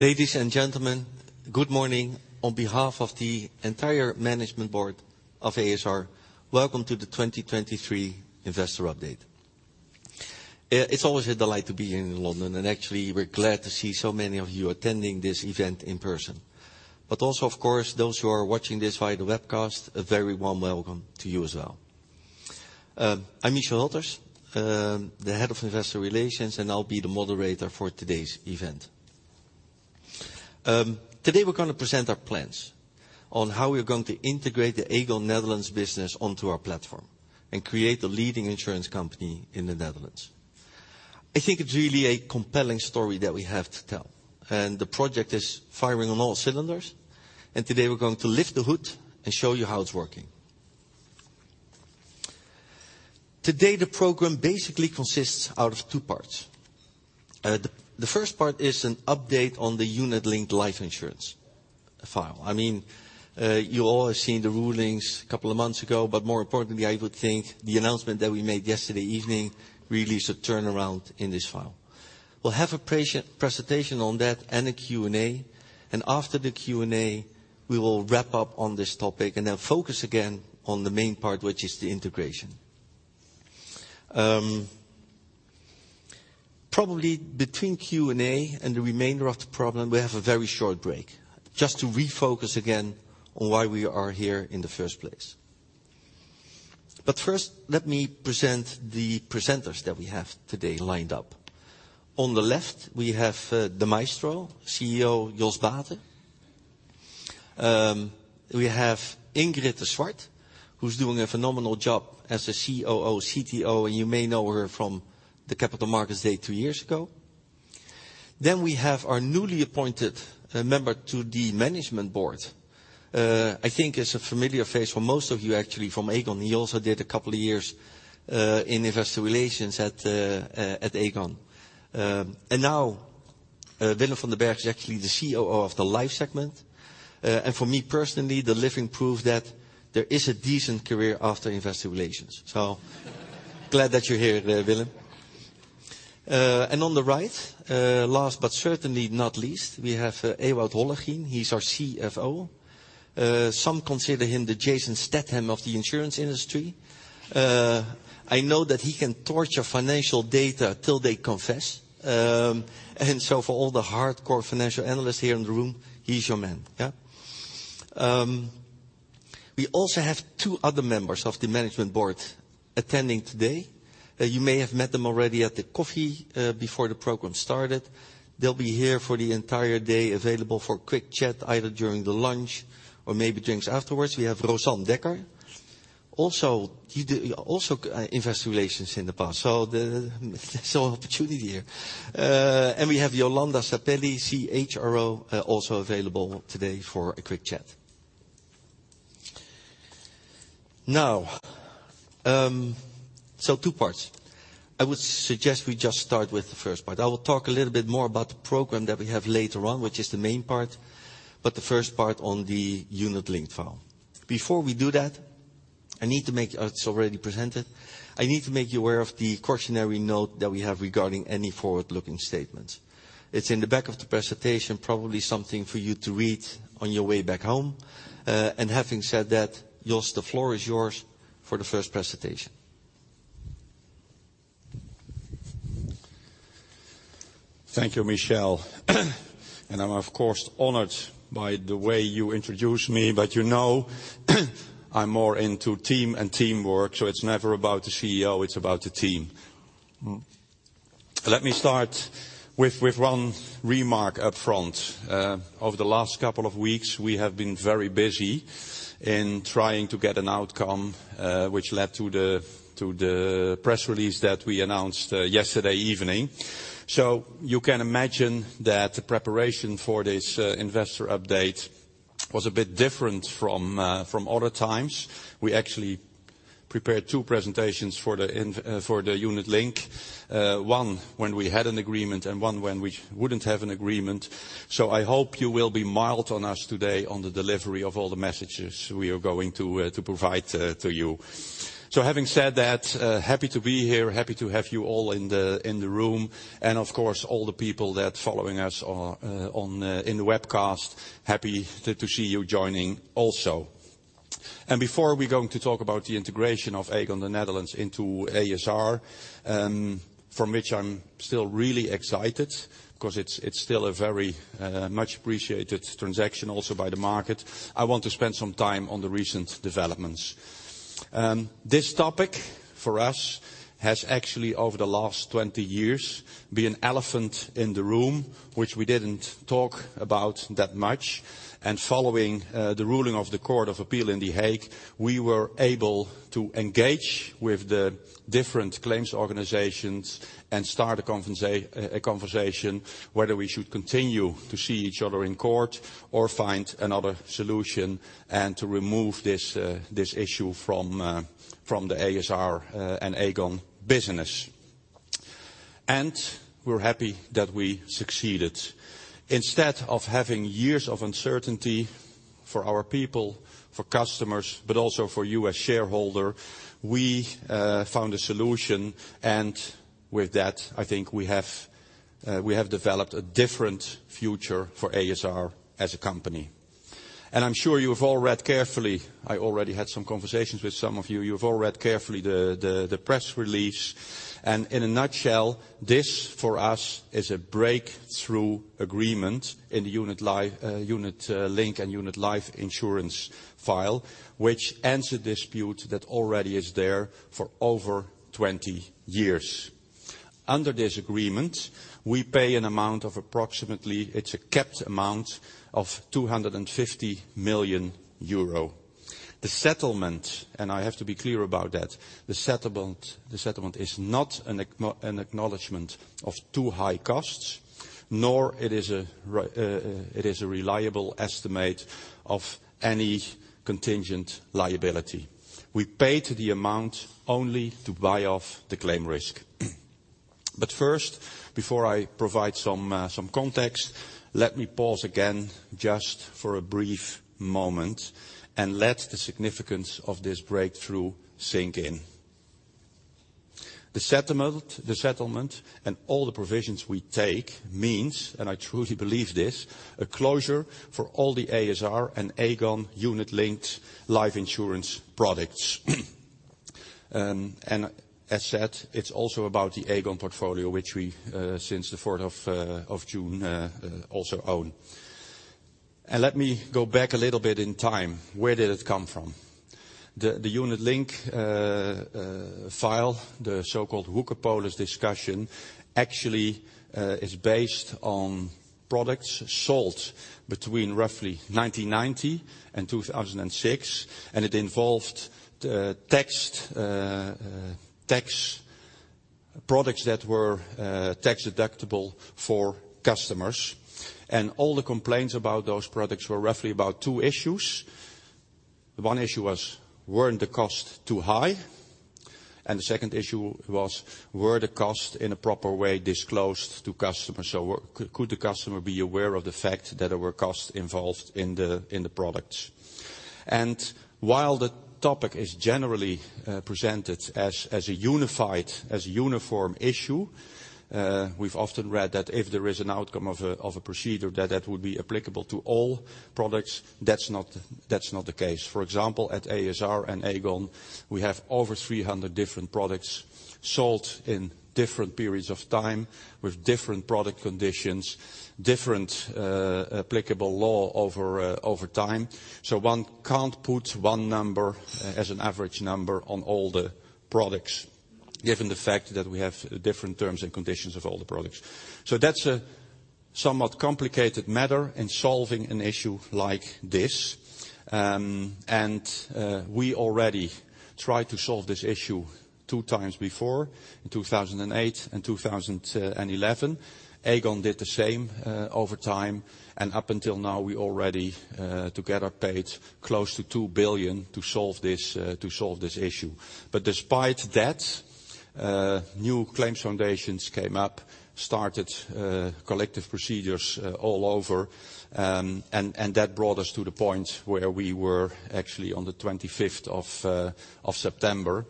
Ladies and gentlemen, good morning. On behalf of the entire management board of a.s.r., welcome to the 2023 investor update. It's always a delight to be in London, and actually, we're glad to see so many of you attending this event in person. But also, of course, those who are watching this via the webcast, a very warm welcome to you as well. I'm Michel Hülters, the head of Investor Relations, and I'll be the moderator for today's event. Today we're gonna present our plans on how we are going to integrate the Aegon Netherlands business onto our platform and create the leading insurance company in the Netherlands. I think it's really a compelling story that we have to tell, and the project is firing on all cylinders, and today we're going to lift the hood and show you how it's working. Today, the program basically consists out of two parts. The first part is an update on the unit-linked life insurance file. I mean, you all have seen the rulings a couple of months ago, but more importantly, I would think the announcement that we made yesterday evening really is a turnaround in this file. We'll have a presentation on that and a Q&A, and after the Q&A, we will wrap up on this topic and then focus again on the main part, which is the integration. Probably between Q&A and the remainder of the program, we have a very short break just to refocus again on why we are here in the first place. But first, let me present the presenters that we have today lined up. On the left, we have the maestro, CEO Jos Baeten. We have Ingrid de Swart, who's doing a phenomenal job as a COO, CTO, and you may know her from the Capital Markets Day two years ago. Then we have our newly appointed member to the management board. I think it's a familiar face for most of you, actually, from Aegon. He also did a couple of years in investor relations at Aegon. And now Willem van den Berg is actually the COO of the life segment. And for me personally, the living proof that there is a decent career after investor relations. So glad that you're here, Willem. And on the right, last but certainly not least, we have Ewout Hollegien. He's our CFO. Some consider him the Jason Statham of the insurance industry. I know that he can torture financial data till they confess, and so for all the hardcore financial analysts here in the room, he's your man, yeah? We also have two other members of the management board attending today. You may have met them already at the coffee before the program started. They'll be here for the entire day, available for a quick chat, either during the lunch or maybe drinks afterwards. We have Rozan Dekker, also investor relations in the past, so the opportunity here. And we have Jolanda Sappelli, CHRO, also available today for a quick chat. Now, so two parts. I would suggest we just start with the first part. I will talk a little bit more about the program that we have later on, which is the main part, but the first part on the unit-linked file. Before we do that, I need to make you aware of the cautionary note that we have regarding any forward-looking statements. It's already presented. It's in the back of the presentation, probably something for you to read on your way back home. And having said that, Jos, the floor is yours for the first presentation. Thank you, Michel. I'm, of course, honored by the way you introduced me, but you know, I'm more into team and teamwork, so it's never about the CEO, it's about the team. Let me start with one remark up front. Over the last couple of weeks, we have been very busy in trying to get an outcome, which led to the press release that we announced yesterday evening. So you can imagine that the preparation for this investor update was a bit different from other times. We actually prepared two presentations for the unit-linked. One when we had an agreement and one when we wouldn't have an agreement. So I hope you will be mild on us today on the delivery of all the messages we are going to to provide to you. So having said that, happy to be here, happy to have you all in the in the room, and of course, all the people that following us on on in the webcast, happy to to see you joining also. And before we go to talk about the integration of Aegon, the Netherlands into a.s.r., from which I'm still really excited, 'cause it's it's still a very much appreciated transaction also by the market, I want to spend some time on the recent developments. This topic, for us, has actually, over the last 20 years, been an elephant in the room, which we didn't talk about that much. Following the ruling of the Court of Appeal in The Hague, we were able to engage with the different claims organizations and start a conversation whether we should continue to see each other in court or find another solution, and to remove this issue from the a.s.r. and Aegon business. We're happy that we succeeded. Instead of having years of uncertainty for our people, for customers, but also for you as shareholder, we found a solution, and with that, I think we have developed a different future for a.s.r. as a company. I'm sure you have all read carefully. I already had some conversations with some of you. You've all read carefully the press release, and in a nutshell, this, for us, is a breakthrough agreement in the unit-linked and unit life insurance file, which ends a dispute that already is there for over 20 years. Under this agreement, we pay an amount of approximately, it's a capped amount, of 250 million euro. The settlement, and I have to be clear about that, the settlement, the settlement is not an acknowledgment of too high costs, nor is it a reliable estimate of any contingent liability. We paid the amount only to buy off the claim risk. But first, before I provide some context, let me pause again just for a brief moment and let the significance of this breakthrough sink in. The settlement, the settlement, and all the provisions we take means, and I truly believe this, a closure for all the a.s.r. and Aegon unit-linked life insurance products. And as said, it's also about the Aegon portfolio, which we since the fourth of June also own. And let me go back a little bit in time. Where did it come from? The unit-linked file, the so-called woekerpolis discussion, actually is based on products sold between roughly 1990 and 2006, and it involved text tax-- products that were tax-deductible for customers. And all the complaints about those products were roughly about two issues. One issue was, weren't the cost too high? And the second issue was, were the cost in a proper way disclosed to customers? So could, could the customer be aware of the fact that there were costs involved in the, in the products? And while the topic is generally presented as a unified, as a uniform issue, we've often read that if there is an outcome of a procedure, that that would be applicable to all products. That's not, that's not the case. For example, at a.s.r. and Aegon, we have over 300 different products sold in different periods of time, with different product conditions, different applicable law over time. So one can't put one number as an average number on all the products, given the fact that we have different terms and conditions of all the products. So that's a somewhat complicated matter in solving an issue like this. And, we already tried to solve this issue two times before, in 2008 and 2011. Aegon did the same, over time, and up until now, we already, together, paid close to 2 billion to solve this issue. But despite that, new claims foundations came up, started collective procedures, all over, and that brought us to the point where we were actually on the 25th of September.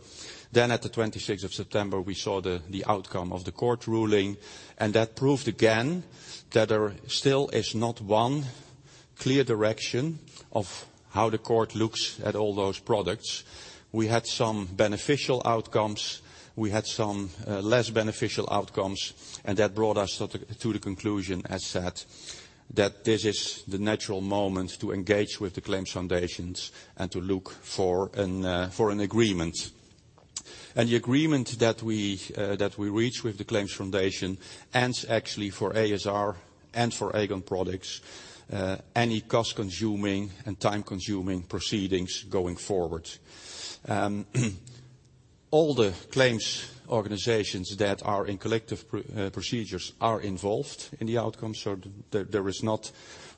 Then, at the 26th of September, we saw the outcome of the court ruling, and that proved again that there still is not one clear direction of how the court looks at all those products. We had some beneficial outcomes, we had some less beneficial outcomes, and that brought us to the conclusion, as said, that this is the natural moment to engage with the claims foundations and to look for an agreement. The agreement that we reached with the claims foundation ends actually for ASR and for Aegon products any cost-consuming and time-consuming proceedings going forward. All the claims organizations that are in collective proceedings are involved in the outcome, so there is not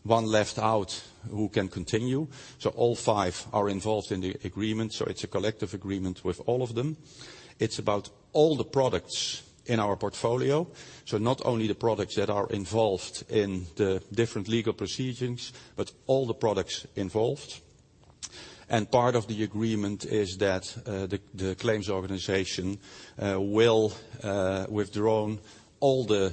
one left out who can continue. So all five are involved in the agreement, so it's a collective agreement with all of them. It's about all the products in our portfolio, so not only the products that are involved in the different legal proceedings, but all the products involved. And part of the agreement is that the claims organization will withdraw all the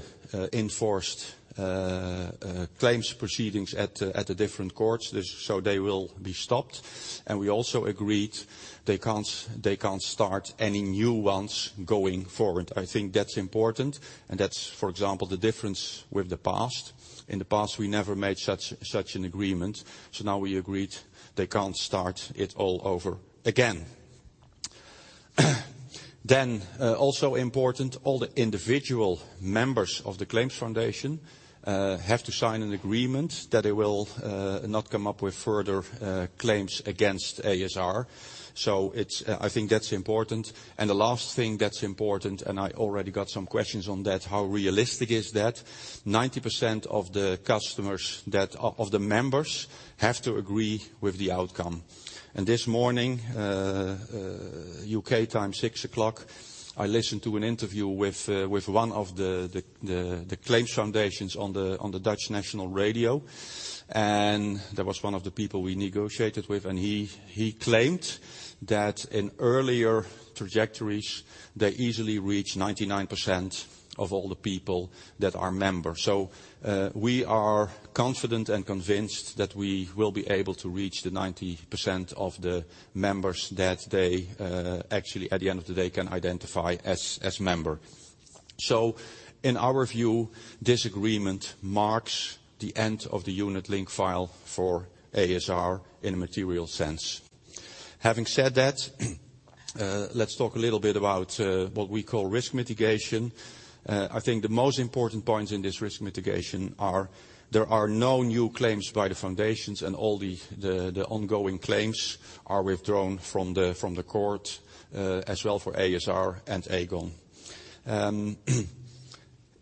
enforced claims proceedings at the different courts. So they will be stopped, and we also agreed they can't start any new ones going forward. I think that's important, and that's, for example, the difference with the past. In the past, we never made such an agreement, so now we agreed they can't start it all over again. Then, also important, all the individual members of the claims foundation have to sign an agreement that they will not come up with further claims against a.s.r. So it's... I think that's important, and the last thing that's important, and I already got some questions on that, how realistic is that? 90% of the customers that of the members have to agree with the outcome. And this morning, U.K. time, 6:00 A.M., I listened to an interview with one of the claims foundations on the Dutch national radio, and that was one of the people we negotiated with, and he claimed that in earlier trajectories, they easily reach 99% of all the people that are members. So, we are confident and convinced that we will be able to reach the 90% of the members that they actually, at the end of the day, can identify as member. So in our view, this agreement marks the end of the unit-linked file for ASR in a material sense. Having said that, let's talk a little bit about what we call risk mitigation. I think the most important points in this risk mitigation are, there are no new claims by the foundations, and all the ongoing claims are withdrawn from the court as well for ASR and Aegon.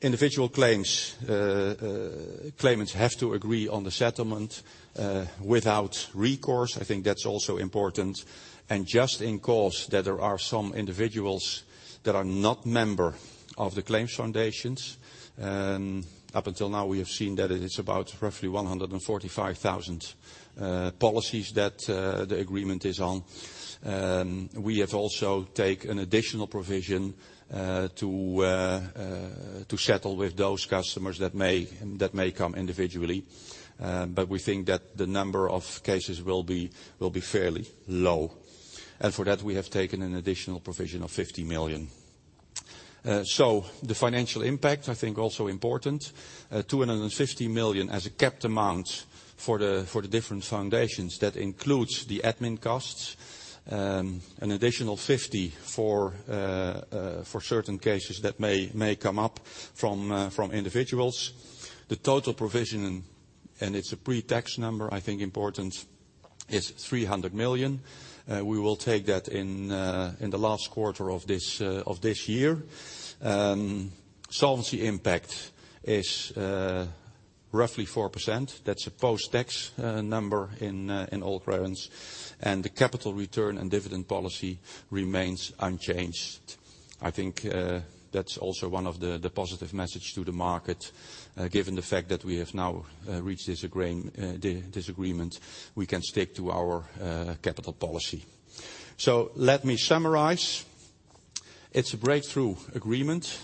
Individual claims, claimants have to agree on the settlement without recourse. I think that's also important, and just in course, that there are some individuals that are not member of the claims foundations. And up until now, we have seen that it is about roughly 145,000 policies that the agreement is on. We have also take an additional provision to settle with those customers that may come individually, but we think that the number of cases will be fairly low. For that, we have taken an additional provision of 50 million. So the financial impact, I think also important, 250 million as a capped amount for the different foundations. That includes the admin costs, an additional 50 for certain cases that may come up from individuals. The total provision, and it's a pre-tax number, I think important, is 300 million. We will take that in the last quarter of this year. Solvency impact is roughly 4%. That's a post-tax number in all currencies, and the capital return and dividend policy remains unchanged. I think, that's also one of the, the positive message to the market, given the fact that we have now, reached this agreement, we can stick to our, capital policy. So let me summarize. It's a breakthrough agreement,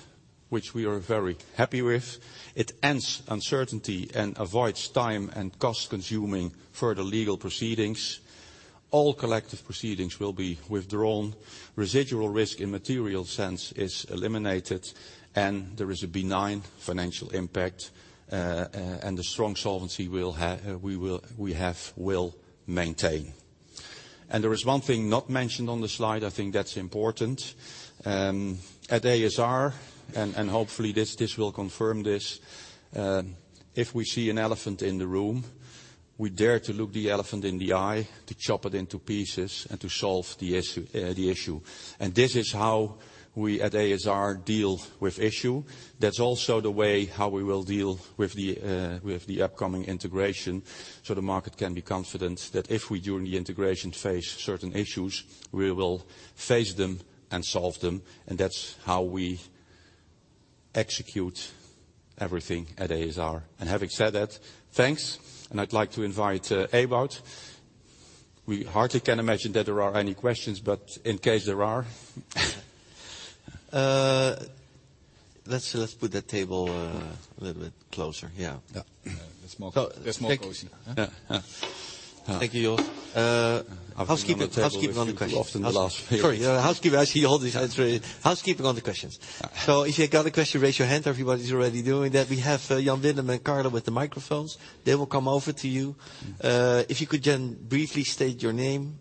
which we are very happy with. It ends uncertainty and avoids time and cost-consuming further legal proceedings. All collective proceedings will be withdrawn. Residual risk and material sense is eliminated, and there is a benign financial impact, and the strong solvency we will maintain. And there is one thing not mentioned on the slide, I think that's important. At a.s.r., and hopefully this will confirm this, if we see an elephant in the room, we dare to look the elephant in the eye, to chop it into pieces, and to solve the issue, the issue. And this is how we, at a.s.r., deal with issue. That's also the way how we will deal with the upcoming integration. So the market can be confident that if we, during the integration, face certain issues, we will face them and solve them, and that's how we execute everything at a.s.r. And having said that, thanks, and I'd like to invite Ewout. We hardly can imagine that there are any questions, but in case there are, Let's put the table a little bit closer. Yeah. Yeah. That's more, that's more closer. Yeah. Yeah. Thank you, Jos. Housekeeping. Housekeeping on the questions. Often the last here. Sorry. Housekeeping. I see all these... Housekeeping on the questions. Yeah. So if you got a question, raise your hand. Everybody's already doing that. We have Jan Willem and Carlo with the microphones. They will come over to you. If you could just briefly state your name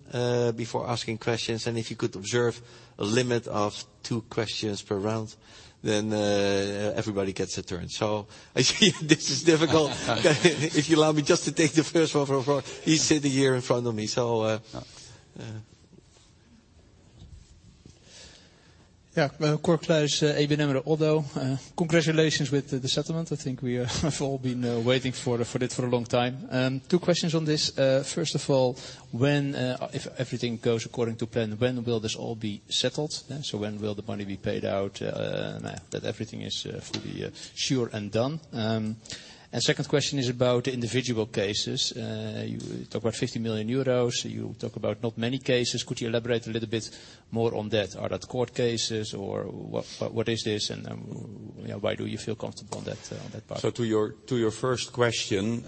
before asking questions, and if you could observe a limit of two questions per round, then everybody gets a turn. So I see this is difficult. If you allow me just to take the first one from front. He's sitting here in front of me, so. Yeah. Cor Kluis, ABN AMRO ODDO. Congratulations with the settlement. I think we have all been waiting for this for a long time. Two questions on this. First of all, when, if everything goes according to plan, when will this all be settled? And so when will the money be paid out, and that everything is fully sure and done? And second question is about individual cases. You talk about 50 million euros. You talk about not many cases. Could you elaborate a little bit more on that? Are that court cases or what, what is this, and, yeah, why do you feel comfortable on that, on that part? So to your first question,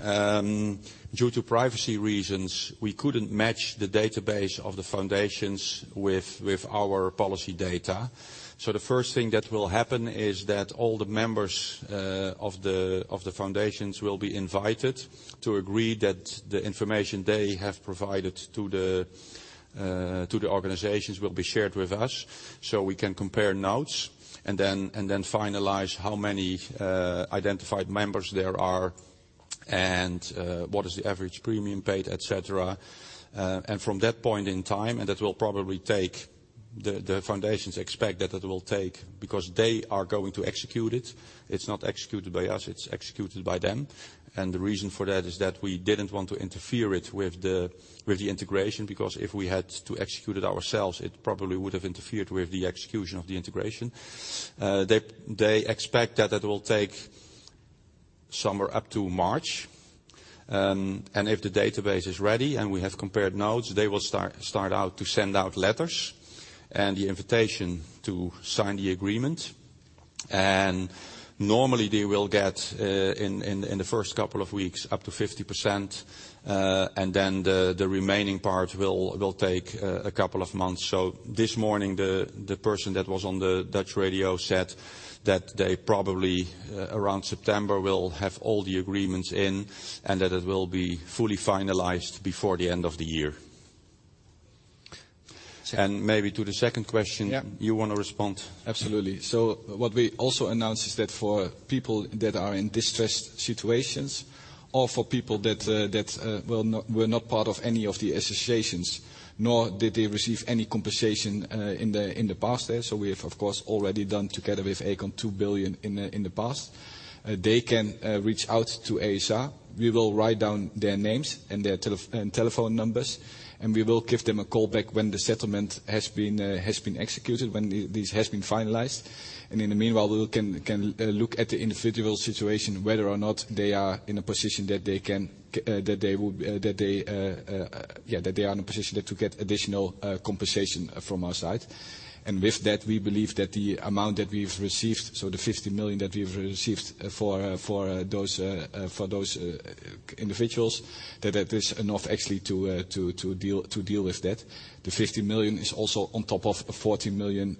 due to privacy reasons, we couldn't match the database of the foundations with our policy data. So the first thing that will happen is that all the members of the foundations will be invited to agree that the information they have provided to the organizations will be shared with us, so we can compare notes and then finalize how many identified members there are, and what is the average premium paid, et cetera. And from that point in time, that will probably take... The foundations expect that it will take, because they are going to execute it, it's not executed by us, it's executed by them. The reason for that is that we didn't want to interfere with it, with the integration, because if we had to execute it ourselves, it probably would have interfered with the execution of the integration. They expect that it will take somewhere up to March. If the database is ready and we have compared notes, they will start out to send out letters and the invitation to sign the agreement. Normally they will get in the first couple of weeks up to 50%, and then the remaining part will take a couple of months. So this morning, the person that was on the Dutch radio said that they probably, around September, will have all the agreements in, and that it will be fully finalized before the end of the year. Maybe to the second question- Yeah. - you want to respond? Absolutely. So what we also announced is that for people that are in distressed situations, or for people that were not part of any of the associations, nor did they receive any compensation in the past. There, so we have, of course, already done together with Aegon, 2 billion in the past. They can reach out to a.s.r. We will write down their names and their telephone numbers, and we will give them a call back when the settlement has been executed, when this has been finalized. In the meanwhile, we can look at the individual situation, whether or not they are in a position, yeah, that they are in a position to get additional compensation from our side. With that, we believe that the amount that we've received, so the 50 million that we've received for those individuals, that is enough actually to deal with that. The 50 million is also on top of a 40 million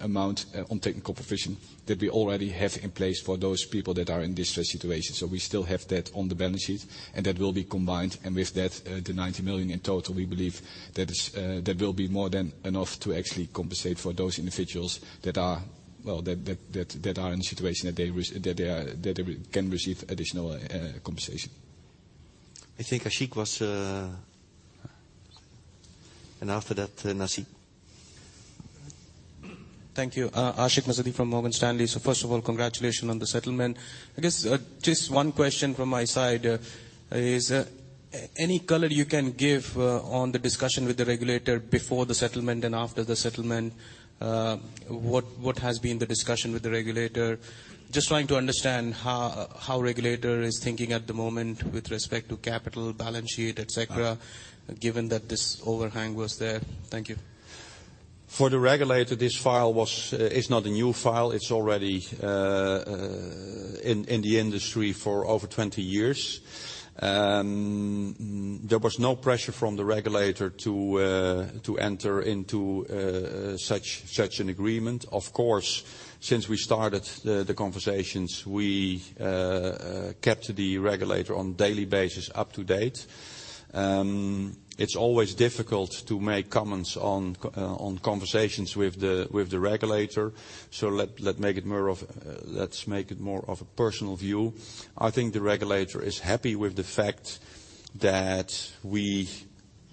amount on technical provision that we already have in place for those people that are in distressed situations. So we still have that on the balance sheet, and that will be combined. And with that, the 90 million in total, we believe that is that will be more than enough to actually compensate for those individuals that are, well, in a situation that they receive additional compensation. I think Ashik was, and after that, Nasib. Thank you. Ashik Musaddi from Morgan Stanley. So first of all, congratulations on the settlement. I guess, just one question from my side, is any color you can give on the discussion with the regulator before the settlement and after the settlement? What has been the discussion with the regulator? Just trying to understand how the regulator is thinking at the moment with respect to capital, balance sheet, et cetera, given that this overhang was there. Thank you. For the regulator, this file was, is not a new file. It's already in the industry for over 20 years. There was no pressure from the regulator to enter into such an agreement. Of course, since we started the conversations, we kept the regulator on a daily basis up to date. It's always difficult to make comments on conversations with the regulator, so let's make it more of a personal view. I think the regulator is happy with the fact that we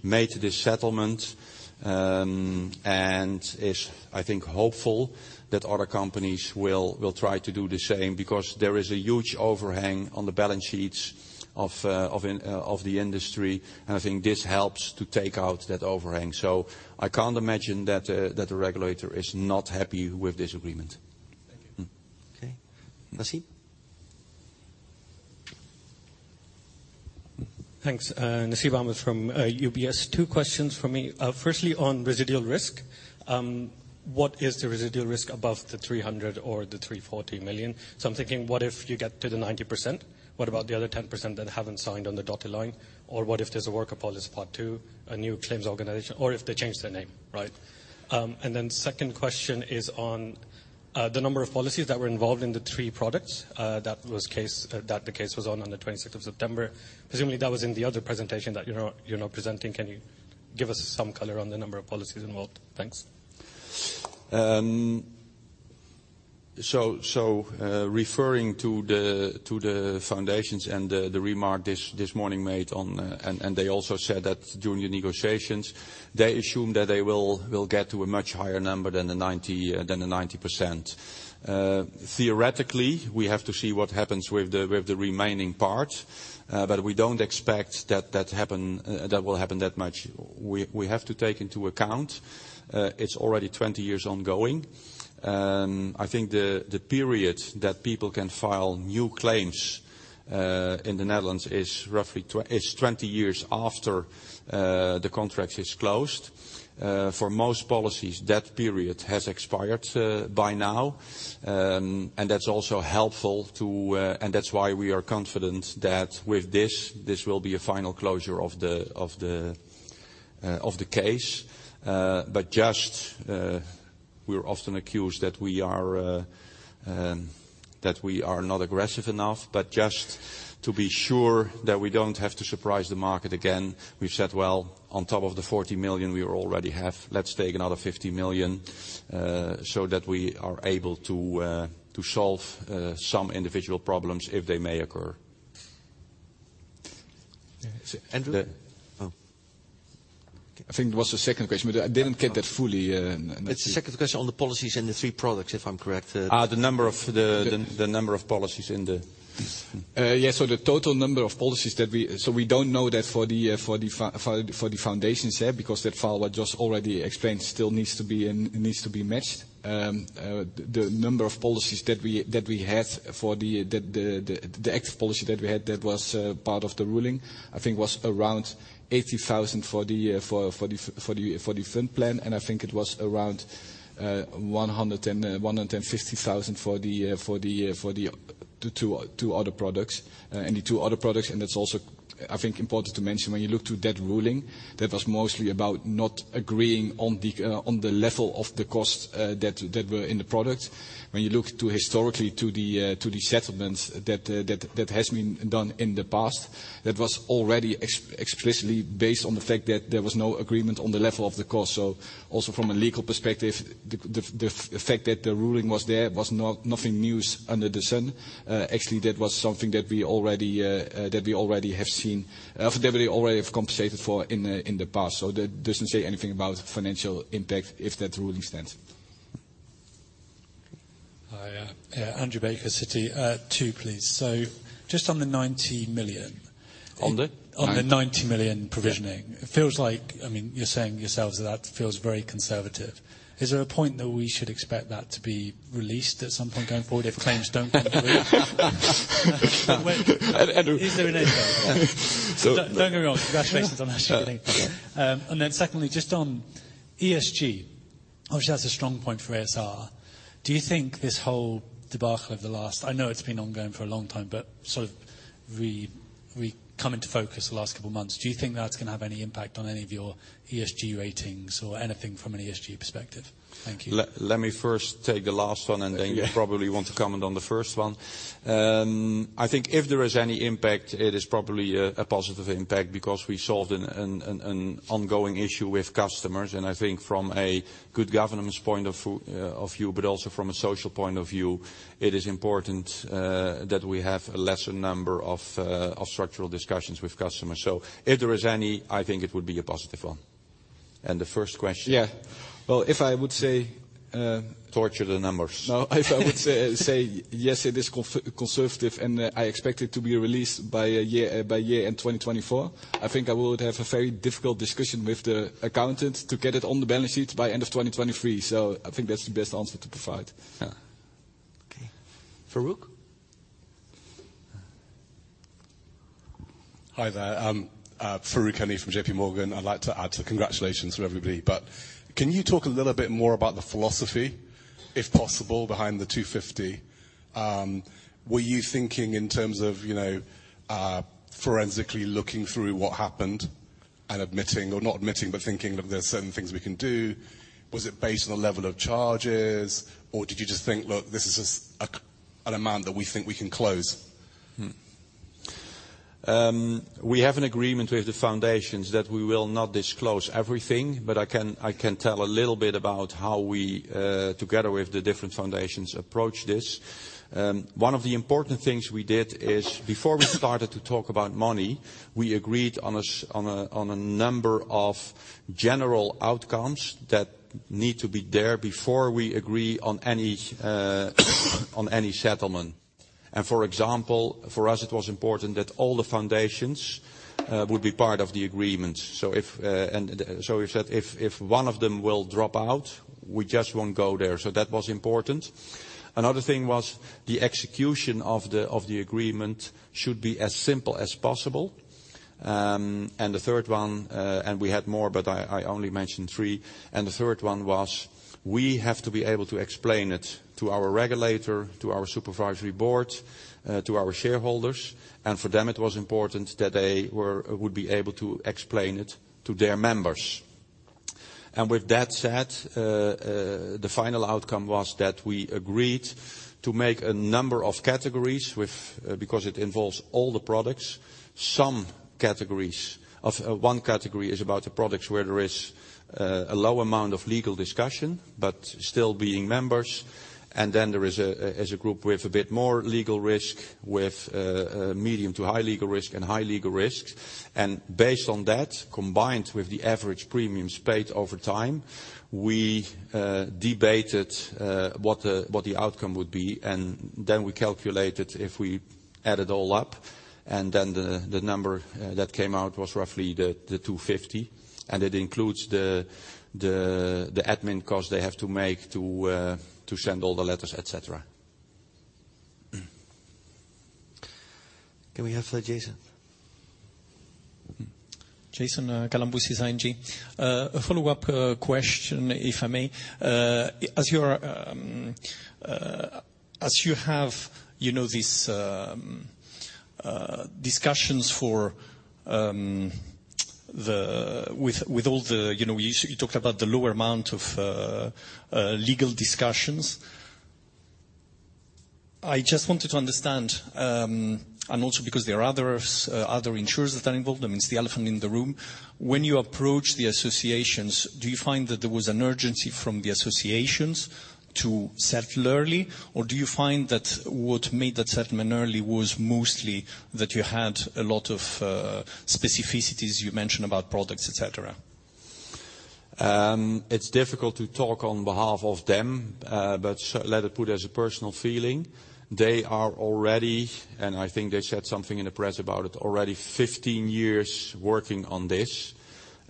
made this settlement, and is, I think, hopeful that other companies will try to do the same, because there is a huge overhang on the balance sheets of the industry, and I think this helps to take out that overhang. So I can't imagine that the regulator is not happy with this agreement. Thank you. Okay. Nasib? Thanks. Nasib Ahmed from, UBS. Two questions from me. Firstly, on residual risk, what is the residual risk above the 300 million or the 340 million? So I'm thinking, what if you get to the 90%, what about the other 10% that haven't signed on the dotted line? Or what if there's a worker policy part two, a new claims organization, or if they change their name, right? And then second question is on, the number of policies that were involved in the three products, that was case, that the case was on, on the twenty-sixth of September. Presumably, that was in the other presentation that you're not, you're not presenting. Can you give us some color on the number of policies involved? Thanks. So, referring to the foundations and the remark this morning made on, and they also said that during the negotiations, they assume that they will get to a much higher number than the 90%. Theoretically, we have to see what happens with the remaining part, but we don't expect that will happen that much. We have to take into account, it's already 20 years ongoing. I think the period that people can file new claims in the Netherlands is roughly 20 years after the contract is closed. For most policies, that period has expired by now. And that's also helpful to, and that's why we are confident that with this, this will be a final closure of the case. But just, we're often accused that we are not aggressive enough, but just to be sure that we don't have to surprise the market again, we've said, "Well, on top of the 40 million we already have, let's take another 50 million, so that we are able to to solve some individual problems if they may occur.... Andrew? Oh. I think it was the second question, but I didn't get that fully. It's the second question on the policies and the three products, if I'm correct. The number of policies in the... So the total number of policies that we— so we don't know that for the foundations, yeah, because that file, what Jos already explained, still needs to be in, needs to be matched. The number of policies that we had for the active policy that we had that was part of the ruling, I think was around 80,000 for the Fundplan, and I think it was around 150,000 for the two other products. And the two other products, and that's also, I think, important to mention, when you look to that ruling, that was mostly about not agreeing on the level of the costs that were in the product. When you look to historically to the settlements that has been done in the past, that was already explicitly based on the fact that there was no agreement on the level of the cost. So also from a legal perspective, the fact that the ruling was there was not nothing news under the sun. Actually, that was something that we already have seen, that we already have compensated for in the past. So that doesn't say anything about financial impact if that ruling stands. Hi, Andrew Baker, Citi. Two, please. So just on the 90 million- On the? On the 90 million provisioning. Yeah. It feels like, I mean, you're saying yourselves that feels very conservative. Is there a point that we should expect that to be released at some point going forward if claims don't come through? Andrew- Is there an end date? So- Don't get me wrong. Congratulations on that journey. And then secondly, just on ESG. Obviously, that's a strong point for ASR. Do you think this whole debacle of the last... I know it's been ongoing for a long time, but sort of re-come into focus the last couple of months. Do you think that's going to have any impact on any of your ESG ratings or anything from an ESG perspective? Thank you. Let me first take the last one, and then. Yeah... you probably want to comment on the first one. I think if there is any impact, it is probably a positive impact because we solved an ongoing issue with customers, and I think from a good governance point of view, but also from a social point of view, it is important that we have a lesser number of structural discussions with customers. So if there is any, I think it would be a positive one. And the first question? Yeah. Well, if I would say, Torture the numbers. No, if I would say yes, it is conservative, and I expect it to be released by year-end in 2024, I think I would have a very difficult discussion with the accountant to get it on the balance sheet by end of 2023. So I think that's the best answer to provide. Yeah. Okay. Farooq? Hi there. Farooq Hanif from JPMorgan. I'd like to add to the congratulations for everybody, but can you talk a little bit more about the philosophy, if possible, behind the 250? Were you thinking in terms of, you know, forensically looking through what happened and admitting, or not admitting, but thinking, Look, there are certain things we can do? Was it based on the level of charges, or did you just think, Look, this is just a, an amount that we think we can close? We have an agreement with the foundations that we will not disclose everything, but I can tell a little bit about how we, together with the different foundations, approach this. One of the important things we did is before we started to talk about money, we agreed on a number of general outcomes that need to be there before we agree on any settlement. And for example, for us, it was important that all the foundations would be part of the agreement. So if... And so we said, "If one of them will drop out, we just won't go there." So that was important. Another thing was the execution of the agreement should be as simple as possible. And the third one, and we had more, but I only mentioned three, and the third one was, we have to be able to explain it to our regulator, to our supervisory board, to our shareholders, and for them, it was important that they were, would be able to explain it to their members. And with that said, the final outcome was that we agreed to make a number of categories with, because it involves all the products, some categories. One category is about the products where there is a low amount of legal discussion, but still being members. And then there is a group with a bit more legal risk, with medium to high legal risk and high legal risks. Based on that, combined with the average premiums paid over time, we debated what the outcome would be, and then we calculated if we add it all up, and then the number that came out was roughly 250, and it includes the admin costs they have to make to send all the letters, et cetera. Can we have Jason? Jason Kalamboussis, ING. A follow-up question, if I may. As you have, you know, these discussions with all the, you know, you talked about the lower amount of legal discussions. I just wanted to understand, and also because there are others, other insurers that are involved, I mean, it's the elephant in the room. When you approach the associations, do you find that there was an urgency from the associations to settle early, or do you find that what made that settlement early was mostly that you had a lot of specificities you mentioned about products, et cetera?... It's difficult to talk on behalf of them, but so let me put it as a personal feeling. They are already, and I think they said something in the press about it, already 15 years working on this.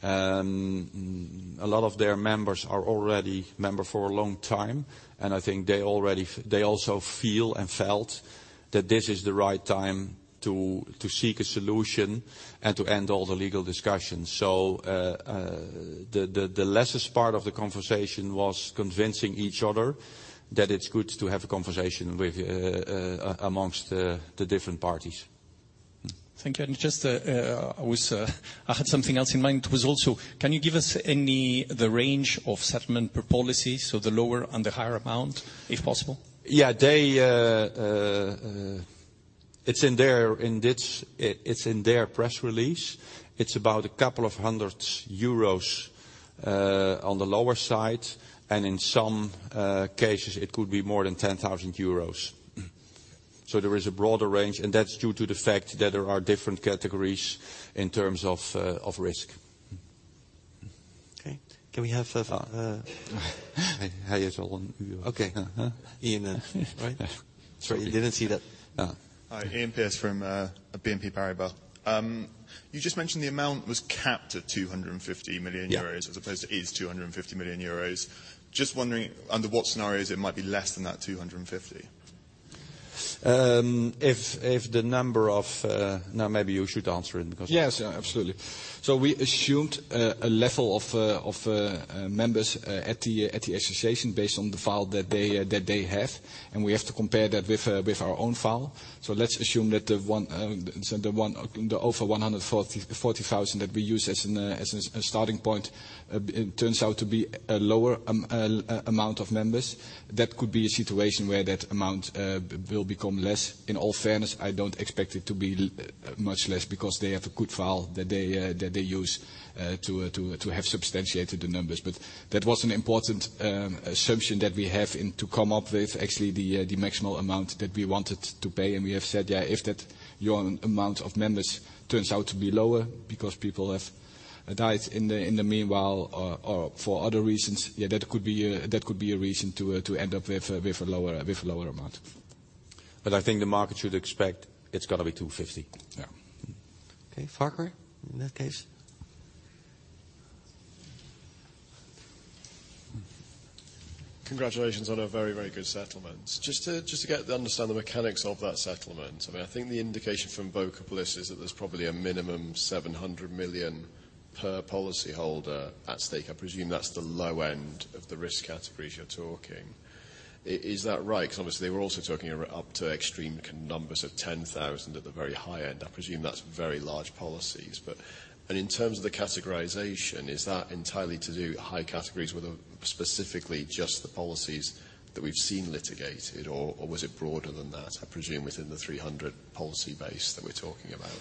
A lot of their members are already members for a long time, and I think they already felt they also feel and felt that this is the right time to seek a solution and to end all the legal discussions. So, the lesser part of the conversation was convincing each other that it's good to have a conversation amongst the different parties. Thank you. And just, I had something else in mind. Was also, can you give us any, the range of settlement per policy, so the lower and the higher amount, if possible? Yeah. It's in their press release. It's about 200 euros, on the lower side, and in some cases, it could be more than 10,000 euros. So there is a broader range, and that's due to the fact that there are different categories in terms of risk. Okay. Can we have, He has one. Okay. Iain, right? Yeah. Sorry, didn't see that. Yeah. Hi, Iain Pearce from BNP Paribas. You just mentioned the amount was capped at 250 million euros- Yeah. as opposed to each 250 million euros. Just wondering, under what scenarios it might be less than that 250? If the number of... No, maybe you should answer it because. Yes, yeah, absolutely. So we assumed a level of members at the association based on the file that they have, and we have to compare that with our own file. So let's assume that the over 140,000 that we use as a starting point, it turns out to be a lower amount of members. That could be a situation where that amount will become less. In all fairness, I don't expect it to be much less because they have a good file that they use to have substantiated the numbers. But that was an important assumption that we have and to come up with actually the maximal amount that we wanted to pay. And we have said, yeah, if that your amount of members turns out to be lower because people have died in the meanwhile or for other reasons, yeah, that could be a reason to end up with a lower amount. But I think the market should expect it's gonna be 250. Yeah. Okay, Farquhar, in that case? Congratulations on a very, very good settlement. Just to get to understand the mechanics of that settlement, I mean, I think the indication from Woekerpolis is that there's probably a minimum 700 million per policyholder at stake. I presume that's the low end of the risk categories you're talking. Is that right? 'Cause obviously, they were also talking about up to extreme numbers of 10,000 at the very high end. I presume that's very large policies. But, and in terms of the categorization, is that entirely to do with high categories with specifically just the policies that we've seen litigated, or, or was it broader than that? I presume within the 300 policy base that we're talking about.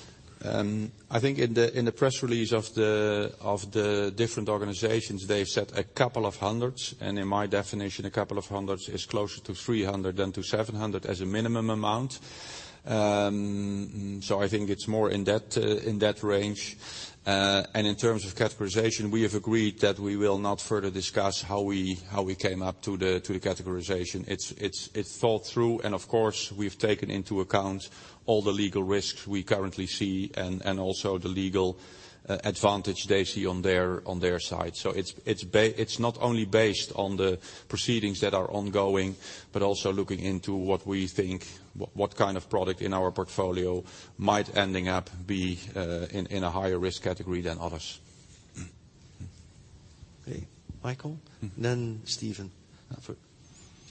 I think in the press release of the different organizations, they've said a couple of hundreds, and in my definition, a couple of hundreds is closer to 300 than to 700 as a minimum amount. So I think it's more in that range. And in terms of categorization, we have agreed that we will not further discuss how we came up to the categorization. It's thought through, and of course, we've taken into account all the legal risks we currently see, and also the legal advantage they see on their side. So it's not only based on the proceedings that are ongoing, but also looking into what we think, what kind of product in our portfolio might end up being in a higher risk category than others. Okay. Michael, then Steven. So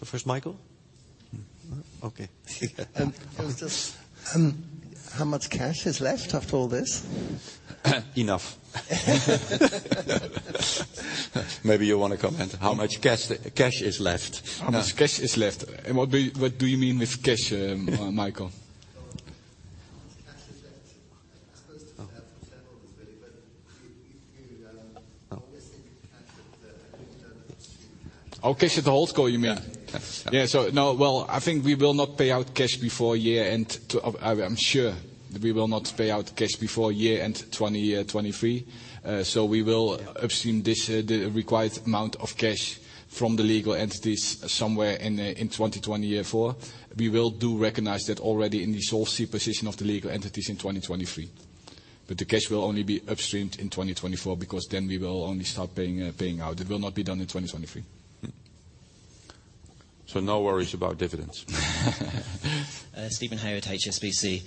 first, Michael? Mm-hmm. Okay. I was just, how much cash is left after all this? Enough. Maybe you want to comment how much cash is left. How much cash is left? And what do you mean with cash, Michel? Well, how much cash is left, I suppose to several really, but you, you, obviously the cash at the- Oh, cash at the HoldCo, you mean? Yeah. Yeah. So no, well, I think we will not pay out cash before year end 2023, and I'm sure we will not pay out cash before year end 2023. So we will upstream the required amount of cash from the legal entities somewhere in 2024. We will do recognize that already in the Solvency position of the legal entities in 2023. But the cash will only be upstreamed in 2024, because then we will only start paying out. It will not be done in 2023. No worries about dividends. Steven Haywood, HSBC.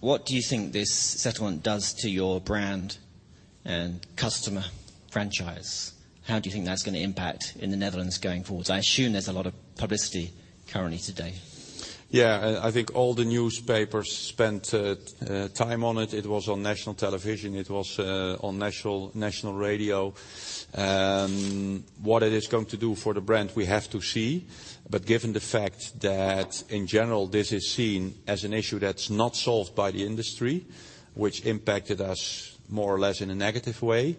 What do you think this settlement does to your brand and customer franchise? How do you think that's gonna impact in the Netherlands going forward? I assume there's a lot of publicity currently today. Yeah, I think all the newspapers spent time on it. It was on national television. It was on national radio. What it is going to do for the brand, we have to see. But given the fact that in general, this is seen as an issue that's not solved by the industry, which impacted us more or less in a negative way,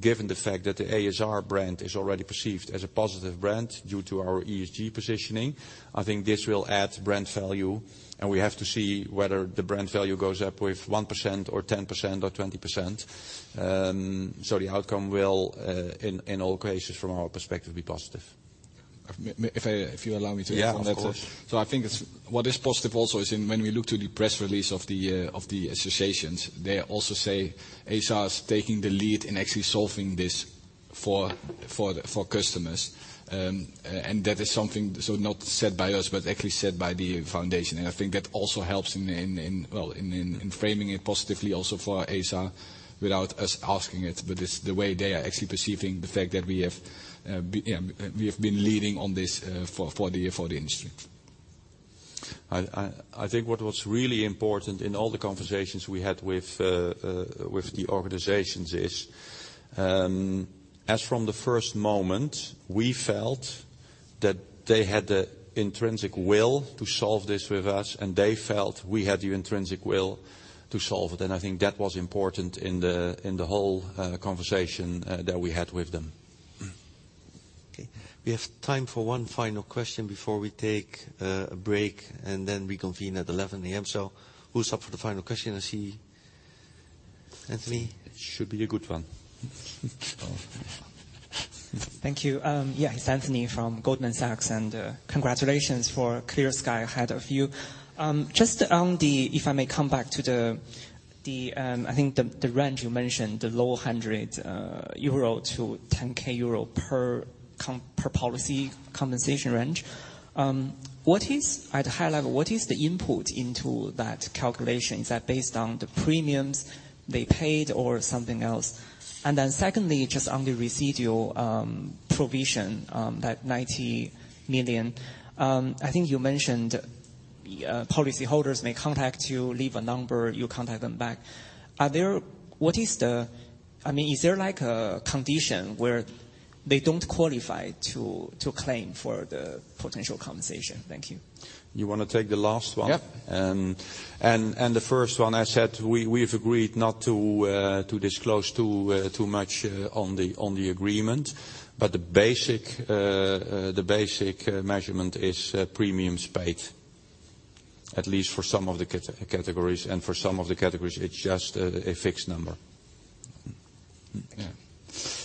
given the fact that the a.s.r. brand is already perceived as a positive brand due to our ESG positioning, I think this will add brand value. And we have to see whether the brand value goes up with 1% or 10% or 20%. So the outcome will in all cases, from our perspective, be positive.... If you allow me to- Yeah, of course. So I think it's what is positive also is, when we look to the press release of the associations, they also say, a.s.r. is taking the lead in actually solving this for the customers. And that is something so not said by us, but actually said by the foundation. And I think that also helps in, well, framing it positively also for a.s.r. without us asking it. But it's the way they are actually perceiving the fact that we have been leading on this for the industry. I think what was really important in all the conversations we had with the organizations is, as from the first moment, we felt that they had the intrinsic will to solve this with us, and they felt we had the intrinsic will to solve it. I think that was important in the whole conversation that we had with them. Okay, we have time for one final question before we take a break, and then reconvene at 11:00 A.M. Who's up for the final question? I see Anthony. It should be a good one. Thank you. Yeah, it's Anthony from Goldman Sachs, and, congratulations for clear sky ahead of you. Just on the... If I may come back to the, I think the range you mentioned, the low hundred euro to 10K euro per policy compensation range. What is, at a high level, what is the input into that calculation? Is that based on the premiums they paid or something else? And then secondly, just on the residual provision, that 90 million, I think you mentioned, policyholders may contact you, leave a number, you contact them back. Are there-- What is the... I mean, is there like a condition where they don't qualify to claim for the potential compensation? Thank you. You wanna take the last one? Yep. And the first one, I said, we've agreed not to disclose too much on the agreement, but the basic measurement is premiums paid, at least for some of the categories, and for some of the categories, it's just a fixed number. Yeah.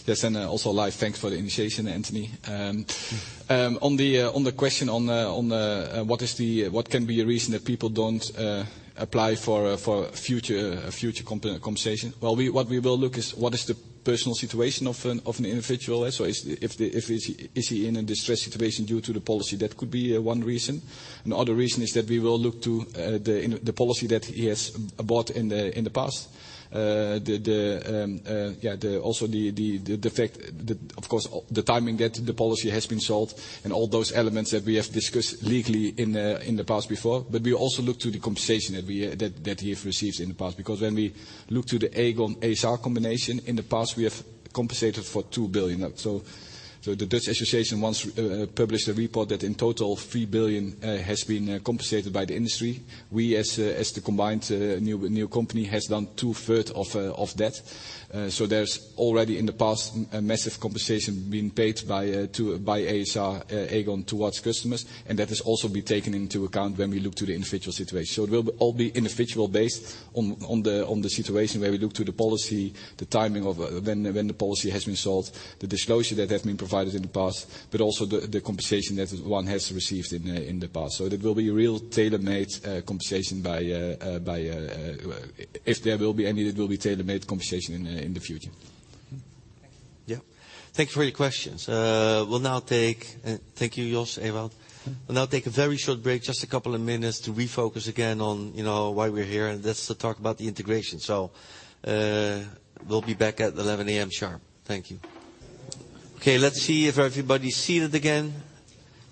Yes, and also live. Thanks for the initiation, Anthony. On the question, what is the, what can be a reason that people don't apply for a future compensation? Well, what we will look is what is the personal situation of an individual. So if he is in a distressed situation due to the policy? That could be one reason. Another reason is that we will look to the policy that he has bought in the past. Yeah, also the fact, of course, the timing that the policy has been sold and all those elements that we have discussed legally in the past before. But we also look to the compensation that we have received in the past, because when we look to the Aegon a.s.r. combination, in the past, we have compensated for 2 billion. So the Dutch Association once published a report that in total, 3 billion has been compensated by the industry. We, as the combined new company, has done 2/3 of that. So there's already in the past, a massive compensation being paid by a.s.r., Aegon, towards customers, and that has also been taken into account when we look to the individual situation. So it will all be individual based on the situation where we look to the policy, the timing of when the policy has been sold, the disclosure that has been provided in the past, but also the compensation that one has received in the past. So it will be real tailor-made compensation by... If there will be any, it will be tailor-made compensation in the future. Thank you. Yeah. Thank you for your questions. We'll now take... Thank you, Jos, Ewout. We'll now take a very short break, just a couple of minutes, to refocus again on, you know, why we're here, and that's to talk about the integration. So, we'll be back at 11:00 A.M. sharp. Thank you. Okay, let's see if everybody's seated again.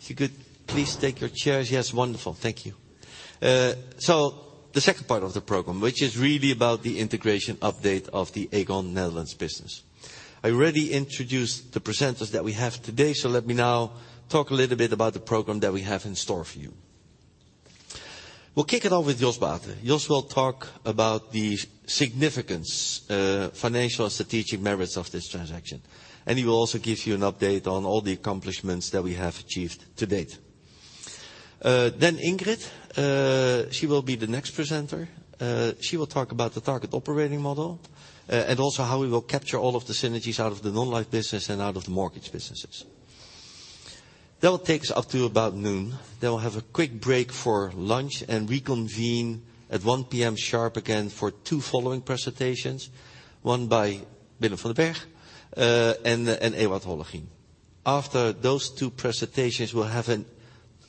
If you could please take your chairs. Yes, wonderful. Thank you. So the second part of the program, which is really about the integration update of the Aegon Netherlands business. I already introduced the presenters that we have today, so let me now talk a little bit about the program that we have in store for you. We'll kick it off with Jos Baeten. Jos will talk about the significance, financial and strategic merits of this transaction, and he will also give you an update on all the accomplishments that we have achieved to date. Then Ingrid, she will be the next presenter. She will talk about the target operating model, and also how we will capture all of the synergies out of the non-life business and out of the mortgage businesses. That will take us up to about noon. Then we'll have a quick break for lunch and reconvene at 1:00 P.M. sharp again for two following presentations, one by Willem van den Berg, and Ewout Hollegien. After those two presentations, we'll have an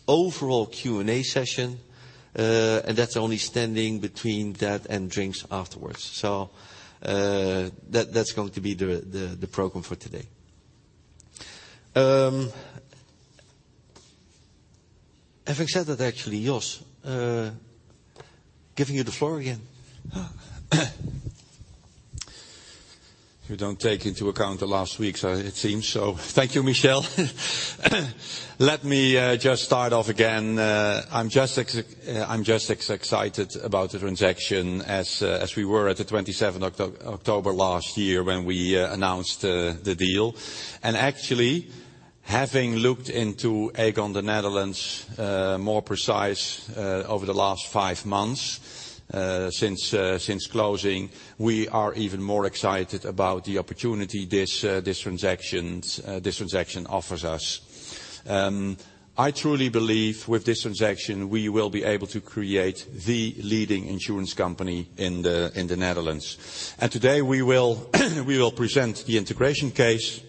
overall Q&A session, and that's the only thing standing between that and drinks afterwards. So, that's going to be the program for today. Having said that, actually, Jos, giving you the floor again. You don't take into account the last week, so it seems. So thank you, Michel. Let me just start off again. I'm just as excited about the transaction as we were at the 27th October last year when we announced the deal. And actually, having looked into Aegon the Netherlands more precise over the last five months since closing, we are even more excited about the opportunity this transaction offers us. I truly believe with this transaction, we will be able to create the leading insurance company in the Netherlands. And today, we will present the integration case.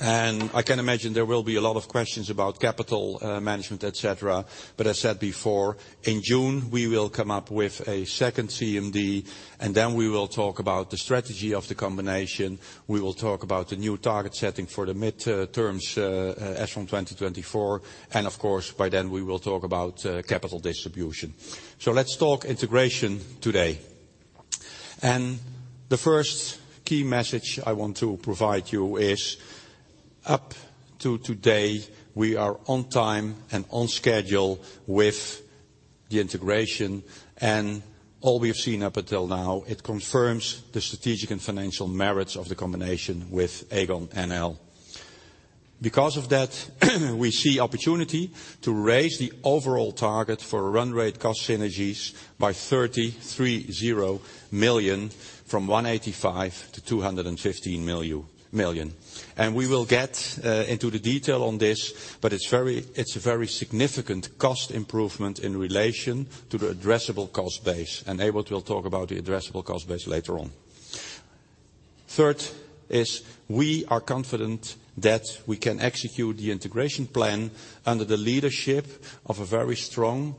I can imagine there will be a lot of questions about capital, management, et cetera, but I said before, in June, we will come up with a second CMD, and then we will talk about the strategy of the combination. We will talk about the new target setting for the mid-terms, as from 2024, and of course, by then, we will talk about, capital distribution. Let's talk integration today. The first key message I want to provide you is, up to today, we are on time and on schedule with the integration, and all we've seen up until now, it confirms the strategic and financial merits of the combination with Aegon NL. Because of that, we see opportunity to raise the overall target for run rate cost synergies by 30 million, from 185 million to 215 million. And we will get into the detail on this, but it's a very significant cost improvement in relation to the addressable cost base, and Ewout will talk about the addressable cost base later on. Third, we are confident that we can execute the integration plan under the leadership of a very strong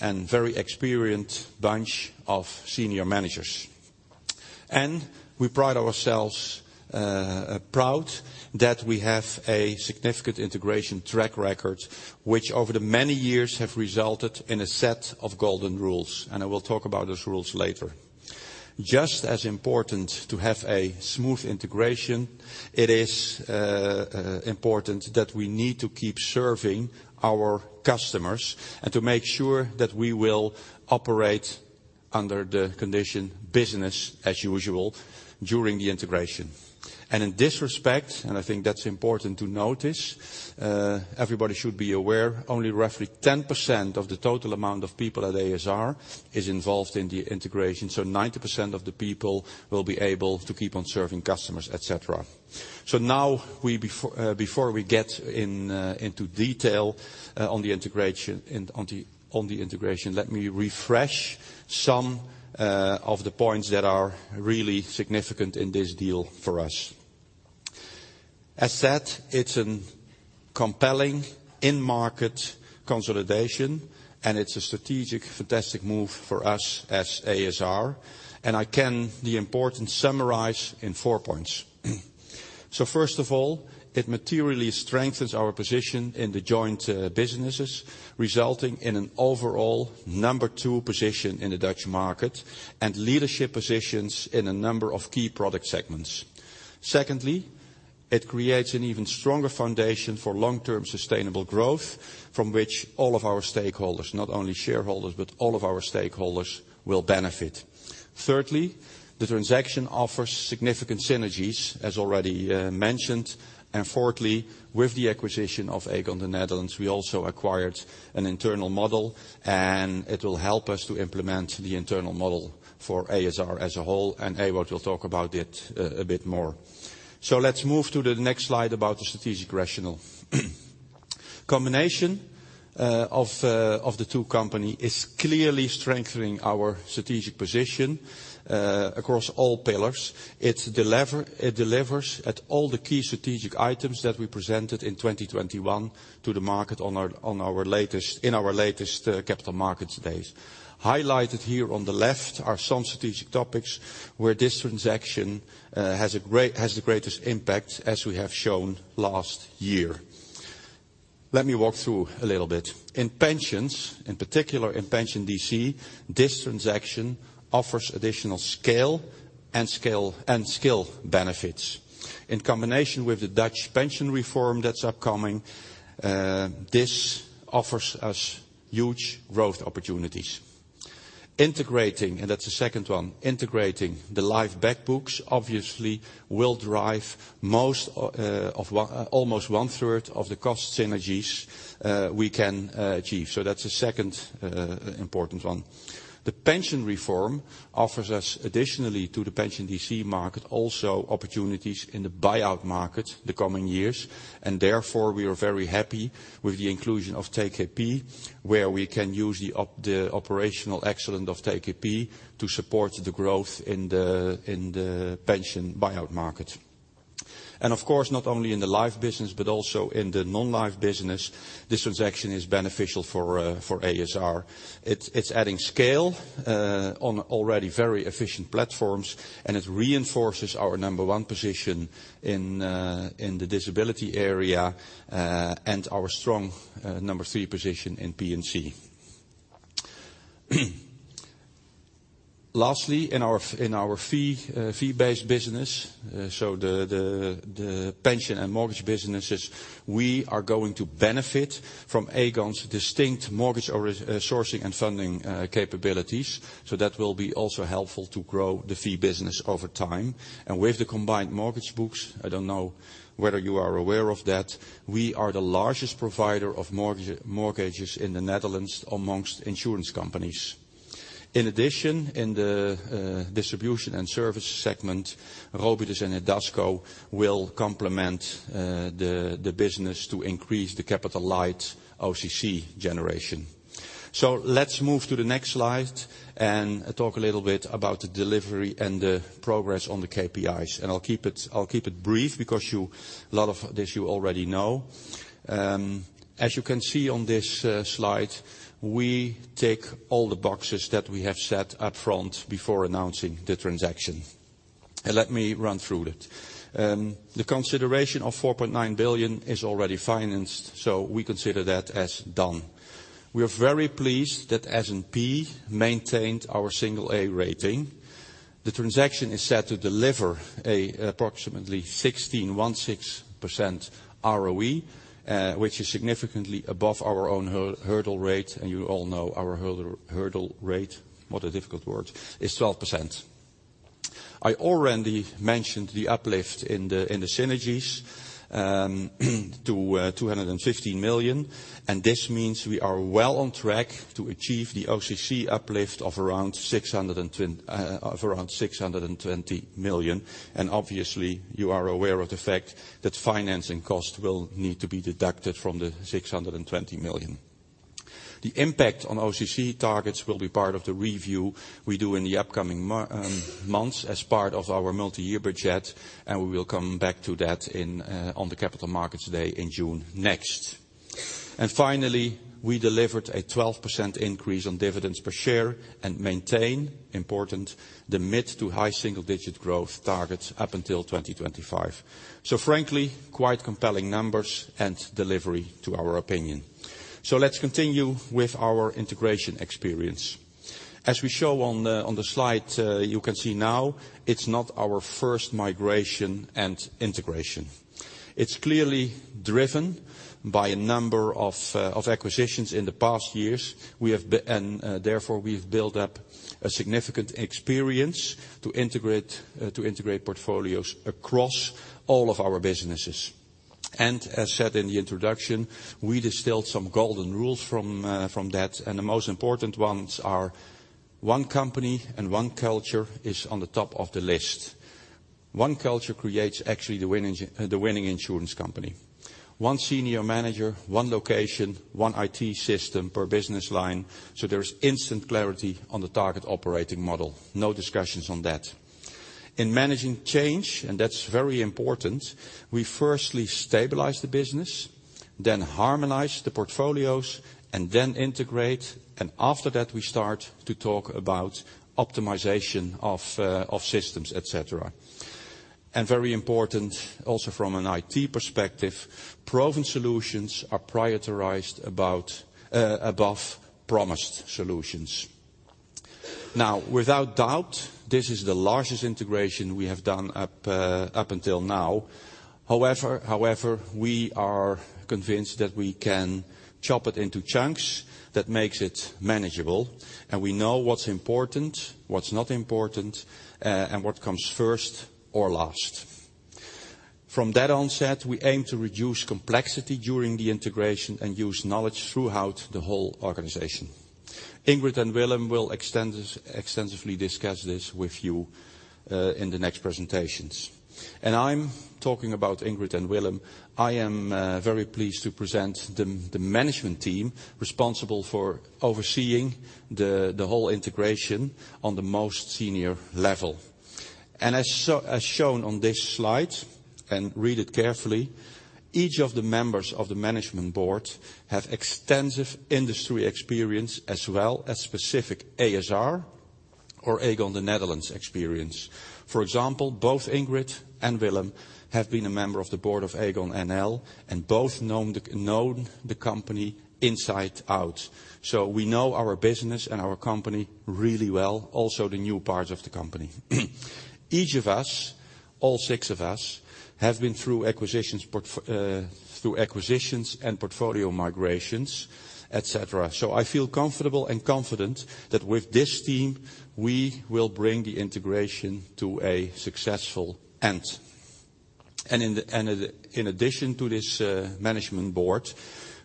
and very experienced bunch of senior managers. We pride ourselves proud that we have a significant integration track record, which over the many years have resulted in a set of golden rules, and I will talk about those rules later. Just as important to have a smooth integration, it is important that we need to keep serving our customers, and to make sure that we will operate under the condition business as usual during the integration. And in this respect, and I think that's important to notice, everybody should be aware, only roughly 10% of the total amount of people at a.s.r. is involved in the integration, so 90% of the people will be able to keep on serving customers, et cetera. So now, before we get into detail on the integration, let me refresh some of the points that are really significant in this deal for us. As said, it's a compelling in-market consolidation, and it's a strategic, fantastic move for us as a.s.r., and I can the importance summarize in four points. So first of all, it materially strengthens our position in the joint businesses, resulting in an overall number two position in the Dutch market, and leadership positions in a number of key product segments. Secondly, it creates an even stronger foundation for long-term sustainable growth, from which all of our stakeholders, not only shareholders, but all of our stakeholders, will benefit. Thirdly, the transaction offers significant synergies, as already mentioned. And fourthly, with the acquisition of Aegon the Netherlands, we also acquired an internal model, and it will help us to implement the internal model for a.s.r. as a whole, and Ewout will talk about it a bit more. So let's move to the next slide about the strategic rationale. Combination of the two companies is clearly strengthening our strategic position across all pillars. It delivers at all the key strategic items that we presented in 2021 to the market on our latest Capital Markets Days. Highlighted here on the left are some strategic topics where this transaction has a great, has the greatest impact, as we have shown last year. Let me walk through a little bit. In pensions, in particular in pension DC, this transaction offers additional scale and scale, and skill benefits. In combination with the Dutch pension reform that's upcoming, this offers us huge growth opportunities. Integrating, and that's the second one, integrating the life backlogs obviously will drive most of almost 1/3 of the cost synergies we can achieve. So that's the second important one. The pension reform offers us, additionally to the pension DC market, also opportunities in the buyout market the coming years, and therefore, we are very happy with the inclusion of TKP, where we can use the operational excellence of TKP to support the growth in the pension buyout market. And of course, not only in the life business, but also in the non-life business, this transaction is beneficial for a.s.r. It's adding scale on already very efficient platforms, and it reinforces our number one position in the disability area, and our strong number three position in P&C. Lastly, in our fee-based business, so the pension and mortgage businesses, we are going to benefit from Aegon's distinct mortgage origination sourcing and funding capabilities. So that will be also helpful to grow the fee business over time. And with the combined mortgage books, I don't know whether you are aware of that, we are the largest provider of mortgages in the Netherlands amongst insurance companies. In addition, in the distribution and service segment, Robidus and Nedasco will complement the business to increase the capital light OCC generation. So let's move to the next slide, and talk a little bit about the delivery and the progress on the KPIs. And I'll keep it brief, because you a lot of this you already know. As you can see on this slide, we tick all the boxes that we have set up front before announcing the transaction. And let me run through it. The consideration of 4.9 billion is already financed, so we consider that as done. We are very pleased that S&P maintained our single A rating. The transaction is set to deliver approximately 16.16% ROE, which is significantly above our own hurdle rate, and you all know our hurdle rate, what a difficult word, is 12%. I already mentioned the uplift in the synergies to 250 million, and this means we are well on track to achieve the OCC uplift of around 620 million. Obviously, you are aware of the fact that financing costs will need to be deducted from the 620 million. The impact on OCC targets will be part of the review we do in the upcoming months as part of our multi-year budget, and we will come back to that in on the Capital Markets Day in June next. Finally, we delivered a 12% increase on dividends per share and maintain, important, the mid- to high single-digit growth targets up until 2025. Frankly, quite compelling numbers and delivery to our opinion. Let's continue with our integration experience. As we show on the slide, you can see now, it's not our first migration and integration. It's clearly driven by a number of acquisitions in the past years. We have, and therefore, we've built up a significant experience to integrate portfolios across all of our businesses. As said in the introduction, we distilled some golden rules from that, and the most important ones are: one company and one culture is on the top of the list. One culture creates actually the winning insurance company. One senior manager, one location, one IT system per business line, so there is instant clarity on the target operating model. No discussions on that. In managing change, and that's very important, we firstly stabilize the business, then harmonize the portfolios, and then integrate, and after that, we start to talk about optimization of systems, et cetera. And very important, also from an IT perspective, proven solutions are prioritized above promised solutions. Now, without doubt, this is the largest integration we have done up until now. However, we are convinced that we can chop it into chunks that makes it manageable, and we know what's important, what's not important, and what comes first or last. From that onset, we aim to reduce complexity during the integration and use knowledge throughout the whole organization. Ingrid and Willem will extend this extensively discuss this with you in the next presentations. And I'm talking about Ingrid and Willem, I am very pleased to present the management team responsible for overseeing the whole integration on the most senior level. And as so, as shown on this slide, and read it carefully, each of the members of the management board have extensive industry experience as well as specific ASR or Aegon, the Netherlands, experience. For example, both Ingrid and Willem have been a member of the board of Aegon NL, and both know the company inside out. So we know our business and our company really well, also the new part of the company. Each of us, all six of us, have been through acquisitions and portfolio migrations, et cetera. So I feel comfortable and confident that with this team, we will bring the integration to a successful end. And in addition to this management board,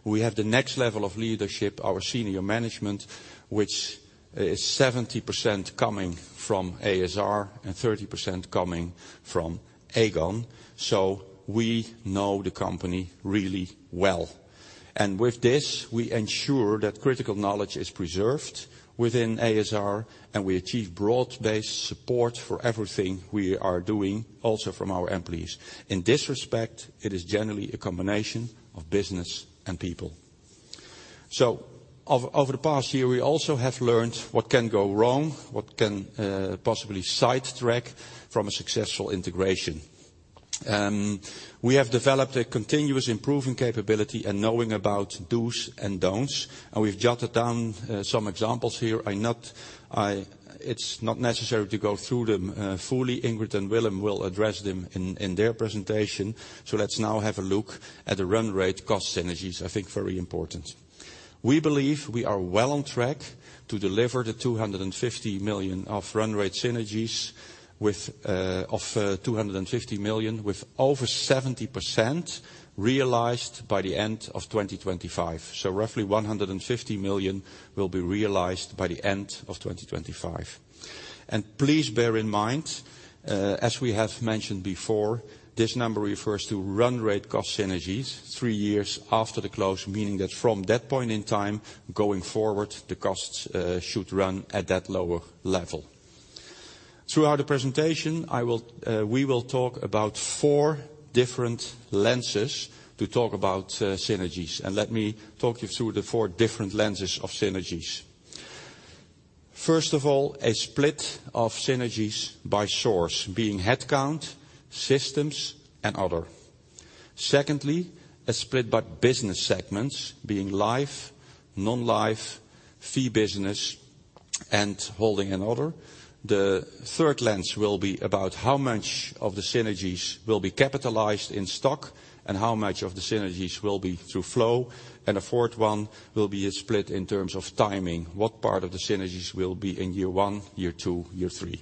we have the next level of leadership, our senior management, which is 70% coming from ASR and 30% coming from Aegon. So we know the company really well. And with this, we ensure that critical knowledge is preserved within ASR, and we achieve broad-based support for everything we are doing, also from our employees. In this respect, it is generally a combination of business and people. So over the past year, we also have learned what can go wrong, what can possibly sidetrack from a successful integration. We have developed a continuous improving capability and knowing about dos and don'ts, and we've jotted down some examples here. It's not necessary to go through them fully. Ingrid and Willem will address them in their presentation. So let's now have a look at the run rate cost synergies. I think very important. We believe we are well on track to deliver the 250 million of run rate synergies with of 250 million, with over 70% realized by the end of 2025. So roughly 150 million will be realized by the end of 2025. Please bear in mind, as we have mentioned before, this number refers to run rate cost synergies three years after the close, meaning that from that point in time, going forward, the costs should run at that lower level. Throughout the presentation, we will talk about four different lenses to talk about synergies. Let me talk you through the four different lenses of synergies. First of all, a split of synergies by source, being headcount, systems, and other. Secondly, a split by business segments, being life, non-life, fee business, and holding and other. The third lens will be about how much of the synergies will be capitalized in stock, and how much of the synergies will be through flow. A fourth one will be a split in terms of timing, what part of the synergies will be in year one, year two, year three?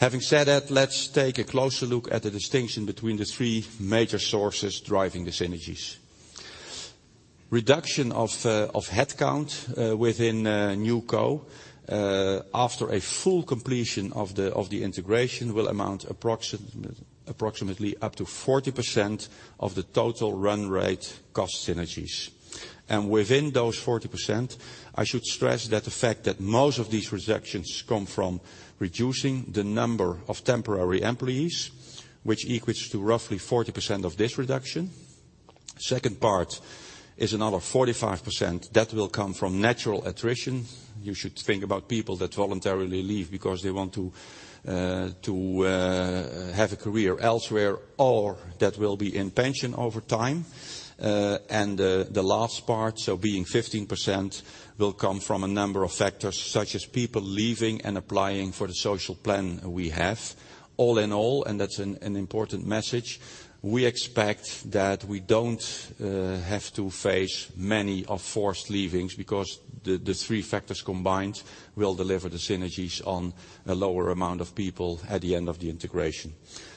Having said that, let's take a closer look at the distinction between the three major sources driving the synergies. Reduction of headcount within NewCo after a full completion of the integration will amount approximately up to 40% of the total run rate cost synergies. And within those 40%, I should stress that the fact that most of these reductions come from reducing the number of temporary employees, which equates to roughly 40% of this reduction. Second part is another 45%, that will come from natural attrition. You should think about people that voluntarily leave because they want to have a career elsewhere, or that will be in pension over time. The last part, so being 15%, will come from a number of factors, such as people leaving and applying for the social plan we have. All in all, and that's an important message, we expect that we don't have to face many forced leavings, because the three factors combined will deliver the synergies on a lower amount of people at the end of the integration.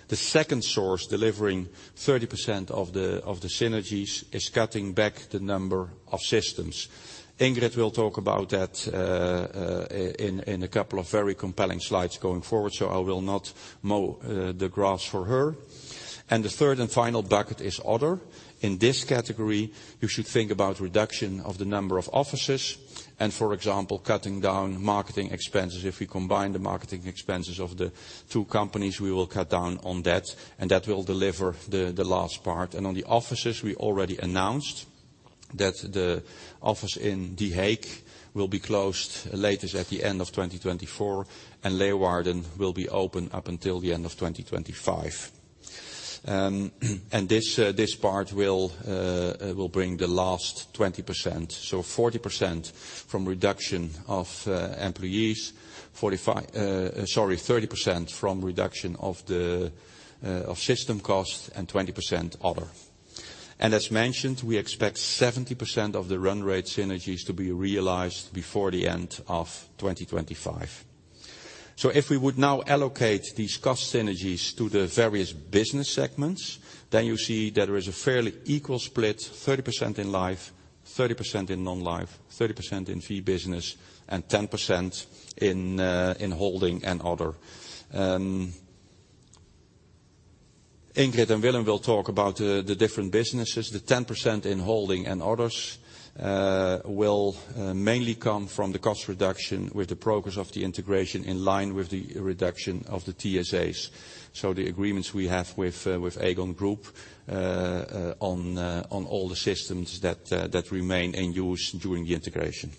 The second source, delivering 30% of the synergies, is cutting back the number of systems. Ingrid will talk about that in a couple of very compelling slides going forward, so I will not mow the grass for her. The third and final bucket is other. In this category, you should think about reduction of the number of offices and, for example, cutting down marketing expenses. If we combine the marketing expenses of the two companies, we will cut down on that, and that will deliver the last part. On the offices, we already announced that the office in The Hague will be closed latest at the end of 2024, and Leeuwarden will be open up until the end of 2025. And this part will bring the last 20%. So 40% from reduction of employees, 30% from reduction of the system costs, and 20% other. As mentioned, we expect 70% of the run rate synergies to be realized before the end of 2025. So if we would now allocate these cost synergies to the various business segments, then you see that there is a fairly equal split, 30% in life, 30% in non-life, 30% in fee business, and 10% in holding and other. Ingrid and Willem will talk about the different businesses. The 10% in holding and others will mainly come from the cost reduction with the progress of the integration in line with the reduction of the TSAs, so the agreements we have with Aegon Group on all the systems that remain in use during the integration.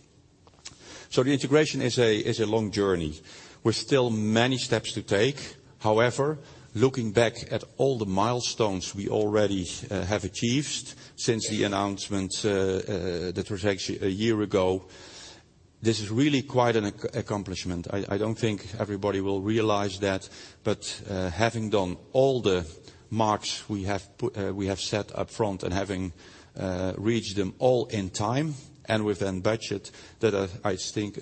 So the integration is a long journey with still many steps to take. However, looking back at all the milestones we already have achieved since the announcement that was actually a year ago, this is really quite an accomplishment. I don't think everybody will realize that, but having done all the marks we have put we have set up front and having reached them all in time and within budget, that I think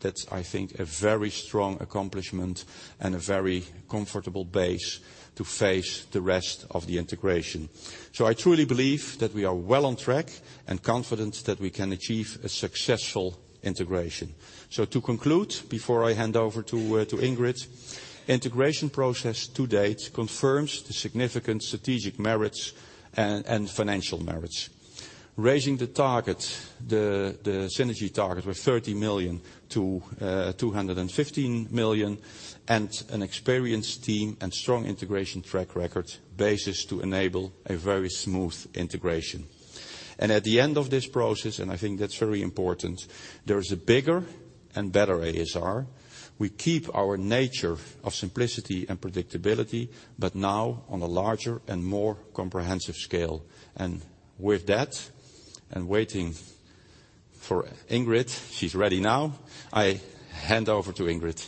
that's, I think, a very strong accomplishment and a very comfortable base to face the rest of the integration. So I truly believe that we are well on track and confident that we can achieve a successful integration. So to conclude, before I hand over to Ingrid, integration process to date confirms the significant strategic merits and financial merits. Raising the target, the synergy target with 30 million to 215 million, and an experienced team and strong integration track record, basis to enable a very smooth integration. And at the end of this process, and I think that's very important, there is a bigger and better ASR. We keep our nature of simplicity and predictability, but now on a larger and more comprehensive scale. And with that, and waiting for Ingrid, she's ready now. I hand over to Ingrid.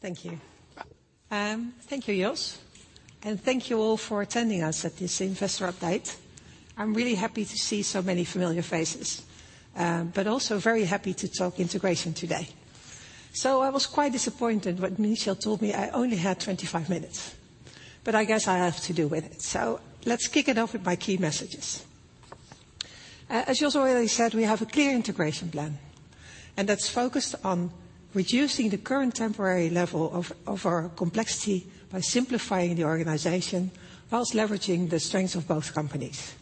Thank you. Thank you, Jos. And thank you all for attending us at this investor update. I'm really happy to see so many familiar faces, but also very happy to talk integration today. So I was quite disappointed when Michel told me I only had 25 minutes, but I guess I have to do with it. So let's kick it off with my key messages. As Jos already said, we have a clear integration plan... and that's focused on reducing the current temporary level of our complexity by simplifying the organization, while leveraging the strengths of both companies.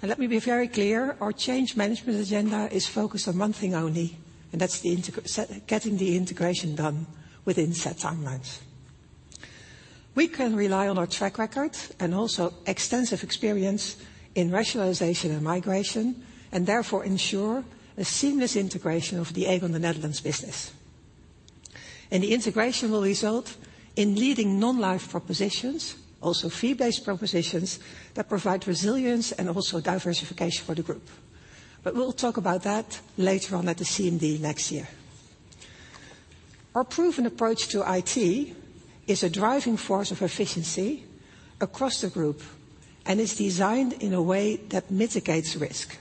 And let me be very clear, our change management agenda is focused on one thing only, and that's getting the integration done within set timelines. We can rely on our track record and also extensive experience in rationalization and migration, and therefore ensure a seamless integration of the Aegon, the Netherlands business. The integration will result in leading non-life propositions, also fee-based propositions, that provide resilience and also diversification for the group. We'll talk about that later on at the CMD next year. Our proven approach to IT is a driving force of efficiency across the group, and it's designed in a way that mitigates risk.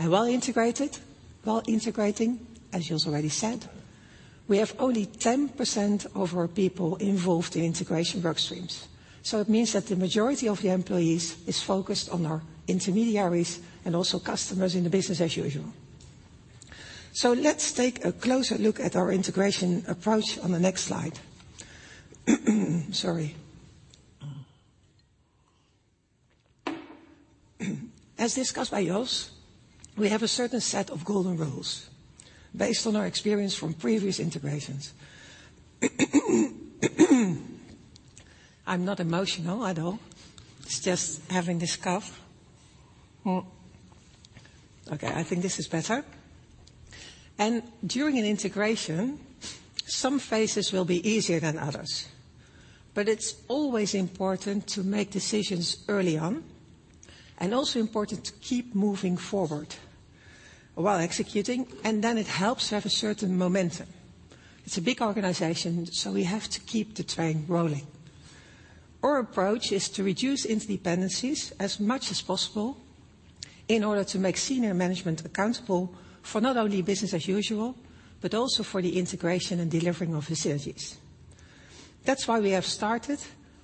Well integrated, while integrating, as Jos already said, we have only 10% of our people involved in integration work streams. It means that the majority of the employees is focused on our intermediaries and also customers in the business as usual. Let's take a closer look at our integration approach on the next slide. Sorry. As discussed by Jos, we have a certain set of golden rules based on our experience from previous integrations. I'm not emotional at all, it's just having this cough. Okay, I think this is better. During an integration, some phases will be easier than others, but it's always important to make decisions early on, and also important to keep moving forward while executing, and then it helps to have a certain momentum. It's a big organization, so we have to keep the train rolling. Our approach is to reduce interdependencies as much as possible, in order to make senior management accountable for not only business as usual, but also for the integration and delivering of facilities. That's why we have started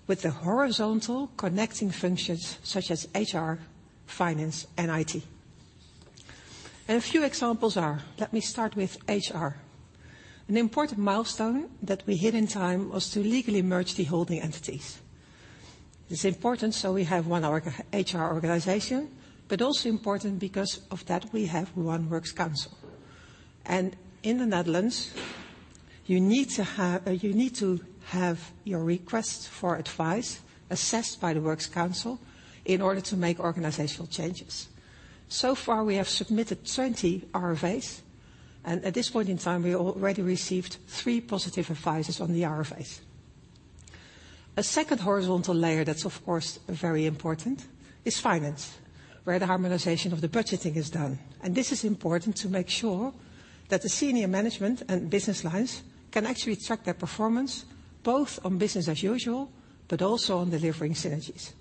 with the horizontal connecting functions such as HR, finance, and IT. A few examples are, let me start with HR. An important milestone that we hit in time was to legally merge the holding entities. It's important, so we have one HR organization, but also important because of that we have one works council. In the Netherlands, you need to have your request for advice assessed by the works council in order to make organizational changes. So far, we have submitted 20 RFAs, and at this point in time, we already received three positive advices on the RFAs. A second horizontal layer that's of course, very important, is finance, where the harmonization of the budgeting is done. This is important to make sure that the senior management and business lines can actually track their performance, both on business as usual, but also on delivering synergies.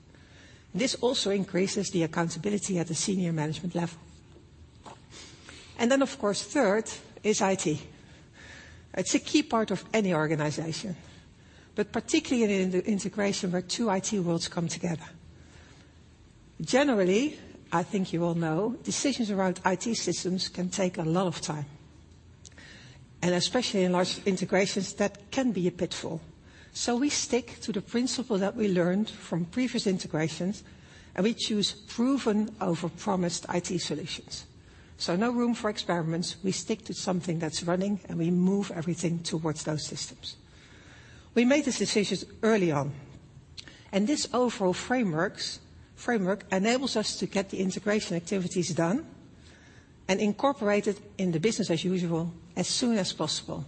This also increases the accountability at the senior management level. Then, of course, third is IT. It's a key part of any organization, but particularly in the integration where two IT worlds come together. Generally, I think you all know, decisions around IT systems can take a lot of time, and especially in large integrations, that can be a pitfall. So we stick to the principle that we learned from previous integrations, and we choose proven over promised IT solutions. So no room for experiments. We stick to something that's running, and we move everything towards those systems. We made this decision early on, and this overall framework enables us to get the integration activities done and incorporated in the business as usual, as soon as possible.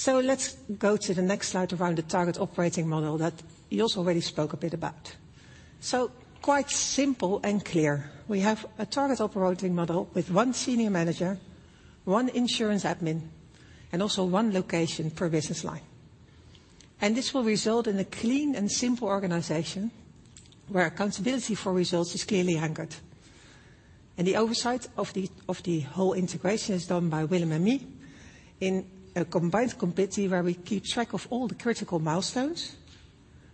So let's go to the next slide around the target operating model that Jos already spoke a bit about. So quite simple and clear. We have a target operating model with one senior manager, one insurance admin, and also one location per business line. This will result in a clean and simple organization, where accountability for results is clearly anchored. The oversight of the whole integration is done by Willem and me, in a combined committee, where we keep track of all the critical milestones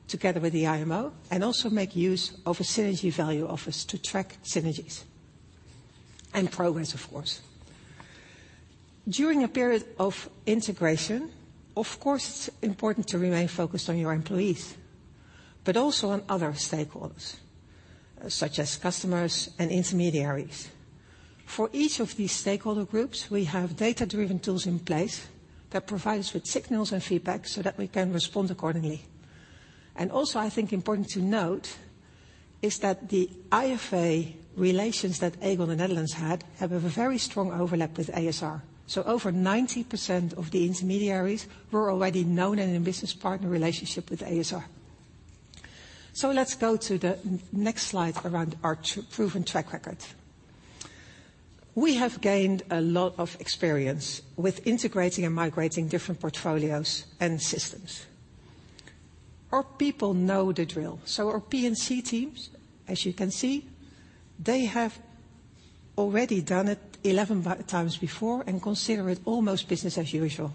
together with the IMO, and also make use of a synergy value office to track synergies and progress, of course. During a period of integration, of course, it's important to remain focused on your employees, but also on other stakeholders, such as customers and intermediaries. For each of these stakeholder groups, we have data-driven tools in place that provide us with signals and feedback so that we can respond accordingly. Also, I think important to note is that the IFA relations that Aegon Nederland had have a very strong overlap with a.s.r. So over 90% of the intermediaries were already known and in business partner relationship with a.s.r. So let's go to the next slide around our proven track record. We have gained a lot of experience with integrating and migrating different portfolios and systems. Our people know the drill, so our P&C teams, as you can see, they have already done it 11x before and consider it almost business as usual.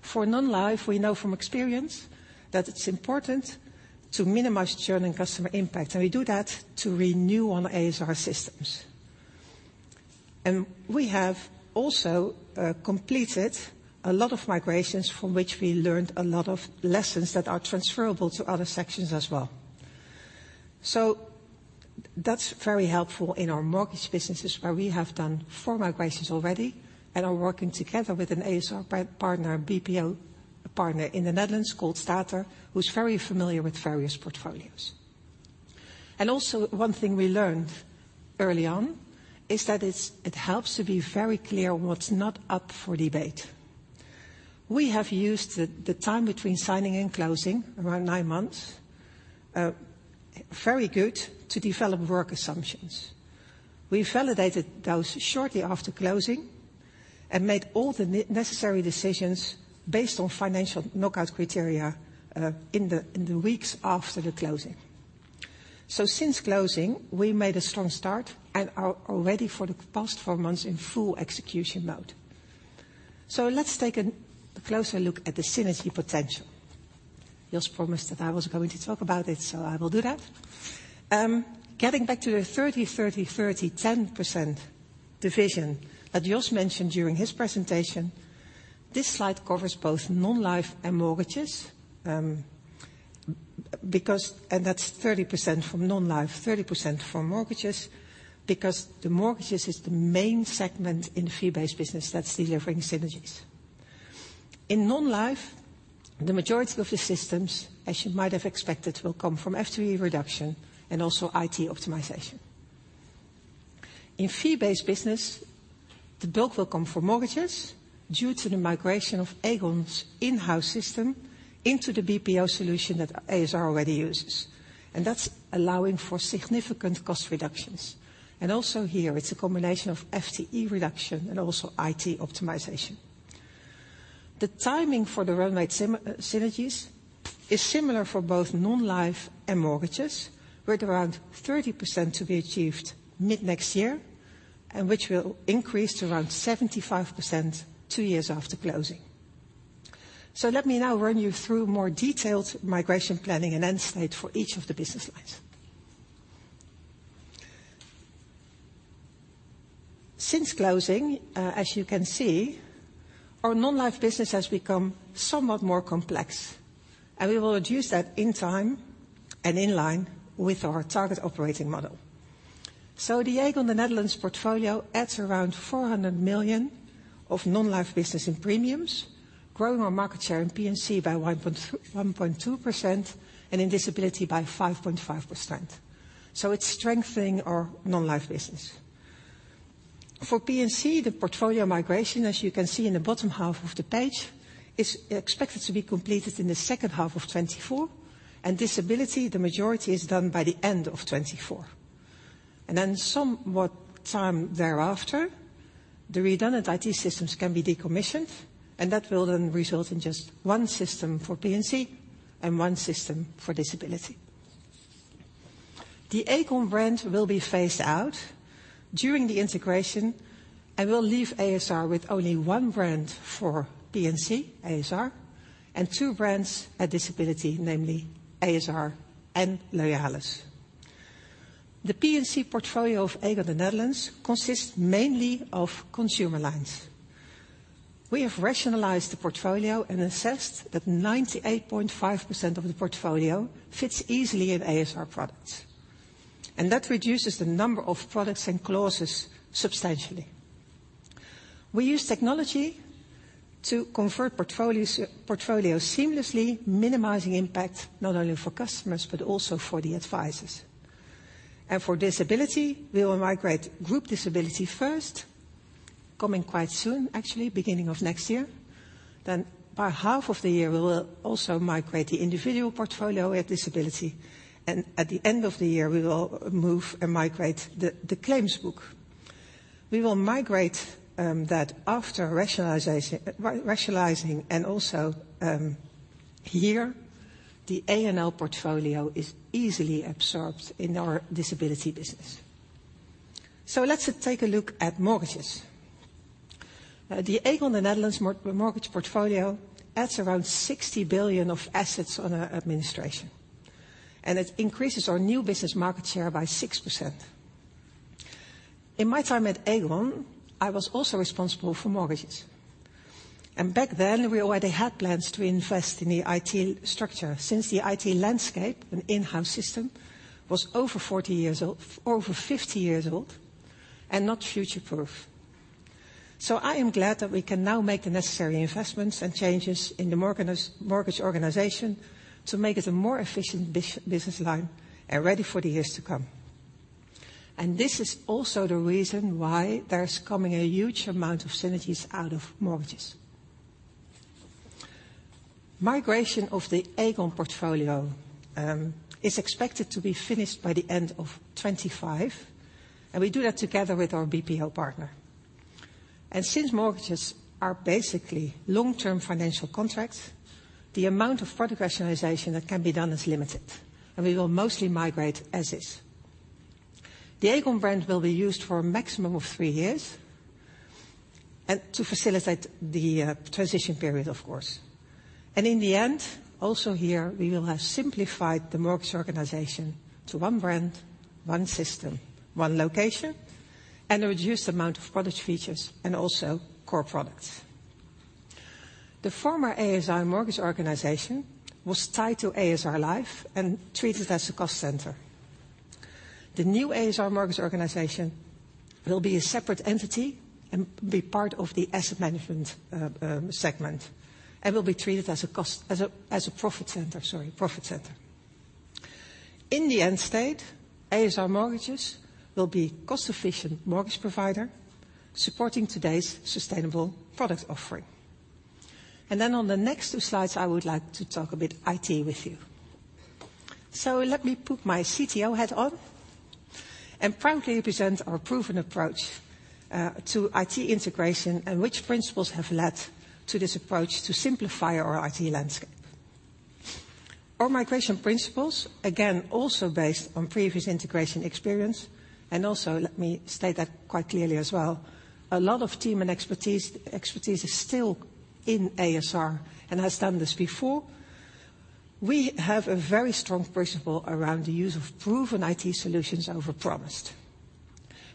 For non-life, we know from experience that it's important to minimize churn and customer impact, and we do that to renew on a.s.r. systems. And we have also completed a lot of migrations from which we learned a lot of lessons that are transferable to other sections as well. So that's very helpful in our mortgage businesses, where we have done four migrations already and are working together with an a.s.r. partner, BPO partner in the Netherlands called Stater, who's very familiar with various portfolios. And also, one thing we learned early on is that it helps to be very clear on what's not up for debate. We have used the time between signing and closing, around nine months, very good to develop work assumptions. We validated those shortly after closing and made all the necessary decisions based on financial knockout criteria, in the weeks after the closing. So since closing, we made a strong start and are already for the past four months in full execution mode. So let's take a closer look at the synergy potential. Jos promised that I was going to talk about it, so I will do that. Getting back to the 30, 30, 30, 10% division that Jos mentioned during his presentation, this slide covers both non-life and mortgages. Because that's 30% from non-life, 30% from mortgages, because the mortgages is the main segment in fee-based business that's delivering synergies. In non-life, the majority of the systems, as you might have expected, will come from FTE reduction and also IT optimization. In fee-based business, the bulk will come from mortgages due to the migration of Aegon's in-house system into the BPO solution that ASR already uses, and that's allowing for significant cost reductions. And also here, it's a combination of FTE reduction and also IT optimization. The timing for the run-rate synergies is similar for both non-life and mortgages, with around 30% to be achieved mid-next year, and which will increase to around 75% two years after closing. Let me now run you through more detailed migration planning and end state for each of the business lines. Since closing, as you can see, our non-life business has become somewhat more complex, and we will reduce that in time and in line with our target operating model. The Aegon Netherlands portfolio adds around 400 million of non-life business in premiums, growing our market share in P&C by 1.2% and in disability by 5.5%. It's strengthening our non-life business. For P&C, the portfolio migration, as you can see in the bottom half of the page, is expected to be completed in the second half of 2024, and disability, the majority is done by the end of 2024. And then some time thereafter, the redundant IT systems can be decommissioned, and that will then result in just one system for P&C and one system for disability. The Aegon brand will be phased out during the integration and will leave a.s.r. with only one brand for P&C, a.s.r., and two brands at disability, namely a.s.r. and Loyalis. The P&C portfolio of Aegon Nederland consists mainly of consumer lines. We have rationalized the portfolio and assessed that 98.5% of the portfolio fits easily in a.s.r. products, and that reduces the number of products and clauses substantially. We use technology to convert portfolios seamlessly, minimizing impact not only for customers, but also for the advisors. And for disability, we will migrate group disability first, coming quite soon, actually, beginning of next year. Then by half of the year, we will also migrate the individual portfolio at disability, and at the end of the year, we will move and migrate the claims book. We will migrate that after rationalizing and also, here, the A&O portfolio is easily absorbed in our disability business. So let's take a look at mortgages. The Aegon Netherlands mortgage portfolio adds around 60 billion of assets on our administration, and it increases our new business market share by 6%. In my time at Aegon, I was also responsible for mortgages, and back then, we already had plans to invest in the IT structure since the IT landscape and in-house system was over 40 years old - over 50 years old and not future-proof. So I am glad that we can now make the necessary investments and changes in the mortgage organization to make it a more efficient business line and ready for the years to come. This is also the reason why there's coming a huge amount of synergies out of mortgages. Migration of the Aegon portfolio is expected to be finished by the end of 2025, and we do that together with our BPO partner. Since mortgages are basically long-term financial contracts, the amount of product rationalization that can be done is limited, and we will mostly migrate as is. The Aegon brand will be used for a maximum of three years, and to facilitate the transition period, of course. In the end, also here, we will have simplified the mortgage organization to one brand, one system, one location, and a reduced amount of product features and also core products. The former ASR mortgage organization was tied to ASR Life and treated as a cost center. The new ASR mortgage organization will be a separate entity and be part of the asset management segment, and will be treated as a profit center, sorry, profit center. In the end state, ASR Mortgages will be cost-efficient mortgage provider, supporting today's sustainable product offering. On the next two slides, I would like to talk a bit IT with you. So let me put my CTO hat on and proudly present our proven approach to IT integration and which principles have led to this approach to simplify our IT landscape. Our migration principles, again, also based on previous integration experience, and also let me state that quite clearly as well, a lot of team and expertise is still in a.s.r. and has done this before. We have a very strong principle around the use of proven IT solutions over promised,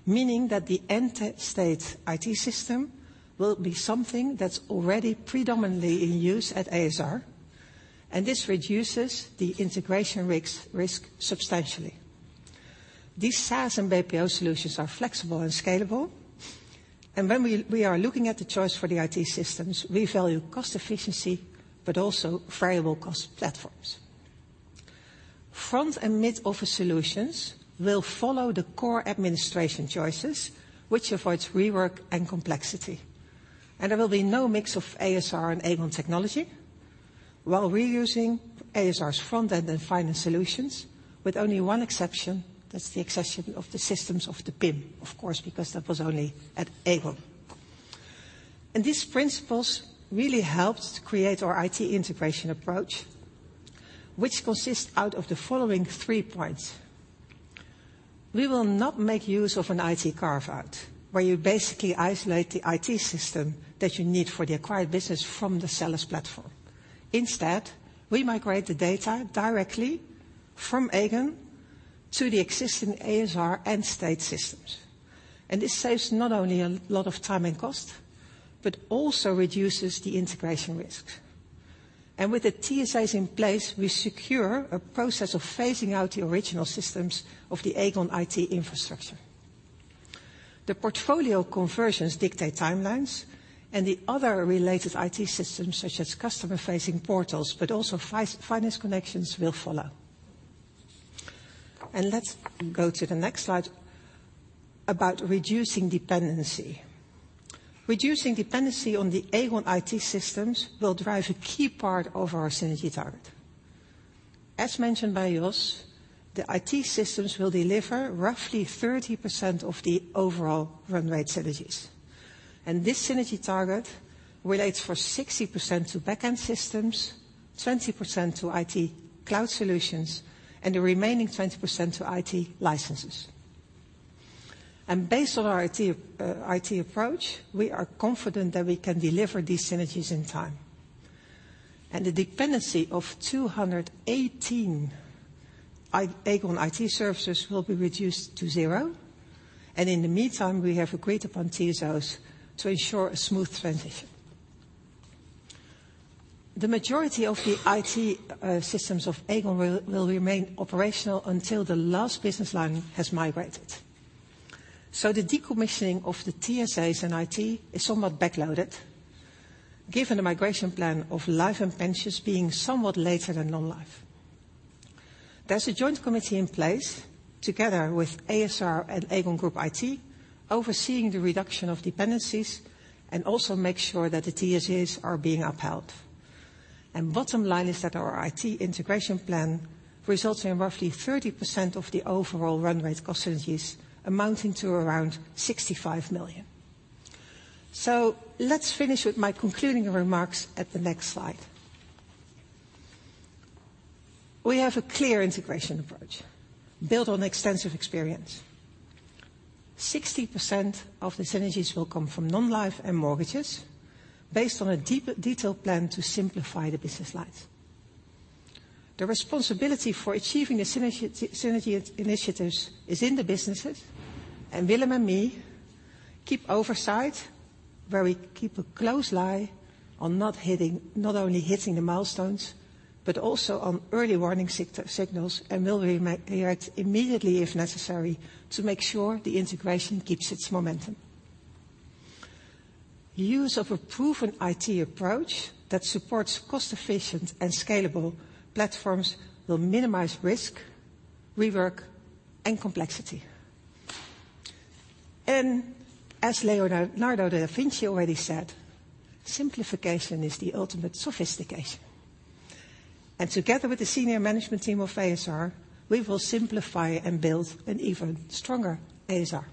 meaning that the end state IT system will be something that's already predominantly in use at a.s.r., and this reduces the integration risk substantially. These SaaS and BPO solutions are flexible and scalable, and when we are looking at the choice for the IT systems, we value cost efficiency, but also variable cost platforms. Front and mid-office solutions will follow the core administration choices, which avoids rework and complexity. And there will be no mix of ASR and Aegon technology, while reusing ASR's front end and finance solutions, with only one exception: that's the exception of the systems of the PIM, of course, because that was only at Aegon. And these principles really helped to create our IT integration approach, which consists out of the following three points. We will not make use of an IT carve-out, where you basically isolate the IT system that you need for the acquired business from the seller's platform. Instead, we migrate the data directly from Aegon to the existing ASR and Stater systems. And this saves not only a lot of time and cost, but also reduces the integration risks. With the TSAs in place, we secure a process of phasing out the original systems of the Aegon IT infrastructure. The portfolio conversions dictate timelines and the other related IT systems, such as customer-facing portals, but also finance connections, will follow. Let's go to the next slide about reducing dependency. Reducing dependency on the Aegon IT systems will drive a key part of our synergy target. As mentioned by Jos, the IT systems will deliver roughly 30% of the overall run rate synergies, and this synergy target relates for 60% to back-end systems, 20% to IT cloud solutions, and the remaining 20% to IT licenses. Based on our IT approach, we are confident that we can deliver these synergies in time. And the dependency of 218 Aegon IT services will be reduced to zero, and in the meantime, we have agreed upon TSAs to ensure a smooth transition. The majority of the IT systems of Aegon will remain operational until the last business line has migrated. So the decommissioning of the TSAs and IT is somewhat backloaded, given the migration plan of life and pensions being somewhat later than non-life. There's a joint committee in place together with a.s.r. and Aegon group IT, overseeing the reduction of dependencies, and also make sure that the TSAs are being upheld. And bottom line is that our IT integration plan results in roughly 30% of the overall run rate cost synergies, amounting to around 65 million. So let's finish with my concluding remarks at the next slide. We have a clear integration approach, built on extensive experience. 60% of the synergies will come from non-life and mortgages based on a deep, detailed plan to simplify the business lines. The responsibility for achieving the synergy initiatives is in the businesses, and Willem and me keep oversight, where we keep a close eye on not only hitting the milestones, but also on early warning signals, and we'll react immediately, if necessary, to make sure the integration keeps its momentum. Use of a proven IT approach that supports cost-efficient and scalable platforms will minimize risk, rework, and complexity. As Leonardo da Vinci already said, "Simplification is the ultimate sophistication." Together with the senior management team of ASR, we will simplify and build an even stronger ASR.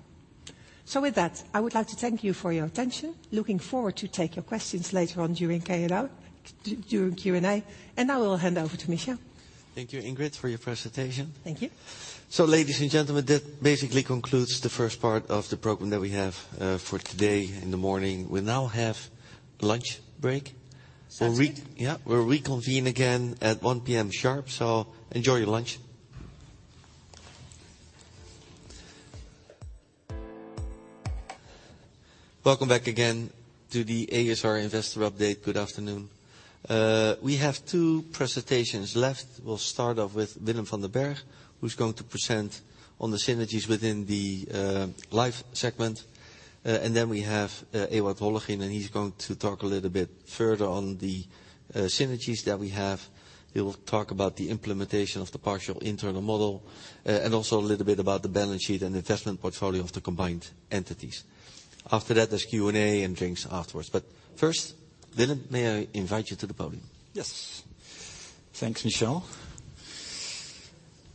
With that, I would like to thank you for your attention. Looking forward to take your questions later on during Q&A. Now I will hand over to Michel. Thank you, Ingrid, for your presentation. Thank you. So, ladies and gentlemen, that basically concludes the first part of the program that we have for today in the morning. We now have lunch break. Sounds good. Yeah, we'll reconvene again at 1:00 P.M. sharp, so enjoy your lunch. Welcome back again to the a.s.r. investor update. Good afternoon. We have two presentations left. We'll start off with Willem van den Berg, who's going to present on the synergies within the life segment. And then we have Ewout Hollegien, and he's going to talk a little bit further on the synergies that we have. He will talk about the implementation of the partial internal model, and also a little bit about the balance sheet and investment portfolio of the combined entities. After that, there's Q&A and drinks afterwards. But first, Willem, may I invite you to the podium? Yes. Thanks, Michel.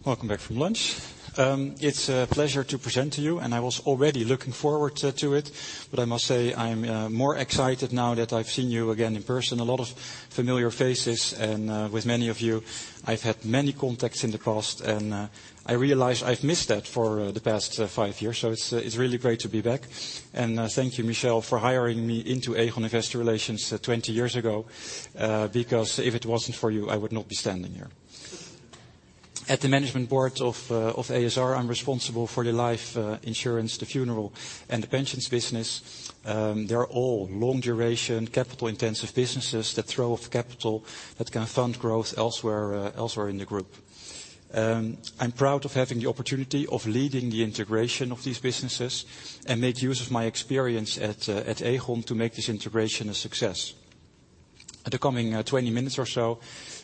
Welcome back from lunch. It's a pleasure to present to you, and I was already looking forward to it, but I must say I'm more excited now that I've seen you again in person. A lot of familiar faces, and with many of you, I've had many contacts in the past, and I realize I've missed that for the past five years, so it's really great to be back. And thank you, Michel, for hiring me into Aegon Investor Relations 20 years ago, because if it wasn't for you, I would not be standing here. At the management board of ASR, I'm responsible for the life insurance, the funeral, and the pensions business. They're all long-duration, capital-intensive businesses that throw off capital that can fund growth elsewhere, elsewhere in the group. I'm proud of having the opportunity of leading the integration of these businesses and make use of my experience at, at Aegon to make this integration a success. At the coming 20 minutes or so,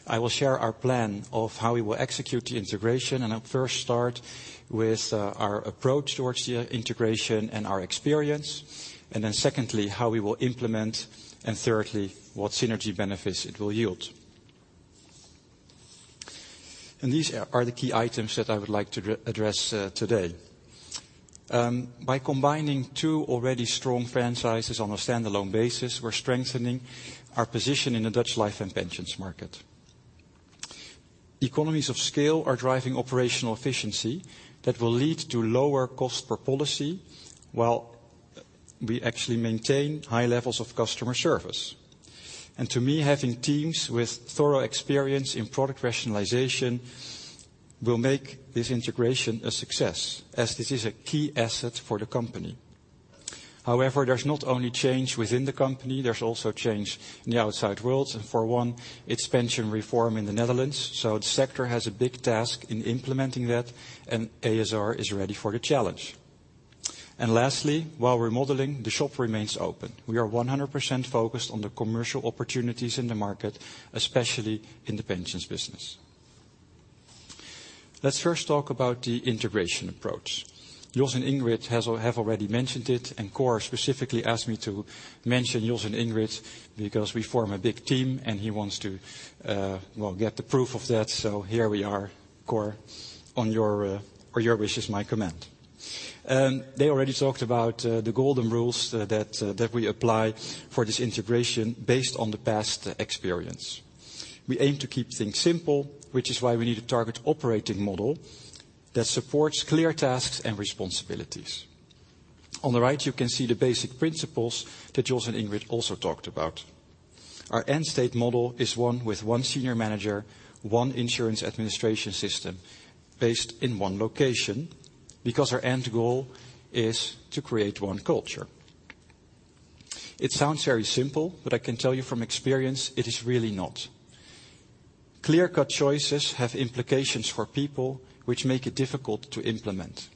I will share our plan of how we will execute the integration, and I'll first start with our approach towards the integration and our experience, and then secondly, how we will implement, and thirdly, what synergy benefits it will yield. These are the key items that I would like to address today. By combining two already strong franchises on a standalone basis, we're strengthening our position in the Dutch life and pensions market. Economies of scale are driving operational efficiency that will lead to lower cost per policy, while we actually maintain high levels of customer service. And to me, having teams with thorough experience in product rationalization will make this integration a success, as this is a key asset for the company. However, there's not only change within the company, there's also change in the outside world. And for one, it's pension reform in the Netherlands, so the sector has a big task in implementing that, and a.s.r. is ready for the challenge. And lastly, while we're modeling, the shop remains open. We are 100% focused on the commercial opportunities in the market, especially in the pensions business. Let's first talk about the integration approach. Jos and Ingrid have already mentioned it, and Cor specifically asked me to mention Jos and Ingrid, because we form a big team, and he wants to, well, get the proof of that. So here we are, Cor, on your... Your wish is my command. They already talked about the golden rules that we apply for this integration based on the past experience. We aim to keep things simple, which is why we need a target operating model that supports clear tasks and responsibilities. On the right, you can see the basic principles that Jos and Ingrid also talked about. Our end state model is one with one senior manager, one insurance administration system based in one location, because our end goal is to create one culture. It sounds very simple, but I can tell you from experience, it is really not. Clear-cut choices have implications for people, which make it difficult to implement.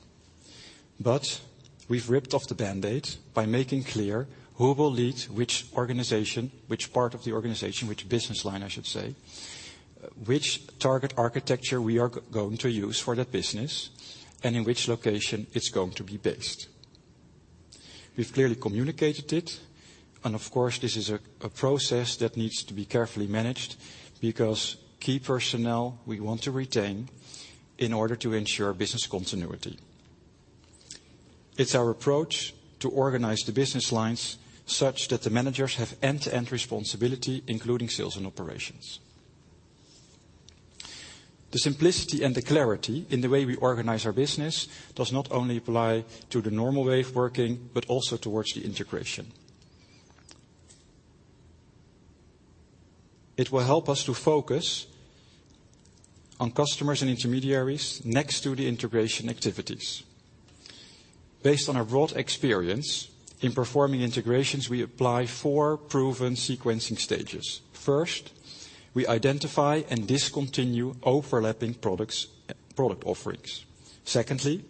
But we've ripped off the Band-Aid by making clear who will lead which organization, which part of the organization, which business line, I should say, which target architecture we are going to use for that business, and in which location it's going to be based. We've clearly communicated it, and of course, this is a process that needs to be carefully managed, because key personnel we want to retain in order to ensure business continuity. It's our approach to organize the business lines such that the managers have end-to-end responsibility, including sales and operations. The simplicity and the clarity in the way we organize our business does not only apply to the normal way of working, but also towards the integration. It will help us to focus on customers and intermediaries next to the integration activities. Based on our broad experience in performing integrations, we apply four proven sequencing stages. First, we identify and discontinue overlapping products, product offerings. Secondly,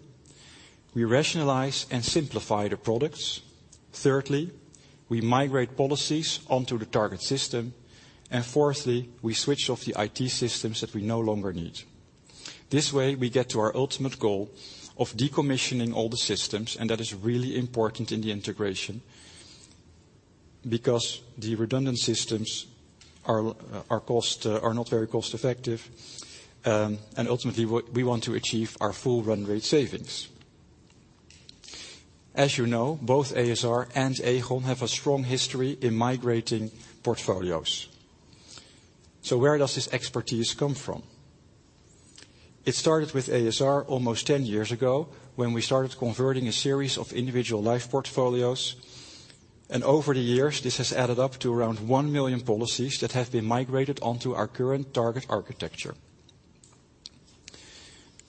we rationalize and simplify the products. Thirdly, we migrate policies onto the target system. And fourthly, we switch off the IT systems that we no longer need. This way, we get to our ultimate goal of decommissioning all the systems, and that is really important in the integration.... because the redundant systems are, are cost, are not very cost-effective, and ultimately, what we want to achieve are full run rate savings. As you know, both a.s.r. and Aegon have a strong history in migrating portfolios. So where does this expertise come from? It started with a.s.r. almost 10 years ago, when we started converting a series of individual life portfolios, and over the years, this has added up to around 1 million policies that have been migrated onto our current target architecture.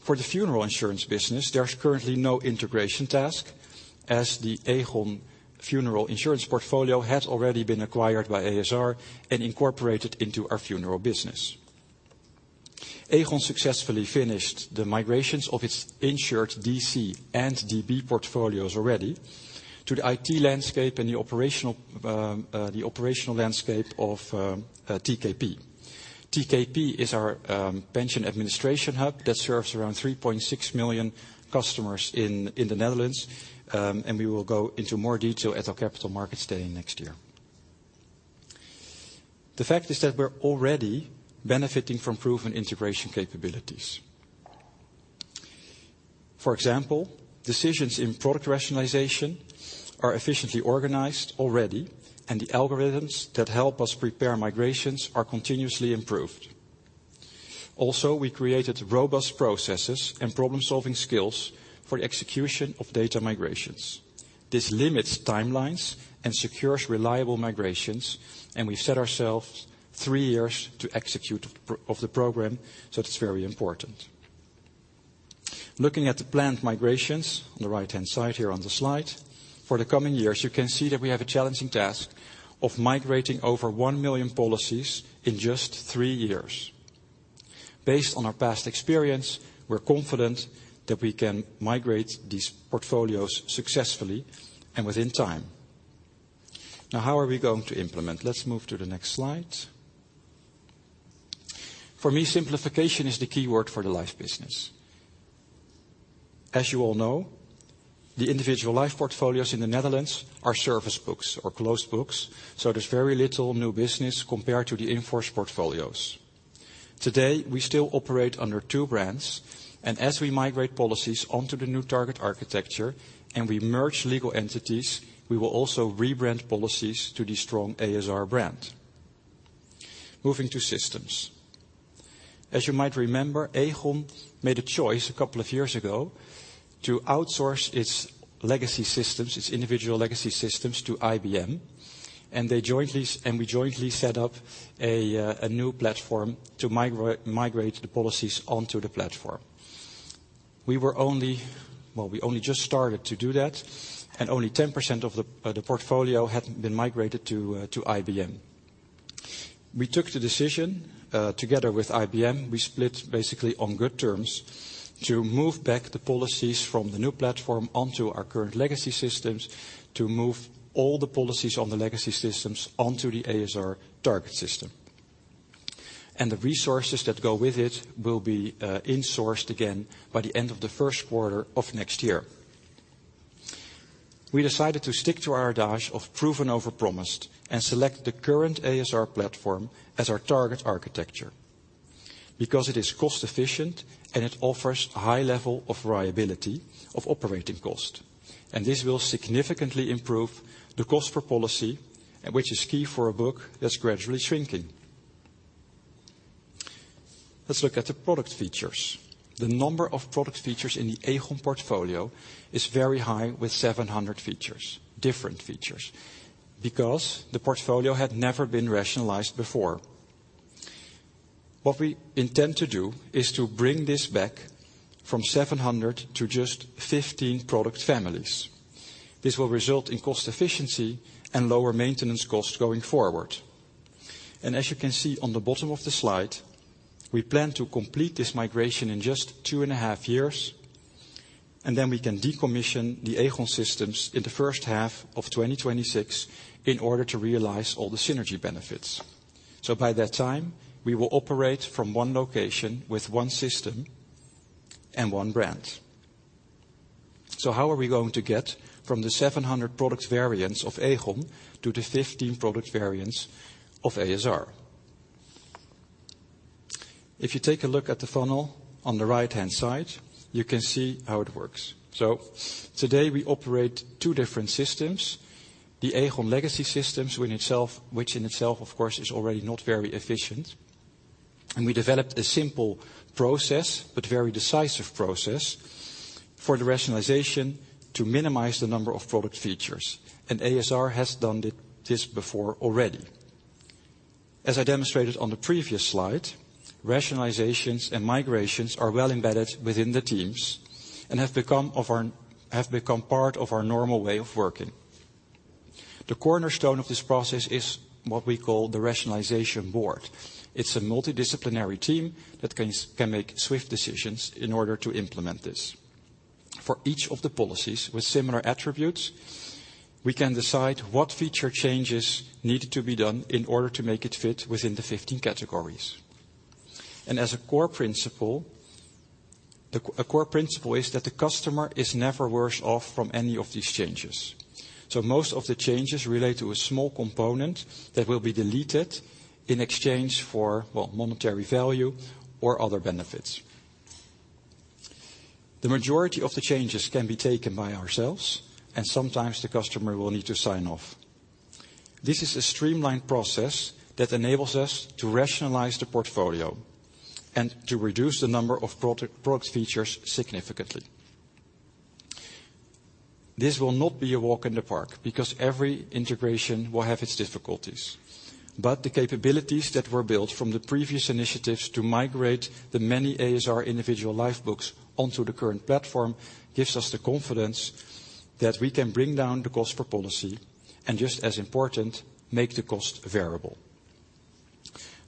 For the funeral insurance business, there's currently no integration task, as the Aegon funeral insurance portfolio had already been acquired by a.s.r. and incorporated into our funeral business. Aegon successfully finished the migrations of its insured DC and DB portfolios already to the IT landscape and the operational landscape of TKP. TKP is our pension administration hub that serves around 3.6 million customers in the Netherlands, and we will go into more detail at our capital markets day next year. The fact is that we're already benefiting from proven integration capabilities. For example, decisions in product rationalization are efficiently organized already, and the algorithms that help us prepare migrations are continuously improved. Also, we created robust processes and problem-solving skills for the execution of data migrations. This limits timelines and secures reliable migrations, and we've set ourselves three years to execute the program, so it's very important. Looking at the planned migrations, on the right-hand side here on the slide, for the coming years, you can see that we have a challenging task of migrating over 1 million policies in just three years. Based on our past experience, we're confident that we can migrate these portfolios successfully and within time. Now, how are we going to implement? Let's move to the next slide. For me, simplification is the key word for the life business. As you all know, the individual life portfolios in the Netherlands are service books or closed books, so there's very little new business compared to the in-force portfolios. Today, we still operate under two brands, and as we migrate policies onto the new target architecture, and we merge legal entities, we will also rebrand policies to the strong a.s.r. brand. Moving to systems. As you might remember, Aegon made a choice a couple of years ago to outsource its legacy systems, its individual legacy systems, to IBM, and they jointly, and we jointly set up a new platform to migrate the policies onto the platform. We were only... Well, we only just started to do that, and only 10% of the portfolio had been migrated to IBM. We took the decision together with IBM. We split basically on good terms to move back the policies from the new platform onto our current legacy systems, to move all the policies on the legacy systems onto the a.s.r. target system. The resources that go with it will be insourced again by the end of the first quarter of next year. We decided to stick to our adage of proven over promised, and select the current a.s.r. platform as our target architecture, because it is cost efficient and it offers a high level of reliability of operating cost. This will significantly improve the cost per policy, which is key for a book that's gradually shrinking. Let's look at the product features. The number of product features in the Aegon portfolio is very high, with 700 features, different features, because the portfolio had never been rationalized before. What we intend to do is to bring this back from 700 to just 15 product families. This will result in cost efficiency and lower maintenance costs going forward. And as you can see on the bottom of the slide, we plan to complete this migration in just 2.5 years, and then we can decommission the Aegon systems in the first half of 2026 in order to realize all the synergy benefits. So by that time, we will operate from one location with one system and one brand. So how are we going to get from the 700 product variants of Aegon to the 15 product variants of a.s.r.? If you take a look at the funnel on the right-hand side, you can see how it works. So today we operate two different systems, the Aegon legacy systems, which in itself, of course, is already not very efficient. And we developed a simple process, but very decisive process, for the rationalization to minimize the number of product features, and a.s.r. has done this before already. As I demonstrated on the previous slide, rationalizations and migrations are well embedded within the teams and have become part of our normal way of working. The cornerstone of this process is what we call the rationalization board. It's a multidisciplinary team that can make swift decisions in order to implement this. For each of the policies with similar attributes, we can decide what feature changes needed to be done in order to make it fit within the 15 categories. As a core principle, a core principle is that the customer is never worse off from any of these changes. Most of the changes relate to a small component that will be deleted in exchange for, well, monetary value or other benefits. The majority of the changes can be taken by ourselves, and sometimes the customer will need to sign off. This is a streamlined process that enables us to rationalize the portfolio and to reduce the number of product features significantly. This will not be a walk in the park, because every integration will have its difficulties. But the capabilities that were built from the previous initiatives to migrate the many a.s.r. individual life books onto the current platform, gives us the confidence that we can bring down the cost per policy, and just as important, make the cost variable.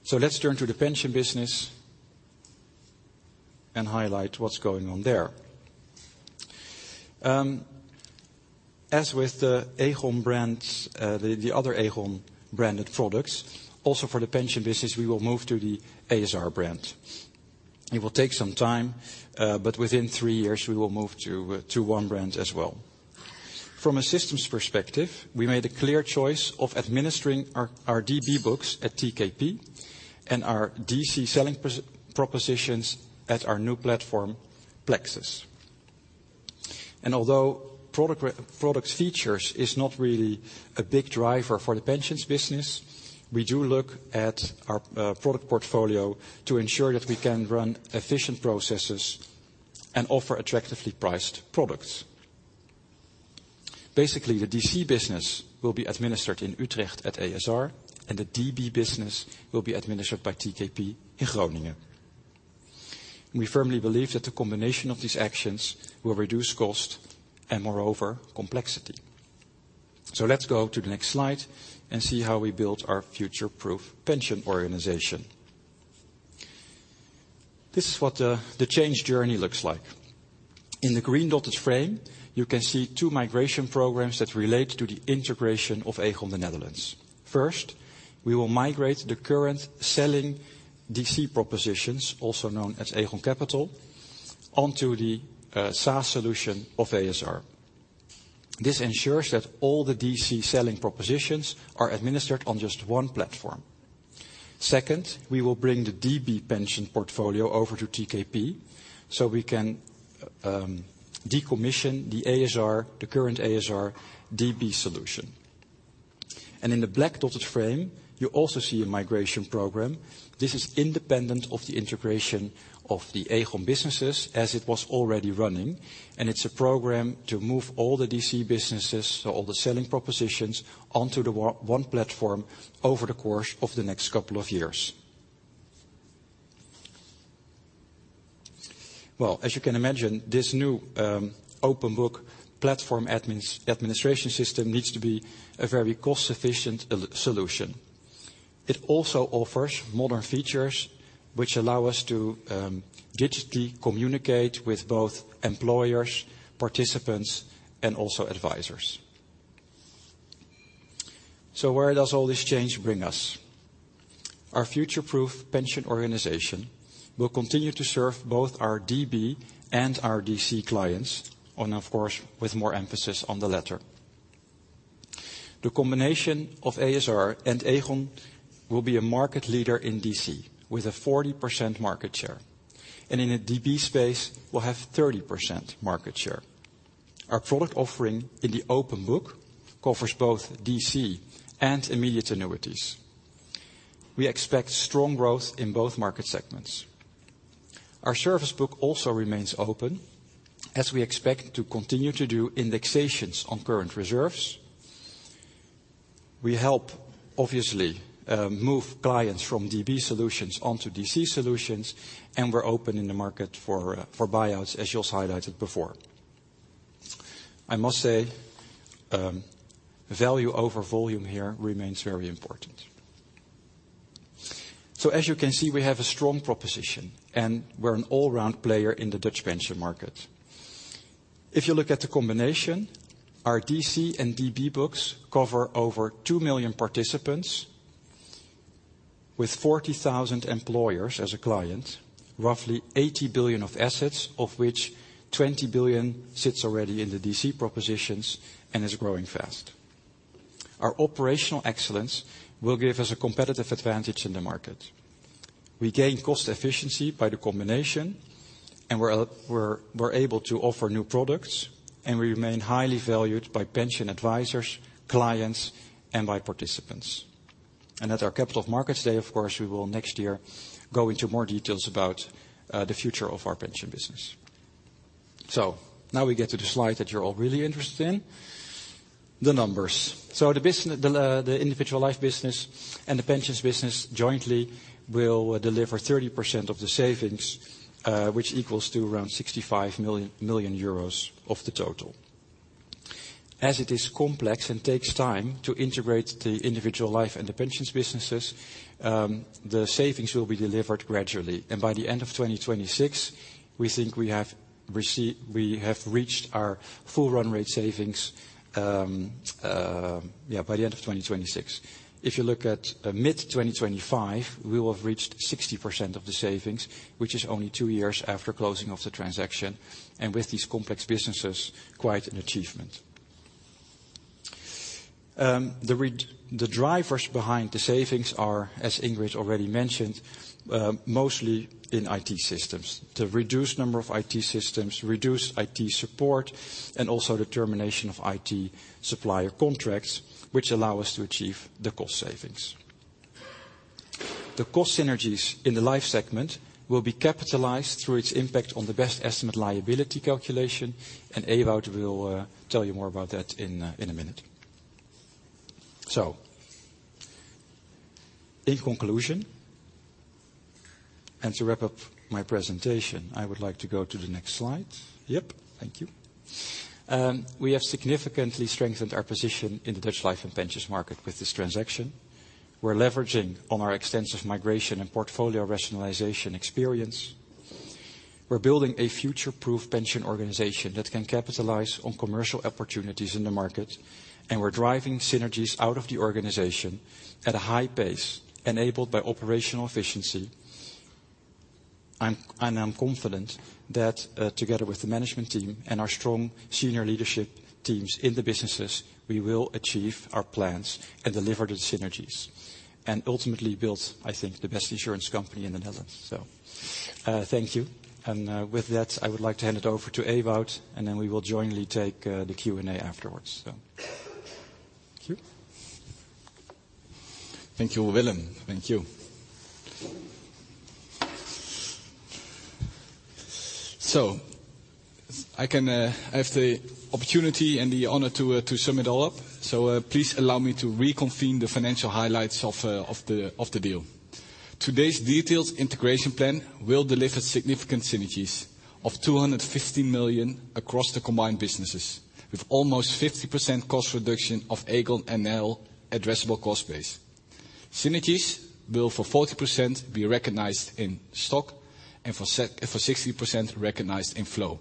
So let's turn to the pension business and highlight what's going on there. As with the Aegon brands, the other Aegon-branded products, also for the pension business we will move to the a.s.r. brand. It will take some time, but within three years we will move to one brand as well. From a systems perspective, we made a clear choice of administering our DB books at TKP, and our DC selling propositions at our new platform, Plexus. Although product features is not really a big driver for the pensions business, we do look at our product portfolio to ensure that we can run efficient processes and offer attractively priced products. Basically, the DC business will be administered in Utrecht at a.s.r., and the DB business will be administered by TKP in Groningen. We firmly believe that the combination of these actions will reduce cost and moreover, complexity. Let's go to the next slide and see how we build our future-proof pension organization. This is what the change journey looks like. In the green dotted frame, you can see two migration programs that relate to the integration of Aegon, the Netherlands. First, we will migrate the current selling DC propositions, also known as Aegon Cappital, onto the SaaS solution of a.s.r. This ensures that all the DC selling propositions are administered on just one platform. Second, we will bring the DB pension portfolio over to TKP, so we can decommission the ASR, the current ASR DB solution. In the black-dotted frame, you also see a migration program. This is independent of the integration of the Aegon businesses as it was already running, and it's a program to move all the DC businesses, so all the selling propositions, onto the one platform over the course of the next couple of years. Well, as you can imagine, this new open book platform administration system needs to be a very cost-efficient solution. It also offers modern features which allow us to digitally communicate with both employers, participants, and also advisors. So where does all this change bring us? Our future-proof pension organization will continue to serve both our DB and our DC clients, and of course, with more emphasis on the latter. The combination of a.s.r. and Aegon will be a market leader in DC, with a 40% market share, and in a DB space will have 30% market share. Our product offering in the open book covers both DC and immediate annuities. We expect strong growth in both market segments. Our service book also remains open, as we expect to continue to do indexations on current reserves. We help, obviously, move clients from DB solutions onto DC solutions, and we're open in the market for buyouts, as Jos highlighted before. I must say, value over volume here remains very important. So as you can see, we have a strong proposition, and we're an all-round player in the Dutch pension market. If you look at the combination, our DC and DB books cover over 2 million participants with 40,000 employers as a client, roughly 80 billion of assets, of which 20 billion sits already in the DC propositions and is growing fast. Our operational excellence will give us a competitive advantage in the market. We gain cost efficiency by the combination, and we're able to offer new products, and we remain highly valued by pension advisors, clients, and by participants. And at our Capital Markets Day, of course, we will next year go into more details about the future of our pension business. So now we get to the slide that you're all really interested in, the numbers. So the individual life business and the pensions business jointly will deliver 30% of the savings, which equals to around 65 million of the total. As it is complex and takes time to integrate the individual life and the pensions businesses, the savings will be delivered gradually. By the end of 2026, we think we see we have reached our full run rate savings by the end of 2026. If you look at mid-2025, we will have reached 60% of the savings, which is only two years after closing of the transaction, and with these complex businesses, quite an achievement. The drivers behind the savings are, as Ingrid already mentioned, mostly in IT systems. The reduced number of IT systems, reduced IT support, and also the termination of IT supplier contracts, which allow us to achieve the cost savings. The cost synergies in the life segment will be capitalized through its impact on the best estimate liability calculation, and Ewout will tell you more about that in a, in a minute. So in conclusion, and to wrap up my presentation, I would like to go to the next slide. Yep. Thank you. We have significantly strengthened our position in the Dutch life and pensions market with this transaction. We're leveraging on our extensive migration and portfolio rationalization experience. We're building a future-proof pension organization that can capitalize on commercial opportunities in the market, and we're driving synergies out of the organization at a high pace, enabled by operational efficiency. I'm confident that together with the management team and our strong senior leadership teams in the businesses, we will achieve our plans and deliver the synergies, and ultimately build, I think, the best insurance company in the Netherlands. So, thank you. And with that, I would like to hand it over to Ewout, and then we will jointly take the Q&A afterwards. So thank you. Thank you, Willem. Thank you. So I can, I have the opportunity and the honor to, to sum it all up. So, please allow me to reconfirm the financial highlights of, of the, of the deal. Today's detailed integration plan will deliver significant synergies of 250 million across the combined businesses, with almost 50% cost reduction of Aegon NL addressable cost base. Synergies will, for 40%, be recognized in 2024, and for 60% recognized in full.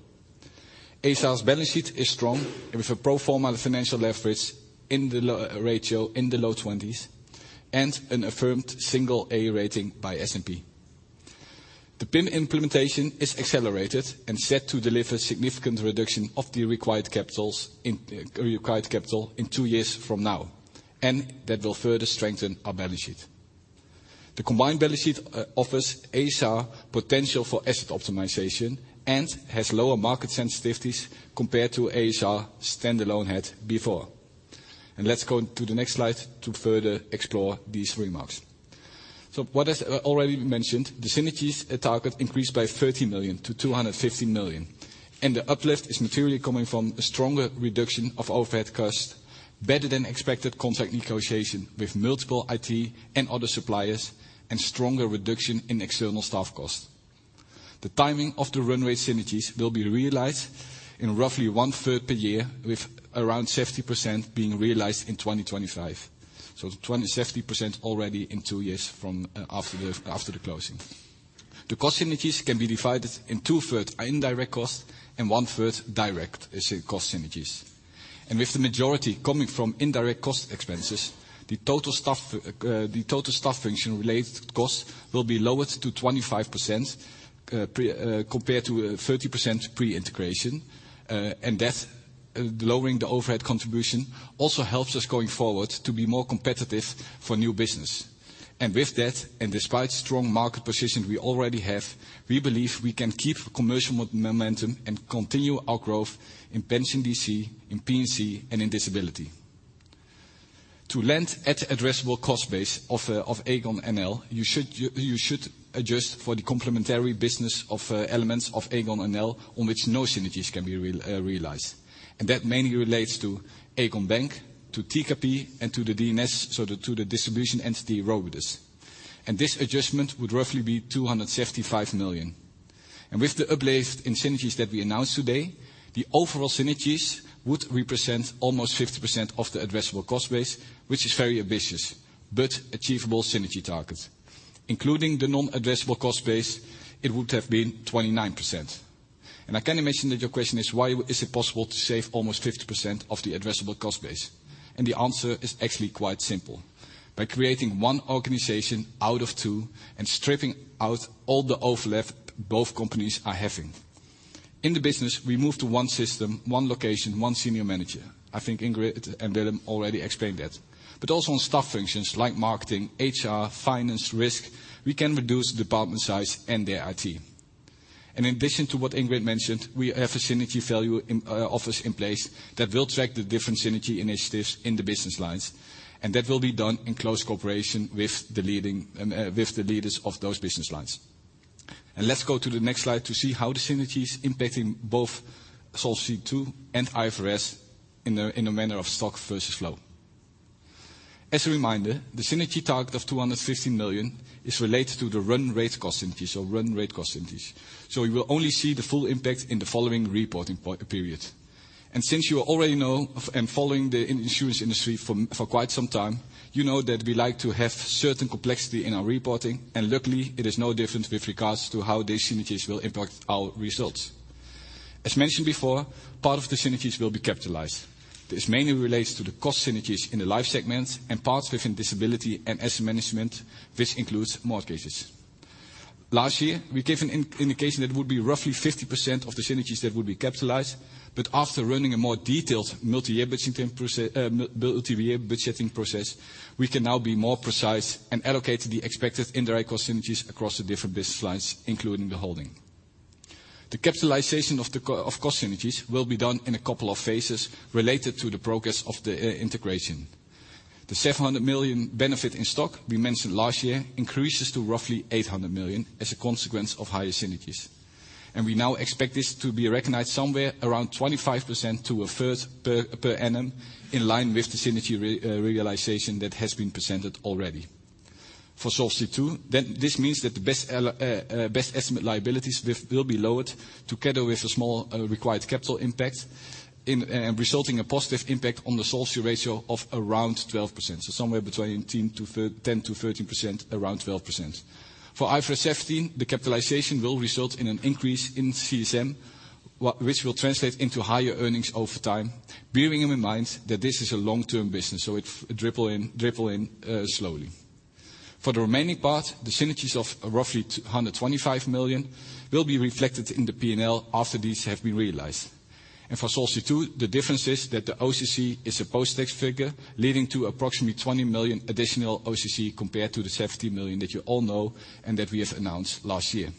a.s.r.'s balance sheet is strong, and with a pro forma financial leverage ratio in the low twenties, and an affirmed single A rating by S&P. The PIM implementation is accelerated and set to deliver significant reduction of the required capital in two years from now, and that will further strengthen our balance sheet. The combined balance sheet offers a.s.r. potential for asset optimization and has lower market sensitivities compared to a.s.r. standalone had before. Let's go to the next slide to further explore these remarks. What has already been mentioned, the synergies target increased by 30 million to 250 million, and the uplift is materially coming from a stronger reduction of overhead costs, better than expected contract negotiation with multiple IT and other suppliers, and stronger reduction in external staff costs. The timing of the run-rate synergies will be realized in roughly one-third per year, with around 70% being realized in 2025. 70% already in two years from after the closing. The cost synergies can be divided in 2/3 indirect costs and one-third direct cost synergies. With the majority coming from indirect cost expenses, the total staff function-related costs will be lowered to 25%, compared to 30% pre-integration. Lowering the overhead contribution also helps us going forward to be more competitive for new business. Despite strong market position we already have, we believe we can keep commercial momentum and continue our growth in pension DC, in P&C, and in disability. To arrive at addressable cost base of Aegon NL, you should adjust for the complementary business of elements of Aegon NL on which no synergies can be realized. That mainly relates to Aegon Bank, to TKP, and to the D&S, so to the distribution entity, Robidus. This adjustment would roughly be 275 million. With the uplift in synergies that we announced today, the overall synergies would represent almost 50% of the addressable cost base, which is very ambitious, but achievable synergy target. Including the non-addressable cost base, it would have been 29%. I can imagine that your question is, why is it possible to save almost 50% of the addressable cost base? The answer is actually quite simple. By creating one organization out of two and stripping out all the overlap both companies are having. In the business, we move to one system, one location, one senior manager. I think Ingrid and Willem already explained that. But also on staff functions like marketing, HR, finance, risk, we can reduce department size and their IT. In addition to what Ingrid mentioned, we have a synergy value in office in place that will track the different synergy initiatives in the business lines, and that will be done in close cooperation with the leading, with the leaders of those business lines. Let's go to the next slide to see how the synergy is impacting both Solvency II and IFRS in a manner of stock versus flow. As a reminder, the synergy target of 250 million is related to the run rate cost synergies or run rate cost synergies. We will only see the full impact in the following reporting period. Since you already know, following the insurance industry for quite some time, you know that we like to have certain complexity in our reporting, and luckily, it is no different with regards to how these synergies will impact our results. As mentioned before, part of the synergies will be capitalized. This mainly relates to the cost synergies in the life segment, and parts within disability and asset management, which includes mortgages. Last year, we gave an indication that it would be roughly 50% of the synergies that would be capitalized, but after running a more detailed multi-year budgeting process, we can now be more precise and allocate the expected indirect cost synergies across the different business lines, including the holding. The capitalization of the cost synergies will be done in a couple of phases related to the progress of the integration. The 700 million benefit in stock we mentioned last year increases to roughly 800 million as a consequence of higher synergies, and we now expect this to be recognized somewhere around 25% to a third per annum, in line with the synergy realization that has been presented already. For Solvency II, then this means that the best estimate liabilities will be lowered together with a small required capital impact, and resulting in a positive impact on the Solvency ratio of around 12%. So somewhere between 10%-13%, around 12%. For IFRS 17, the capitalization will result in an increase in CSM, which will translate into higher earnings over time, bearing in mind that this is a long-term business, so it dribble in, dribble in, slowly. For the remaining part, the synergies of roughly 225 million will be reflected in the P&L after these have been realized. For Solvency II, the difference is that the OCC is a post-tax figure, leading to approximately 20 million additional OCC compared to the 70 million that you all know and that we have announced last year.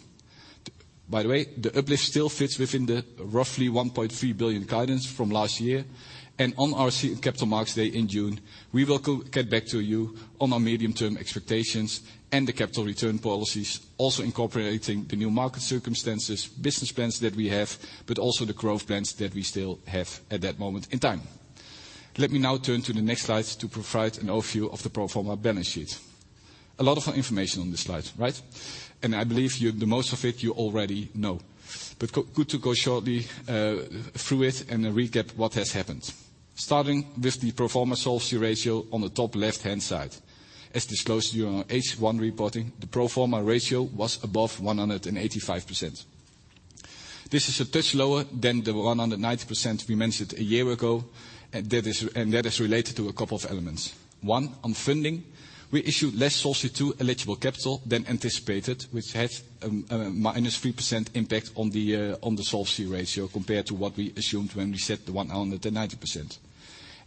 By the way, the uplift still fits within the roughly 1.3 billion guidance from last year, and on our Capital Markets Day in June, we will get back to you on our medium-term expectations and the capital return policies, also incorporating the new market circumstances, business plans that we have, but also the growth plans that we still have at that moment in time. Let me now turn to the next slide to provide an overview of the pro forma balance sheet. A lot of information on this slide, right? And I believe you, the most of it you already know. But good to go shortly through it and recap what has happened. Starting with the pro forma solvency ratio on the top left-hand side. As disclosed during our H1 reporting, the pro forma ratio was above 185%. This is a touch lower than the 190% we mentioned a year ago, and that is related to a couple of elements. One, on funding, we issued less Solvency II eligible capital than anticipated, which had a -3% impact on the solvency ratio compared to what we assumed when we set the 190%.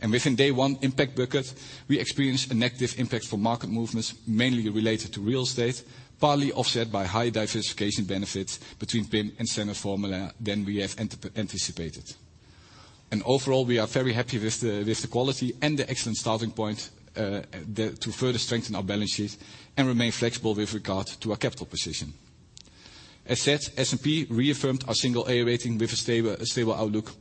And within day one impact bucket, we experienced a negative impact from market movements, mainly related to real estate, partly offset by high diversification benefits between PIM and standard formula than we anticipated. And overall, we are very happy with the quality and the excellent starting point to further strengthen our balance sheet and remain flexible with regard to our capital position. As said, S&P reaffirmed our single A rating with a stable outlook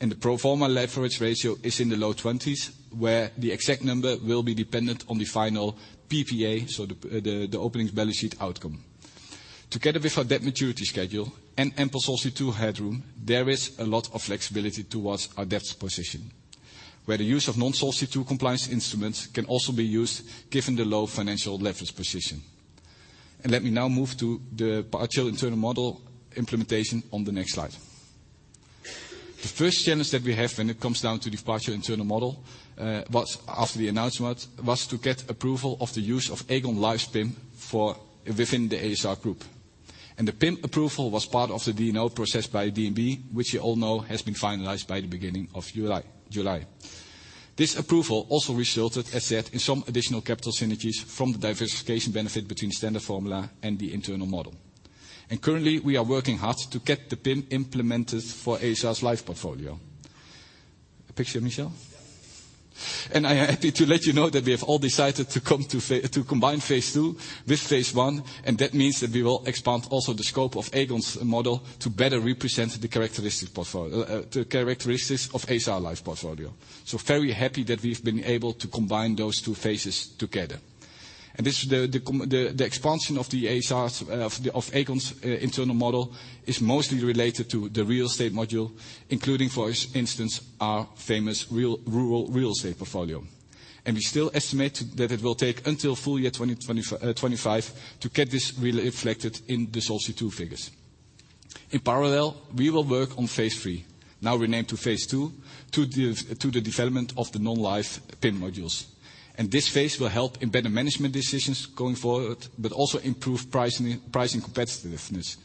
post-deal. The pro forma leverage ratio is in the low twenties, where the exact number will be dependent on the final PPA, so the opening balance sheet outcome. Together with our debt maturity schedule and ample Solvency II headroom, there is a lot of flexibility towards our debt position, where the use of non-Solvency II compliance instruments can also be used given the low financial leverage position. Let me now move to the partial internal model implementation on the next slide. The first challenge that we have when it comes down to the partial internal model was after the announcement, was to get approval of the use of Aegon Life PIM within the ASR group. The PIM approval was part of the DNO process by DNB, which you all know has been finalized by the beginning of July. This approval also resulted, as said, in some additional capital synergies from the diversification benefit between standard formula and the internal model. Currently, we are working hard to get the PIM implemented for ASR's life portfolio. Picture, Michel? Yeah. And I to let you know that we have all decided to come to to combine phase two with phase one, and that means that we will expand also the scope of Aegon's model to better represent the characteristics of ASR life portfolio. So very happy that we've been able to combine those two phases together. And the expansion of Aegon's internal model is mostly related to the real estate module, including, for instance, our famous rural real estate portfolio. And we still estimate that it will take until full year 2025 to get this reflected in the Solvency II figures. In parallel, we will work on phase three, now renamed to phase two, to the development of the non-life PIM modules. This phase will help in better management decisions going forward, but also improve pricing, pricing competitiveness.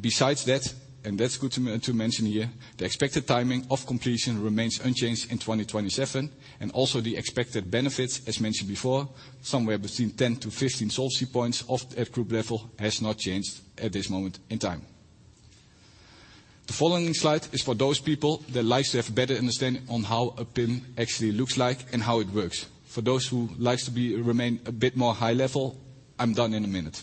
Besides that, and that's good to mention here, the expected timing of completion remains unchanged in 2027, and also the expected benefits, as mentioned before, somewhere between 10-15 solvency points of at group level, has not changed at this moment in time. The following slide is for those people that likes to have a better understanding on how a PIM actually looks like and how it works. For those who likes to remain a bit more high level, I'm done in a minute.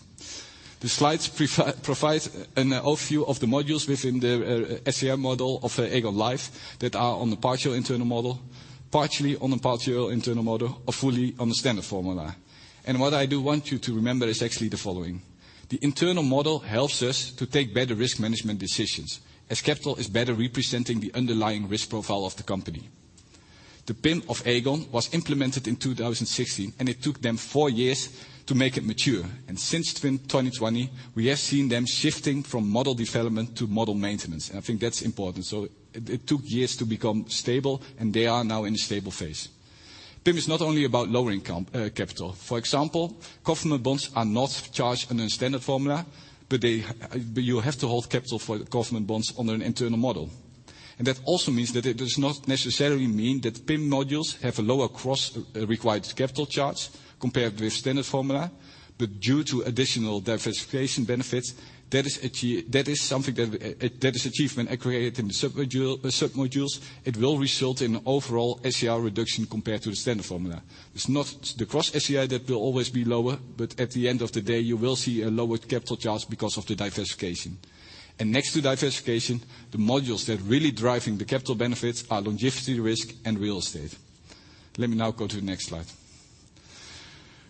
The slides provide an overview of the modules within the STEM model of Aegon Life that are on the partial internal model, partially on the partial internal model, or fully on the standard formula. And what I do want you to remember is actually the following: the internal model helps us to take better risk management decisions, as capital is better representing the underlying risk profile of the company. The PIM of Aegon was implemented in 2016, and it took them four years to make it mature. And since twenty twenty, we have seen them shifting from model development to model maintenance, and I think that's important. So it took years to become stable, and they are now in a stable phase. PIM is not only about lowering capital. For example, government bonds are not charged under a standard formula, but they, but you have to hold capital for government bonds under an internal model. That also means that it does not necessarily mean that PIM modules have a lower gross required capital charge compared with standard formula. But due to additional diversification benefits, that is something that, that is achievement accreted in the submodule, submodules, it will result in overall SCR reduction compared to the standard formula. It's not the gross SCR that will always be lower, but at the end of the day, you will see a lower capital charge because of the diversification. And next to diversification, the modules that really driving the capital benefits are longevity risk and real estate. Let me now go to the next slide.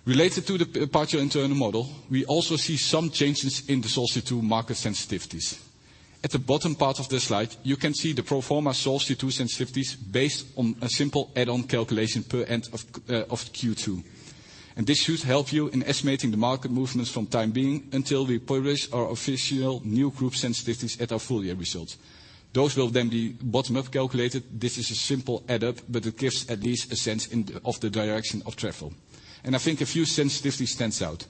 Related to the partial internal model, we also see some changes in the Solvency II market sensitivities. At the bottom part of this slide, you can see the pro forma Solvency II sensitivities based on a simple add-on calculation per end of Q2. And this should help you in estimating the market movements from time being until we publish our official new group sensitivities at our full year results. Those will then be bottom-up calculated. This is a simple add up, but it gives at least a sense in the, of the direction of travel. And I think a few sensitivity stands out.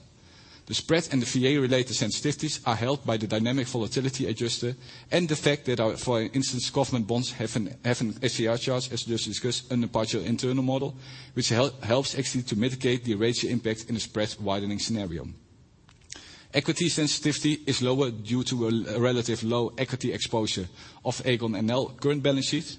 The spread and the VA-related sensitivities are helped by the dynamic volatility adjuster and the fact that our, for instance, government bonds have an SCR charge, as just discussed, under partial internal model, which helps actually to mitigate the ratio impact in a spread widening scenario. Equity sensitivity is lower due to a relative low equity exposure of Aegon NL current balance sheet.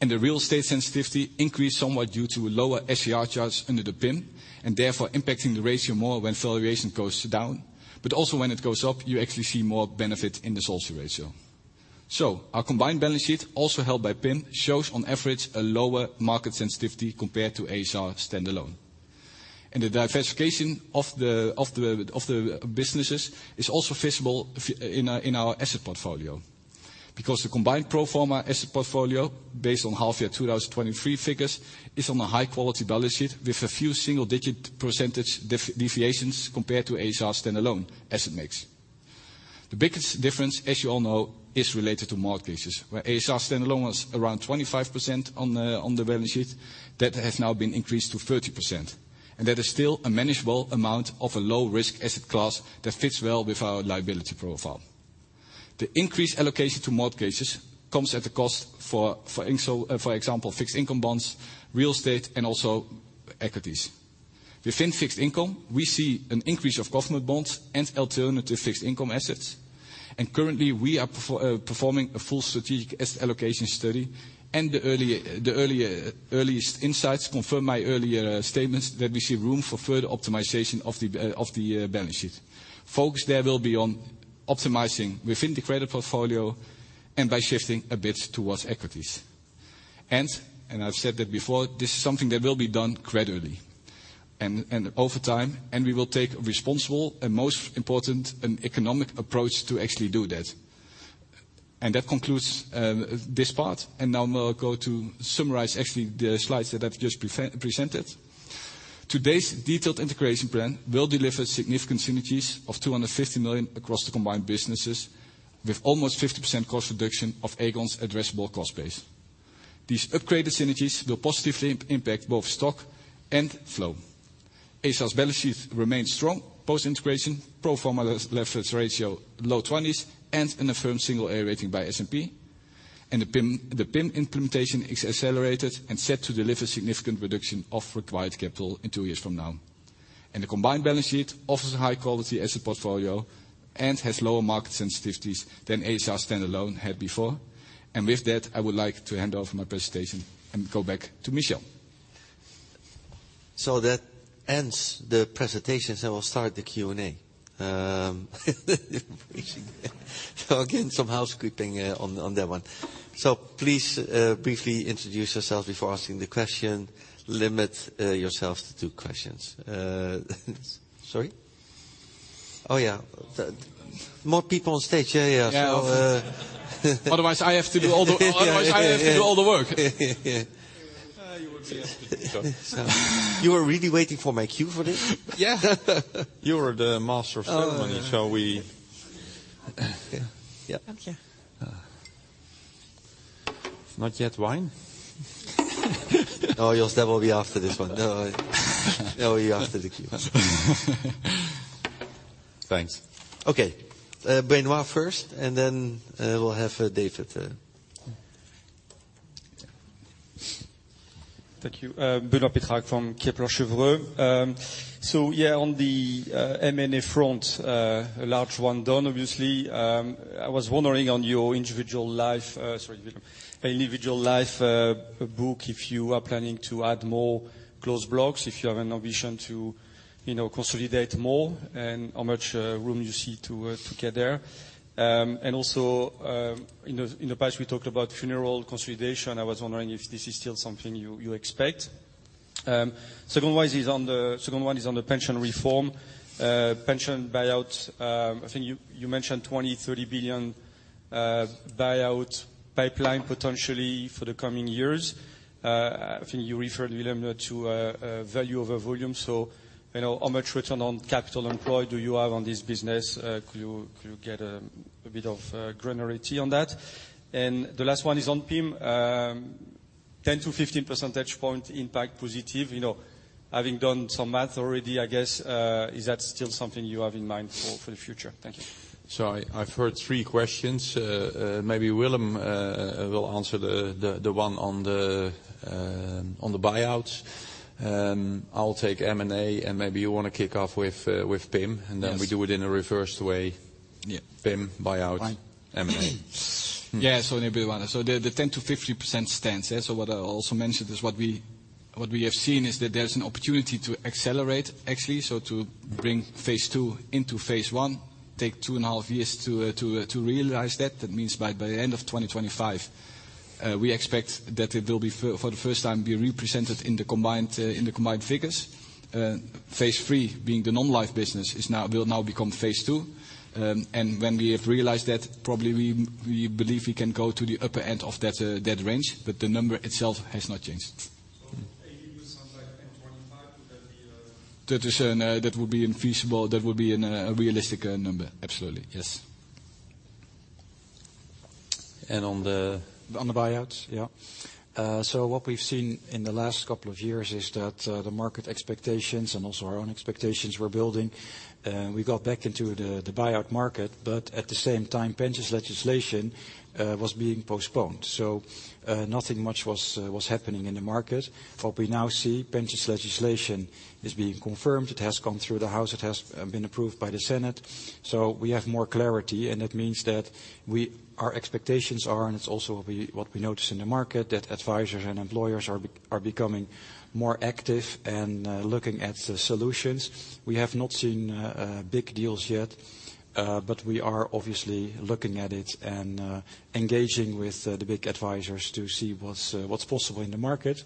The real estate sensitivity increased somewhat due to a lower SCR charge under the PIM, and therefore impacting the ratio more when valuation goes down. But also when it goes up, you actually see more benefit in the solvency ratio. So our combined balance sheet, also helped by PIM, shows on average a lower market sensitivity compared to a.s.r. standalone. And the diversification of the businesses is also visible in our asset portfolio. Because the combined pro forma asset portfolio, based on half year 2023 figures, is on a high-quality balance sheet with a few single-digit percentage deviations compared to a.s.r. standalone asset mix. The biggest difference, as you all know, is related to mortgages, where a.s.r. standalone was around 25% on the balance sheet, that has now been increased to 30%. That is still a manageable amount of a low-risk asset class that fits well with our liability profile. The increased allocation to mortgages comes at a cost for example, fixed income bonds, real estate, and also equities. Within fixed income, we see an increase of government bonds and alternative fixed income assets, and currently, we are performing a full strategic asset allocation study. The earliest insights confirm my earlier statements that we see room for further optimization of the balance sheet. Focus there will be on optimizing within the credit portfolio and by shifting a bit towards equities. And I've said that before, this is something that will be done gradually and over time, and we will take a responsible and most important, an economic approach to actually do that. And that concludes this part, and now I'm gonna go to summarize actually the slides that I've just presented. Today's detailed integration plan will deliver significant synergies of 250 million across the combined businesses, with almost 50% cost reduction of Aegon's addressable cost base. These upgraded synergies will positively impact both stock and flow. a.s.r.'s balance sheet remains strong post-integration, pro forma leverage ratio low 20s, and an affirmed single A rating by S&P. And the PIM, the PIM implementation is accelerated and set to deliver significant reduction of required capital in two years from now. The combined balance sheet offers a high-quality asset portfolio and has lower market sensitivities than a.s.r. standalone had before. With that, I would like to hand off my presentation and go back to Michel. So that ends the presentations, and we'll start the Q&A. So again, some housekeeping, on that one. So please, briefly introduce yourself before asking the question. Limit yourself to two questions. Sorry? Oh, yeah. More people on stage. Yeah, yeah. Yeah. So, uh, Otherwise, I have to do all the work. Yeah. You would be happy to do so. You were really waiting for my cue for this? Yeah. You are the master of ceremony- Oh, yeah. -so we... Yeah. Thank you. Not yet, Wijn? No, Jos, that will be after this one. No, that will be after the Q&A. Thanks. Okay, Benoît first, and then we'll have David. Thank you. Benoît Pétrarque from Kepler Cheuvreux. So yeah, on the M&A front, a large one done, obviously. I was wondering on your individual life, sorry, individual life book, if you are planning to add more closed blocks, if you have an ambition to, you know, consolidate more, and how much room you see to get there? And also, in the past, we talked about funeral consolidation. I was wondering if this is still something you expect? Second one is on the pension reform. Pension buyout, I think you mentioned 20 billion-30 billion buyout pipeline potentially for the coming years. I think you referred, Willem, to a value over volume, so, you know, how much return on capital employed do you have on this business? Could you, could you get a bit of granularity on that? And the last one is on PIM. Ten to fifteen percentage point impact positive, you know, having done some math already, I guess, is that still something you have in mind for the future? Thank you. So I've heard three questions. Maybe Willem will answer the one on the buyouts. I'll take M&A, and maybe you want to kick off with PIM? Yes. And then we do it in a reversed way. Yeah. PIM, buyout- Fine. -M&A. Yeah, so maybe one. So the 10%-15% stands. Yeah, so what I also mentioned is what we have seen is that there's an opportunity to accelerate, actually, so to bring phase two into phase one, take two and a half years to realize that. That means by the end of 2025, we expect that it will be for the first time represented in the combined figures. Phase three, being the non-life business, will now become phase two. And when we have realized that, probably we believe we can go to the upper end of that range, but the number itself has not changed. Maybe it sounds like end of 2025, would that be? That is, that would be infeasible. That would be a realistic number. Absolutely. Yes. And on the- On the buyouts? Yeah. So what we've seen in the last couple of years is that, the market expectations and also our own expectations were building. We got back into the buyout market, but at the same time, pensions legislation was being postponed. So, nothing much was happening in the market. What we now see, pensions legislation is being confirmed. It has gone through the House. It has been approved by the Senate. So we have more clarity, and that means that we our expectations are, and it's also we, what we notice in the market, that advisors and employers are becoming more active and looking at the solutions. We have not seen big deals yet, but we are obviously looking at it and engaging with the big advisors to see what's possible in the market.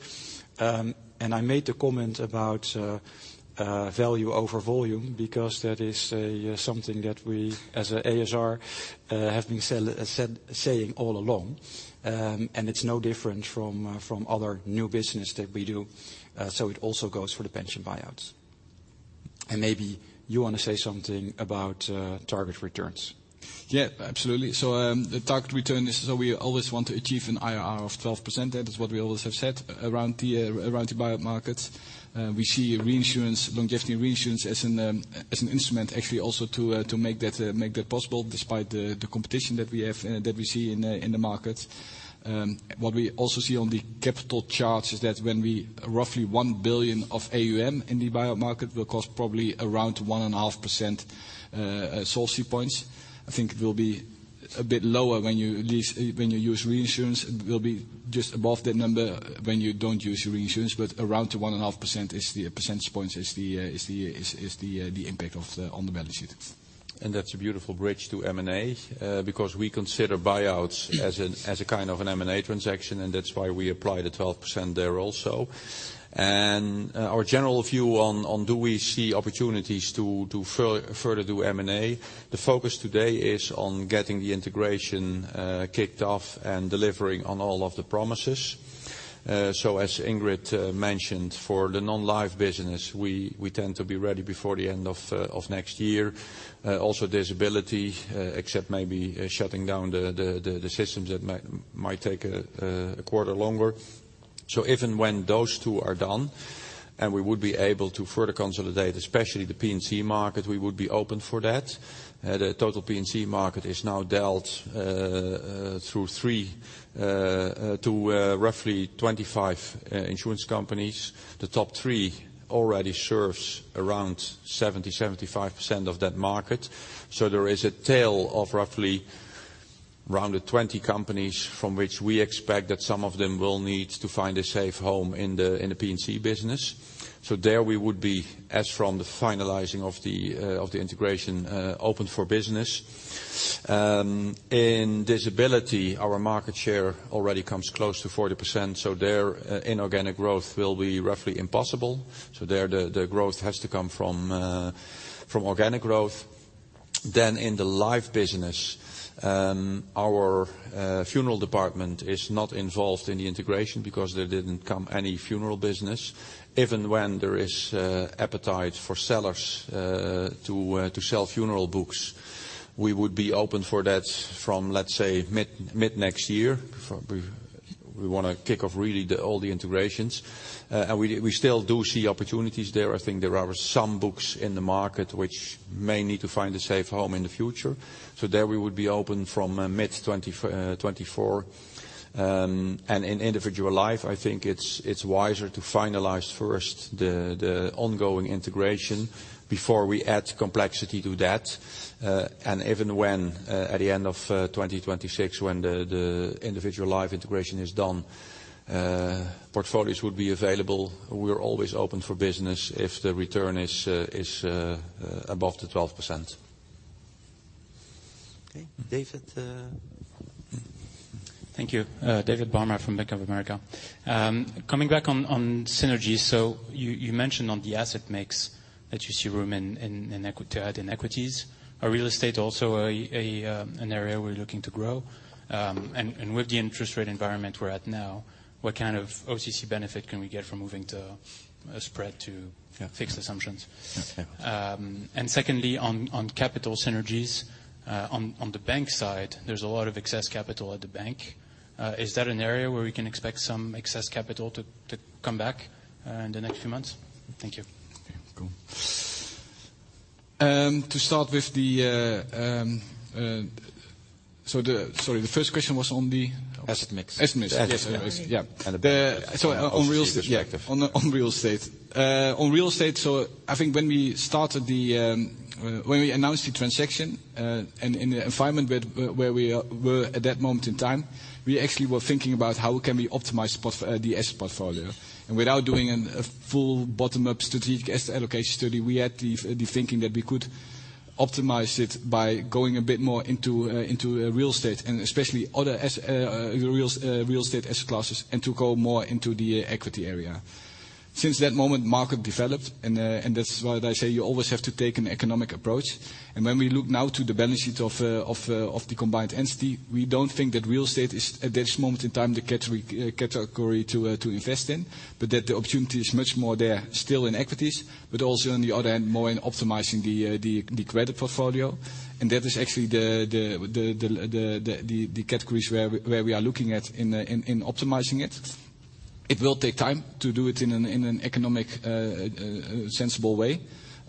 I made the comment about value over volume because that is something that we, as a.s.r., have been saying all along. It's no different from other new business that we do, so it also goes for the pension buyouts. Maybe you want to say something about target returns. Yeah, absolutely. So, the target return is so we always want to achieve an IRR of 12%. That is what we always have said around the buyout market. We see reinsurance, longevity reinsurance as an instrument actually also to make that possible despite the competition that we have that we see in the market. What we also see on the capital charts is that when we roughly 1 billion of AUM in the buyout market will cost probably around 1.5%, solvency points. I think it will be a bit lower when you use reinsurance. It will be just above that number when you don't use reinsurance, but around the 1.5% is the percentage points, is the impact of the on the balance sheet. That's a beautiful bridge to M&A, because we consider buyouts as a kind of an M&A transaction, and that's why we apply the 12% there also. Our general view on do we see opportunities to further do M&A, the focus today is on getting the integration kicked off and delivering on all of the promises. So as Ingrid mentioned, for the non-life business, we tend to be ready before the end of next year. Also, disability except maybe shutting down the systems that might take a quarter longer. So if and when those two are done, and we would be able to further consolidate, especially the P&C market, we would be open for that. The total P&C market is now dealt through three to roughly 25 insurance companies. The top three already serves around 70%-75% of that market. So there is a tail of roughly around the 20 companies from which we expect that some of them will need to find a safe home in the P&C business. So there we would be, as from the finalizing of the integration, open for business. In disability, our market share already comes close to 40%, so there, inorganic growth will be roughly impossible. So there, the growth has to come from organic growth. Then in the life business, our funeral department is not involved in the integration because there didn't come any funeral business. If and when there is appetite for sellers to sell funeral books, we would be open for that from, let's say, mid-next year. We wanna kick off really all the integrations. And we still do see opportunities there. I think there are some books in the market which may need to find a safe home in the future. So there, we would be open from mid-2024. And in individual life, I think it's wiser to finalize first the ongoing integration before we add complexity to that. And even when at the end of 2026, when the individual life integration is done, portfolios would be available. We are always open for business if the return is above 12%.... Okay, David. Thank you. David Barma from Bank of America. Coming back on synergy, so you mentioned on the asset mix that you see room in equity to add in equities. Are real estate also an area we're looking to grow? And with the interest rate environment we're at now, what kind of OCC benefit can we get from moving to a spread to- Yeah. -fixed assumptions? Okay. And secondly, on capital synergies. On the bank side, there's a lot of excess capital at the bank. Is that an area where we can expect some excess capital to come back in the next few months? Thank you. Okay, cool. Sorry, the first question was on the? Asset mix. Asset mix. Yes. Yeah. And the- On real estate- Yeah. On real estate. On real estate, so I think when we started the, when we announced the transaction, and in the environment where we were at that moment in time, we actually were thinking about how can we optimize the asset portfolio. And without doing a full bottom-up strategic asset allocation study, we had the thinking that we could optimize it by going a bit more into real estate, and especially other real estate asset classes, and to go more into the equity area. Since that moment, market developed, and that's why they say you always have to take an economic approach. And when we look now to the balance sheet of the combined entity, we don't think that real estate is, at this moment in time, the category to invest in. But that the opportunity is much more there still in equities, but also on the other end, more in optimizing the credit portfolio. And that is actually the categories where we are looking at in optimizing it. It will take time to do it in an economic sensible way.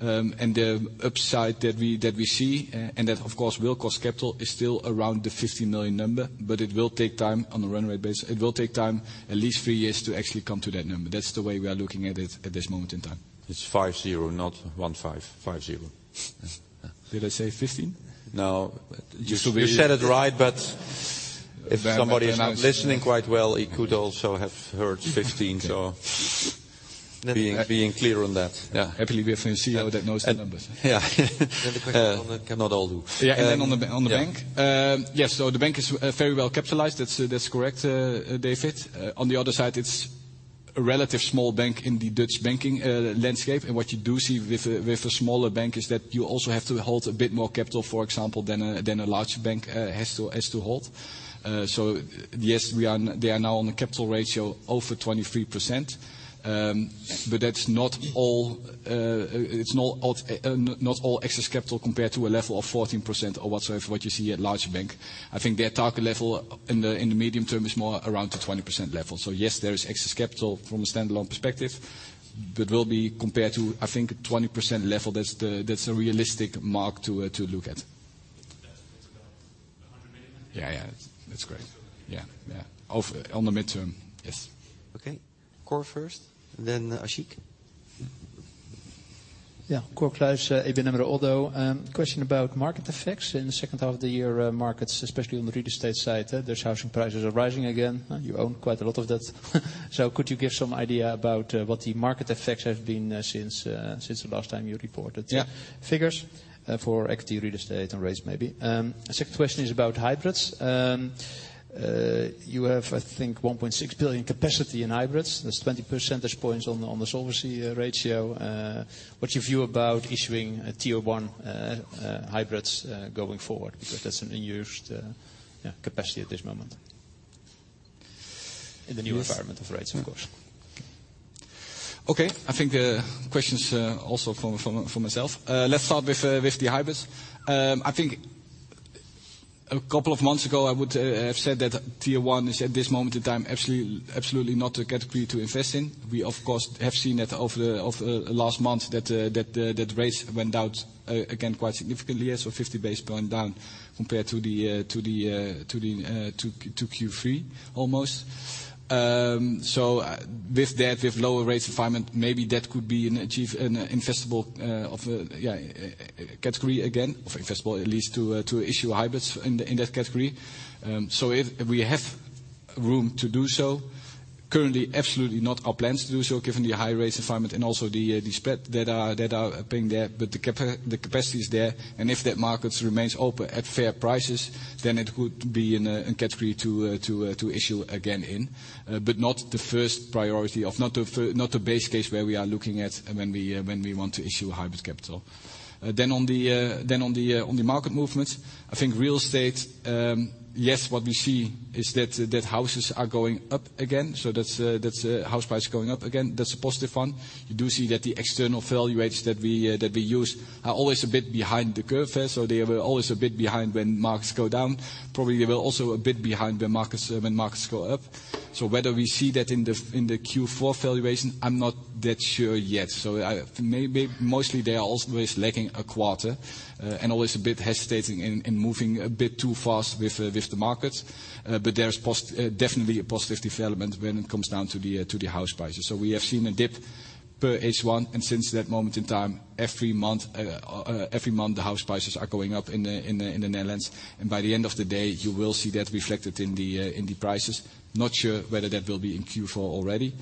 And the upside that we see, and that, of course, will costs capital, is still around the 50 million number, but it will take time on a run rate basis. It will take time, at least three years, to actually come to that number. That's the way we are looking at it at this moment in time. It's 50, not 15. 50. Did I say 15? No. You said it right, but if somebody is not listening quite well, he could also have heard 15. So, being clear on that. Yeah. Hopefully, we have a CEO that knows the numbers. Yeah. Then the question on the- Cannot all do. Yeah, and then on the bank. Yeah. Yes, so the bank is very well capitalized. That's correct, David. On the other side, it's a relatively small bank in the Dutch banking landscape. And what you do see with a smaller bank is that you also have to hold a bit more capital, for example, than a larger bank has to hold. So yes, they are now on a capital ratio over 23%. But that's not all, it's not all excess capital compared to a level of 14% or whatsoever, what you see at larger bank. I think their target level in the medium term is more around the 20% level. So yes, there is excess capital from a standalone perspective, but will be compared to, I think, 20% level. That's a realistic mark to look at. That's about EUR 100 million? Yeah, yeah. That's correct. So- Yeah, yeah. Of, on the mid-term, yes. Okay. Cor first, then Ashik. Yeah, Cor Kluis, ABN AMRO ODDO. Question about market effects. In the second half of the year, markets, especially on the real estate side, those housing prices are rising again. You own quite a lot of that. So could you give some idea about what the market effects have been since the last time you reported- Yeah... figures for equity real estate and rates, maybe? Second question is about hybrids. You have, I think, 1.6 billion capacity in hybrids. That's 20 percentage points on the solvency ratio. What's your view about issuing a Tier 1 hybrids going forward? Because that's an unused capacity at this moment. In the new environment- Yes... of rates, of course. Okay, I think the questions, also from myself. Let's start with the hybrids. I think a couple of months ago, I would have said that Tier one is, at this moment in time, absolutely, absolutely not a category to invest in. We, of course, have seen that over the last month, that rates went down again, quite significantly, so 50 basis points down compared to the Q3, almost. So, with that, with lower rates environment, maybe that could be an achieve, an investable of a, yeah, category again, or investable at least to issue hybrids in that category. So if we have room to do so, currently, absolutely not our plans to do so, given the high rates environment and also the, the spread that are, that are being there. But the capacity is there, and if that market remains open at fair prices, then it could be in a, a category to, to, to issue again in. But not the first priority. Not the base case where we are looking at when we, when we want to issue hybrid capital. Then on the, then on the, on the market movement, I think real estate, yes, what we see is that, that houses are going up again. So that's, that's, house prices going up again. That's a positive one. You do see that the external value rates that we, that we use are always a bit behind the curve there, so they are always a bit behind when markets go down. Probably, they were also a bit behind the markets, when markets go up. So whether we see that in the, in the Q4 valuation, I'm not that sure yet. So I, maybe, mostly, they are always lagging a quarter, and always a bit hesitating in, in moving a bit too fast with, with the markets. But there is definitely a positive development when it comes down to the, to the house prices. So we have seen a dip per H1, and since that moment in time, every month, every month, the house prices are going up in the, in the, in the Netherlands. And by the end of the day, you will see that reflected in the prices. Not sure whether that will be in Q4 already.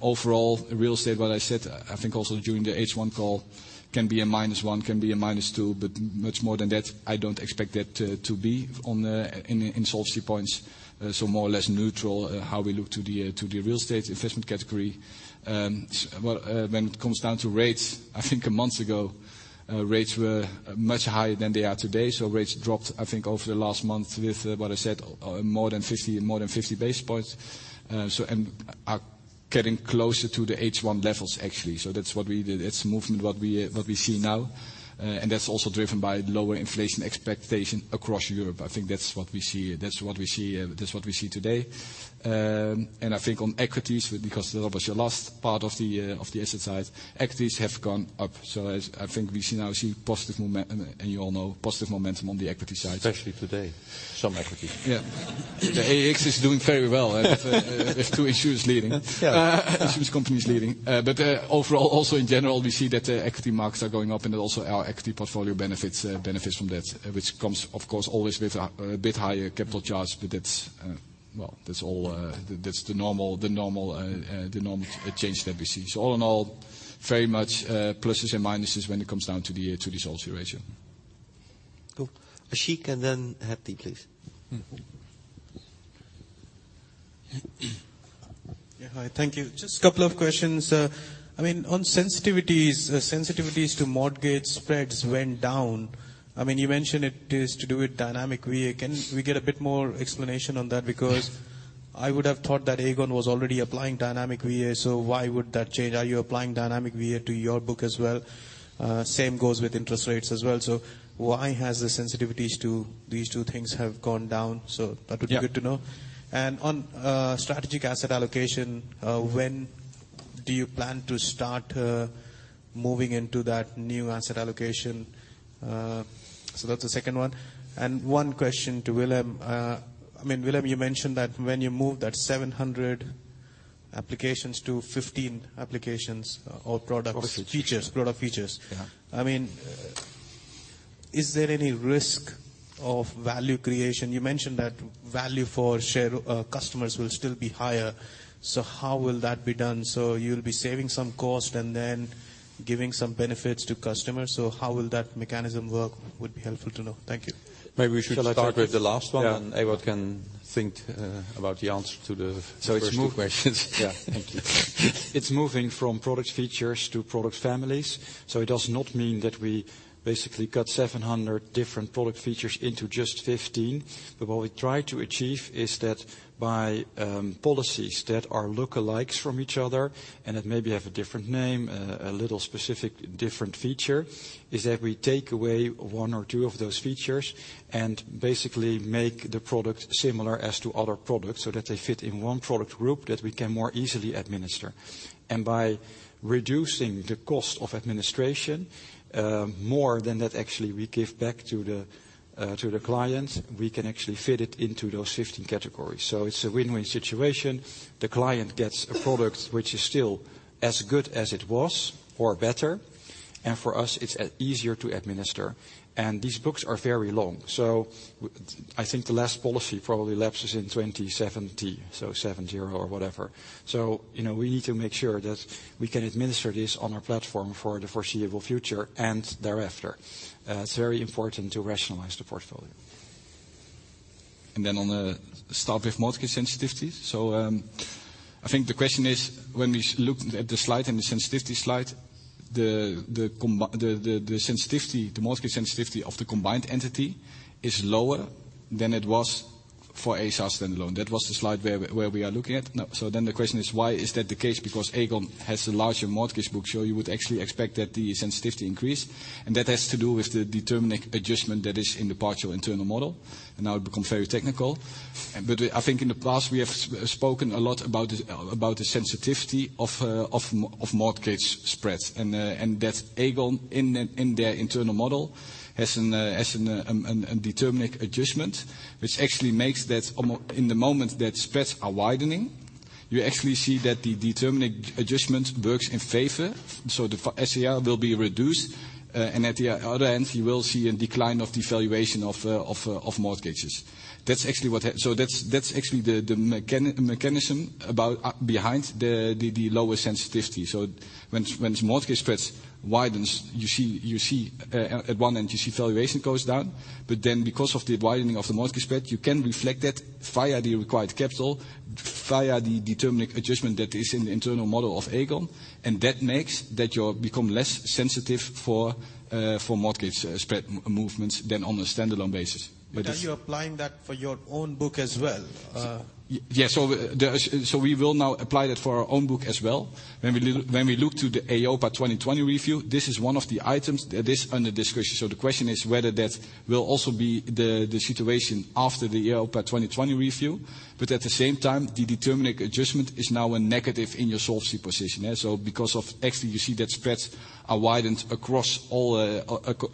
Overall, real estate, what I said, I think also during the H1 call, can be a -1, can be a -2, but much more than that, I don't expect that to be in solvency points. So more or less neutral, how we look to the real estate investment category. Well, when it comes down to rates, I think a month ago, rates were much higher than they are today. So rates dropped, I think, over the last month with what I said, more than 50 basis points. So and our-... getting closer to the H1 levels, actually. So that's what we did. It's movement, what we see now, and that's also driven by lower inflation expectation across Europe. I think that's what we see, that's what we see, that's what we see today. And I think on equities, because that was your last part of the asset side, equities have gone up. So as I think we see now, see positive momentum and you all know, positive momentum on the equity side. Especially today, some equities. Yeah. The AEX is doing very well with two insurers leading. Yeah. Insurance companies leading. But overall, also in general, we see that the equity markets are going up, and then also our equity portfolio benefits, benefits from that, which comes, of course, always with a bit higher capital charge. But that's, well, that's all, that's the normal, the normal, the normal change that we see. So all in all, very much, pluses and minuses when it comes down to the, to the solvency ratio. Cool. Ashik and then Hadley, please. Mm-hmm. Yeah, hi. Thank you. Just a couple of questions. I mean, on sensitivities, sensitivities to mortgage spreads went down. I mean, you mentioned it is to do with dynamic VA. Can we get a bit more explanation on that? Because I would have thought that Aegon was already applying dynamic VA, so why would that change? Are you applying dynamic VA to your book as well? Same goes with interest rates as well. So why has the sensitivities to these two things have gone down? So that would be- Yeah Good to know. And on, strategic asset allocation, when do you plan to start, moving into that new asset allocation? So that's the second one. And one question to Willem. I mean, Willem, you mentioned that when you moved that 700 applications to 15 applications or products- Features. Features, product features. Yeah. I mean, is there any risk of value creation? You mentioned that value for share, customers will still be higher, so how will that be done? So you'll be saving some cost and then giving some benefits to customers, so how will that mechanism work? It would be helpful to know. Thank you. Maybe we should start with the last one- Yeah. And Ewout can think about the answer to the first two questions. Yeah. Thank you. It's moving from product features to product families, so it does not mean that we basically cut 700 different product features into just 15. But what we try to achieve is that by policies that are lookalikes from each other, and that maybe have a different name, a little specific different feature, is that we take away one or two of those features and basically make the product similar as to other products, so that they fit in one product group that we can more easily administer. And by reducing the cost of administration, more than that, actually, we give back to the, to the client. We can actually fit it into those 15 categories. So it's a win-win situation. The client gets a product which is still as good as it was or better, and for us, it's easier to administer. These books are very long. So I think the last policy probably lapses in 2070, so 70 or whatever. So, you know, we need to make sure that we can administer this on our platform for the foreseeable future and thereafter. It's very important to rationalize the portfolio. Then start with mortgage sensitivity. So, I think the question is, when we look at the slide and the sensitivity slide, the combined mortgage sensitivity of the combined entity is lower than it was for a.s.r. standalone. That was the slide where we are looking at? No. So then the question is, why is that the case? Because Aegon has a larger mortgage book, so you would actually expect that the sensitivity increase, and that has to do with the deterministic adjustment that is in the partial internal model. And now it become very technical, but, I think in the past, we have spoken a lot about the sensitivity of mortgage spreads. And that Aegon, in their internal model, has a deterministic adjustment, which actually makes that in the moment that spreads are widening, you actually see that the deterministic adjustment works in favor, so the SCR will be reduced. And at the other end, you will see a decline of the valuation of mortgages. That's actually what happens. So that's actually the mechanism behind the lower sensitivity. So when mortgage spreads widens, you see, you see, at one end, you see valuation goes down. But then because of the widening of the mortgage spread, you can reflect that via the required capital, via the deterministic adjustment that is in the internal model of Aegon, and that makes that you become less sensitive for, for mortgage spread movements than on a standalone basis. But this- Are you applying that for your own book as well? Y- Yes. So, so we will now apply that for our own book as well. When we look to the EIOPA 2020 review, this is one of the items that is under discussion. So the question is whether that will also be the situation after the EIOPA 2020 review, but at the same time, the deterministic adjustment is now a negative in your solvency position. And so because of actually, you see that spreads are widened across all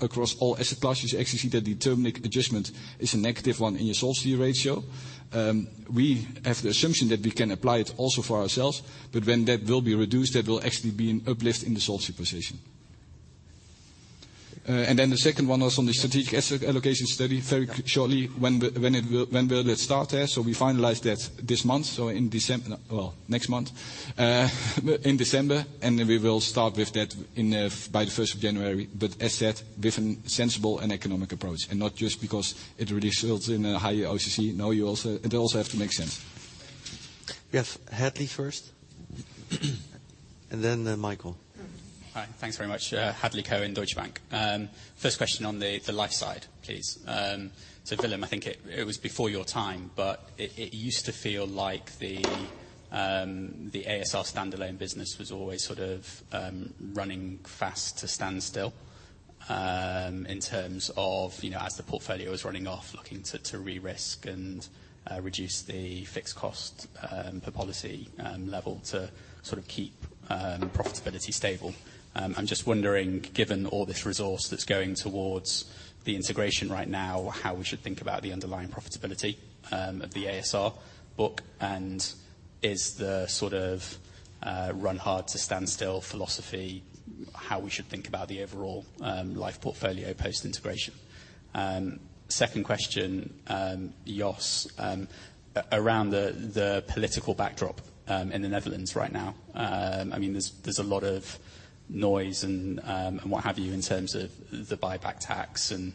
across all asset classes, you actually see that deterministic adjustment is a negative one in your solvency ratio. We have the assumption that we can apply it also for ourselves, but when that will be reduced, that will actually be an uplift in the solvency position. And then the second one was on the strategic asset allocation study. Very shortly, when will it start there? So we finalize that this month, so in December—well, next month, in December, and then we will start with that by the first of January. But as said, with a sensible and economic approach, and not just because it really results in a higher OCC. No, you also, it also have to make sense. We have Hadley first.... And then, Michael. Hi, thanks very much. Hadley Cohen, Deutsche Bank. First question on the life side, please. So, Willem, I think it was before your time, but it used to feel like the ASR standalone business was always sort of running fast to standstill, in terms of, you know, as the portfolio was running off, looking to re-risk and reduce the fixed cost per policy level, to sort of keep profitability stable. I'm just wondering, given all this resource that's going towards the integration right now, how we should think about the underlying profitability of the ASR book? And is the sort of run hard to standstill philosophy how we should think about the overall life portfolio post-integration? Second question, Jos, around the political backdrop in the Netherlands right now. I mean, there's a lot of noise and what have you, in terms of the buyback tax and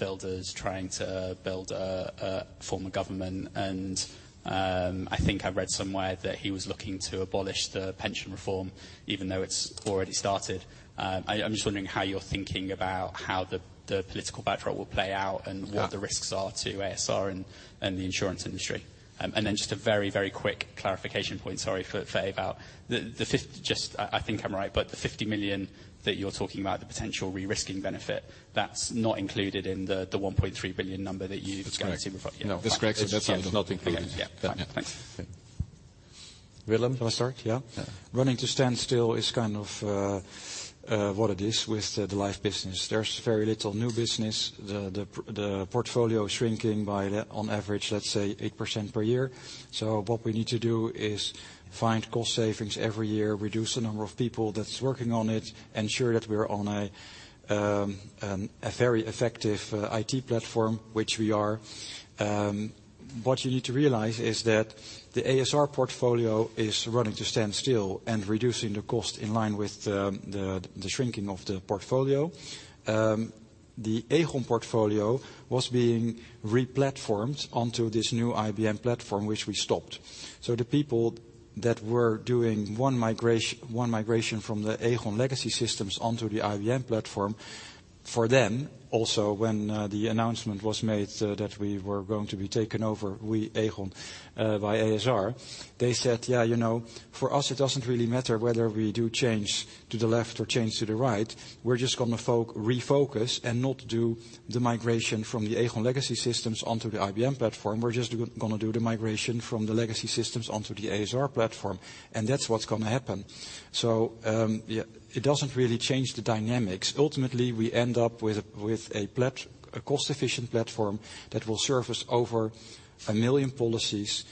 Wilders trying to build a form of government. I think I read somewhere that he was looking to abolish the pension reform, even though it's already started. I'm just wondering how you're thinking about how the political backdrop will play out, and what- Yeah... the risks are to ASR and the insurance industry. And then just a very, very quick clarification point, sorry, for Ewout. The 50 million that you're talking about, the potential re-risking benefit, that's not included in the 1.3 billion number that you've gone through with? That's correct. No, that's correct. So that's not included. Okay. Yeah. Yeah. Thanks. Willem, you want to start? Yeah. Running to standstill is kind of what it is with the life business. There's very little new business. The portfolio is shrinking by, on average, let's say 8% per year. So what we need to do is find cost savings every year, reduce the number of people that's working on it, ensure that we're on a very effective IT platform, which we are. What you need to realize is that the ASR portfolio is running to standstill and reducing the cost in line with the shrinking of the portfolio. The Aegon portfolio was being re-platformed onto this new IBM platform, which we stopped. So the people that were doing one migration from the Aegon legacy systems onto the IBM platform, for them, also, when the announcement was made that we were going to be taken over, we, Aegon, by a.s.r., they said: "Yeah, you know, for us, it doesn't really matter whether we do change to the left or change to the right. We're just gonna refocus and not do the migration from the Aegon legacy systems onto the IBM platform. We're just gonna do the migration from the legacy systems onto the a.s.r. platform," and that's what's gonna happen. So, yeah, it doesn't really change the dynamics. Ultimately, we end up with a cost-efficient platform that will service over a million policies,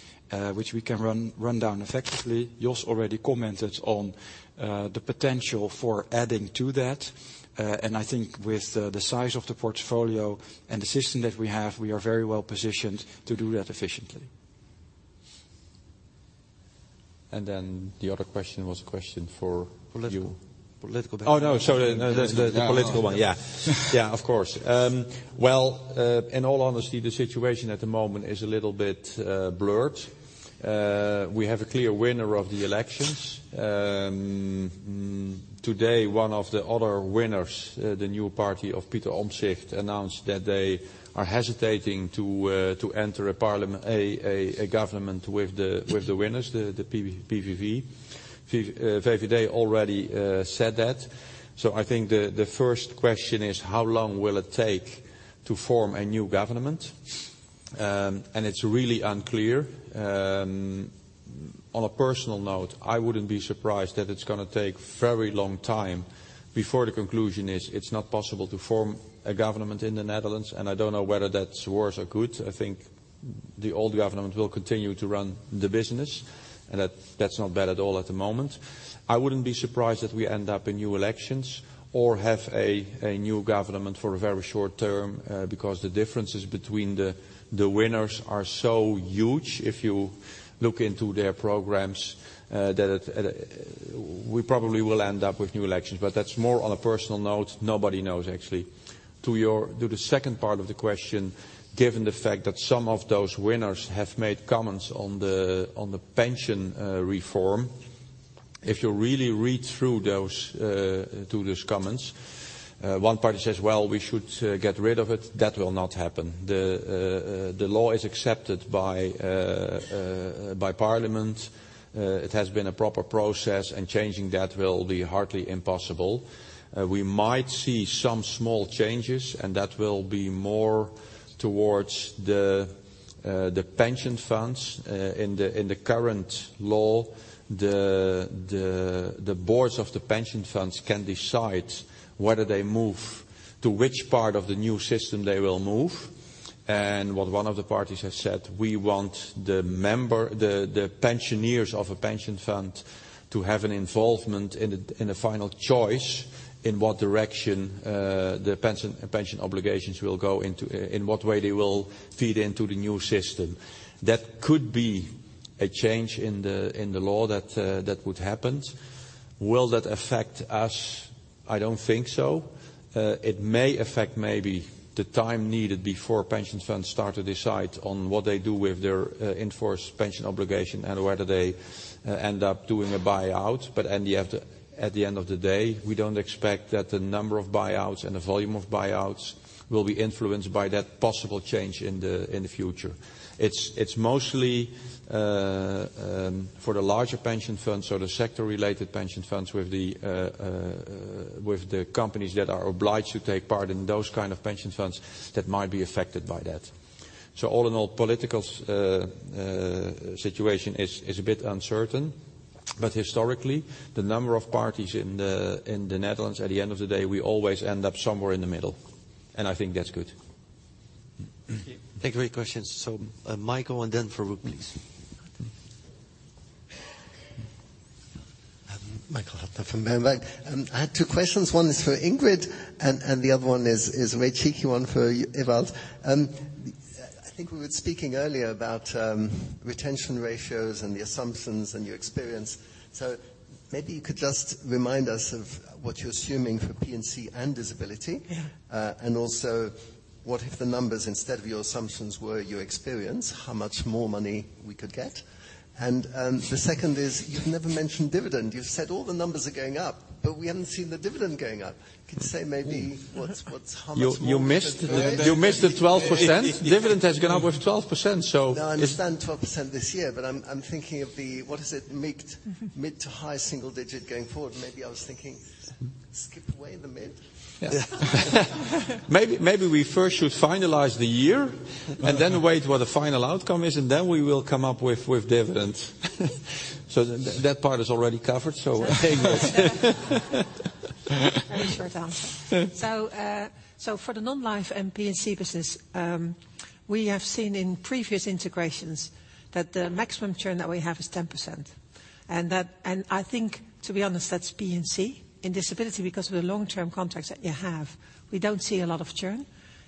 which we can run down effectively. Jos already commented on the potential for adding to that. I think with the size of the portfolio and the system that we have, we are very well positioned to do that efficiently. And then the other question was a question for- Political. -you. Political backdrop. Oh, no, sorry. No, that's the, the political one. Yeah. Yeah, of course. Well, in all honesty, the situation at the moment is a little bit blurred. We have a clear winner of the elections. Today, one of the other winners, the new party of Pieter Omtzigt, announced that they are hesitating to enter a parliament, a government with the winners, the PVV, PVV. They already said that. So I think the first question is: How long will it take to form a new government? And it's really unclear. On a personal note, I wouldn't be surprised that it's gonna take very long time before the conclusion is, it's not possible to form a government in the Netherlands, and I don't know whether that's worse or good. I think the old government will continue to run the business, and that's not bad at all at the moment. I wouldn't be surprised if we end up in new elections or have a new government for a very short term, because the differences between the winners are so huge. If you look into their programs, we probably will end up with new elections, but that's more on a personal note. Nobody knows actually. To the second part of the question, given the fact that some of those winners have made comments on the pension reform, if you really read through those comments, one party says, "Well, we should get rid of it," that will not happen. The law is accepted by Parliament. It has been a proper process, and changing that will be hardly impossible. We might see some small changes, and that will be more towards the pension funds. In the current law, the boards of the pension funds can decide whether they move to which part of the new system they will move. And what one of the parties has said, we want the member, the pensioners of a pension fund to have an involvement in the final choice, in what direction the pension obligations will go into, in what way they will feed into the new system. That could be a change in the law that would happened. Will that affect us? I don't think so. It may affect maybe the time needed before pension funds start to decide on what they do with their enforced pension obligation and whether they end up doing a buyout. But, and yet, at the end of the day, we don't expect that the number of buyouts and the volume of buyouts will be influenced by that possible change in the future. It's mostly for the larger pension funds or the sector-related pension funds with the companies that are obliged to take part in those kind of pension funds that might be affected by that. So all in all, political situation is a bit uncertain, but historically, the number of parties in the Netherlands, at the end of the day, we always end up somewhere in the middle, and I think that's good. Thank you. Take your questions. So, Michael, and then Farooq, please. Michael Huttner from Berenberg. I had two questions. One is for Ingrid, and the other one is a very cheeky one for Ewout. I think we were speaking earlier about retention ratios and the assumptions and your experience. So maybe you could just remind us of what you're assuming for P&C and disability. Yeah. And also, what if the numbers, instead of your assumptions, were your experience, how much more money we could get? And, the second is, you've never mentioned dividend. You've said all the numbers are going up, but we haven't seen the dividend going up. Could you say maybe what's how much more- You missed the 12%? Dividend has gone up with 12%, so- No, I understand 12% this year, but I'm thinking of the... What is it? Mid- to high-single-digit going forward. Maybe I was thinking, skip away the mid. Yeah. Maybe we first should finalize the year- Right. and then wait what the final outcome is, and then we will come up with dividend. So that part is already covered, so, Ingrid? Very short answer. So, so for the non-life and P&C business, we have seen in previous integrations that the maximum churn that we have is 10%. And that, and I think, to be honest, that's P&C. In disability, because of the long-term contracts that you have, we don't see a lot of churn,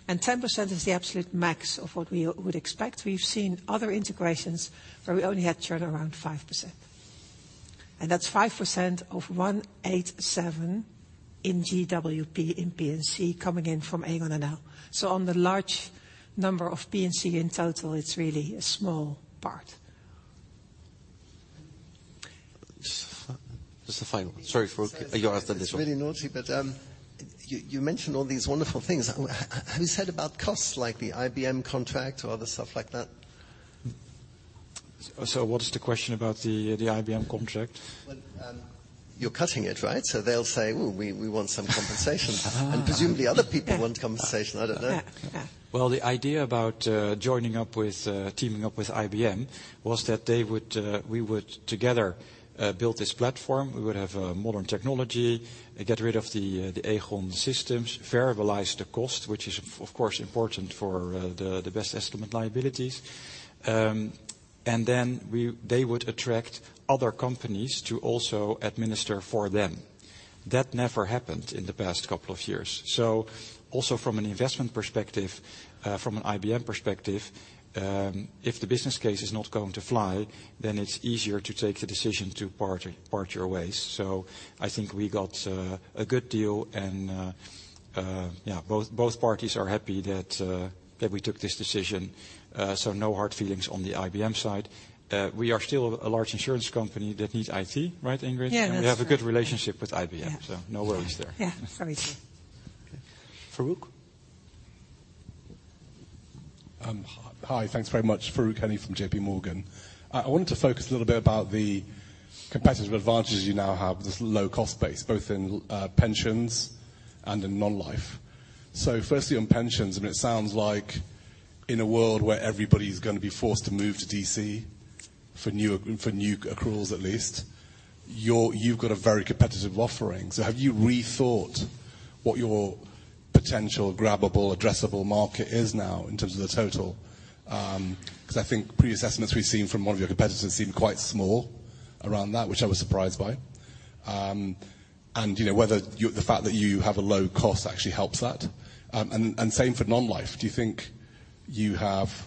and 10% is the absolute max of what we would expect. We've seen other integrations where we only had churn around 5%, and that's 5% of 187 in GWP, in P&C, coming in from Aegon now. So on the large number of P&C in total, it's really a small part. Just the final one. Sorry for... You asked this one. It's really naughty, but you mentioned all these wonderful things. Have you said about costs, like the IBM contract or other stuff like that? What is the question about the IBM contract? Well, you're cutting it, right? So they'll say: Well, we, we want some compensation. Ah. Presumably other people want compensation, I don't know. Yeah, yeah. Well, the idea about joining up with teaming up with IBM was that they would we would together build this platform. We would have a modern technology, get rid of the the Aegon systems, variabilize the cost, which is of course important for the the best estimate liabilities. And then we they would attract other companies to also administer for them. That never happened in the past couple of years. So also from an investment perspective from an IBM perspective if the business case is not going to fly, then it's easier to take the decision to part part your ways. So I think we got a a good deal, and yeah both both parties are happy that that we took this decision. So no hard feelings on the IBM side. We are still a large insurance company that needs IT, right, Ingrid? Yeah, that's right. We have a good relationship with IBM. Yeah. No worries there. Yeah, very true. Okay. Farooq? Hi, thanks very much. Farooq Hanif from JPMorgan. I wanted to focus a little bit about the competitive advantages you now have, this low-cost base, both in pensions and in non-life. So firstly, on pensions, I mean, it sounds like in a world where everybody's gonna be forced to move to DC, for new, for new accruals at least, you've got a very competitive offering. So have you rethought what your potential grabbable, addressable market is now in terms of the total? 'Cause I think previous estimates we've seen from one of your competitors seem quite small around that, which I was surprised by. And, you know, whether you, the fact that you have a low cost actually helps that. And same for non-life. Do you think you have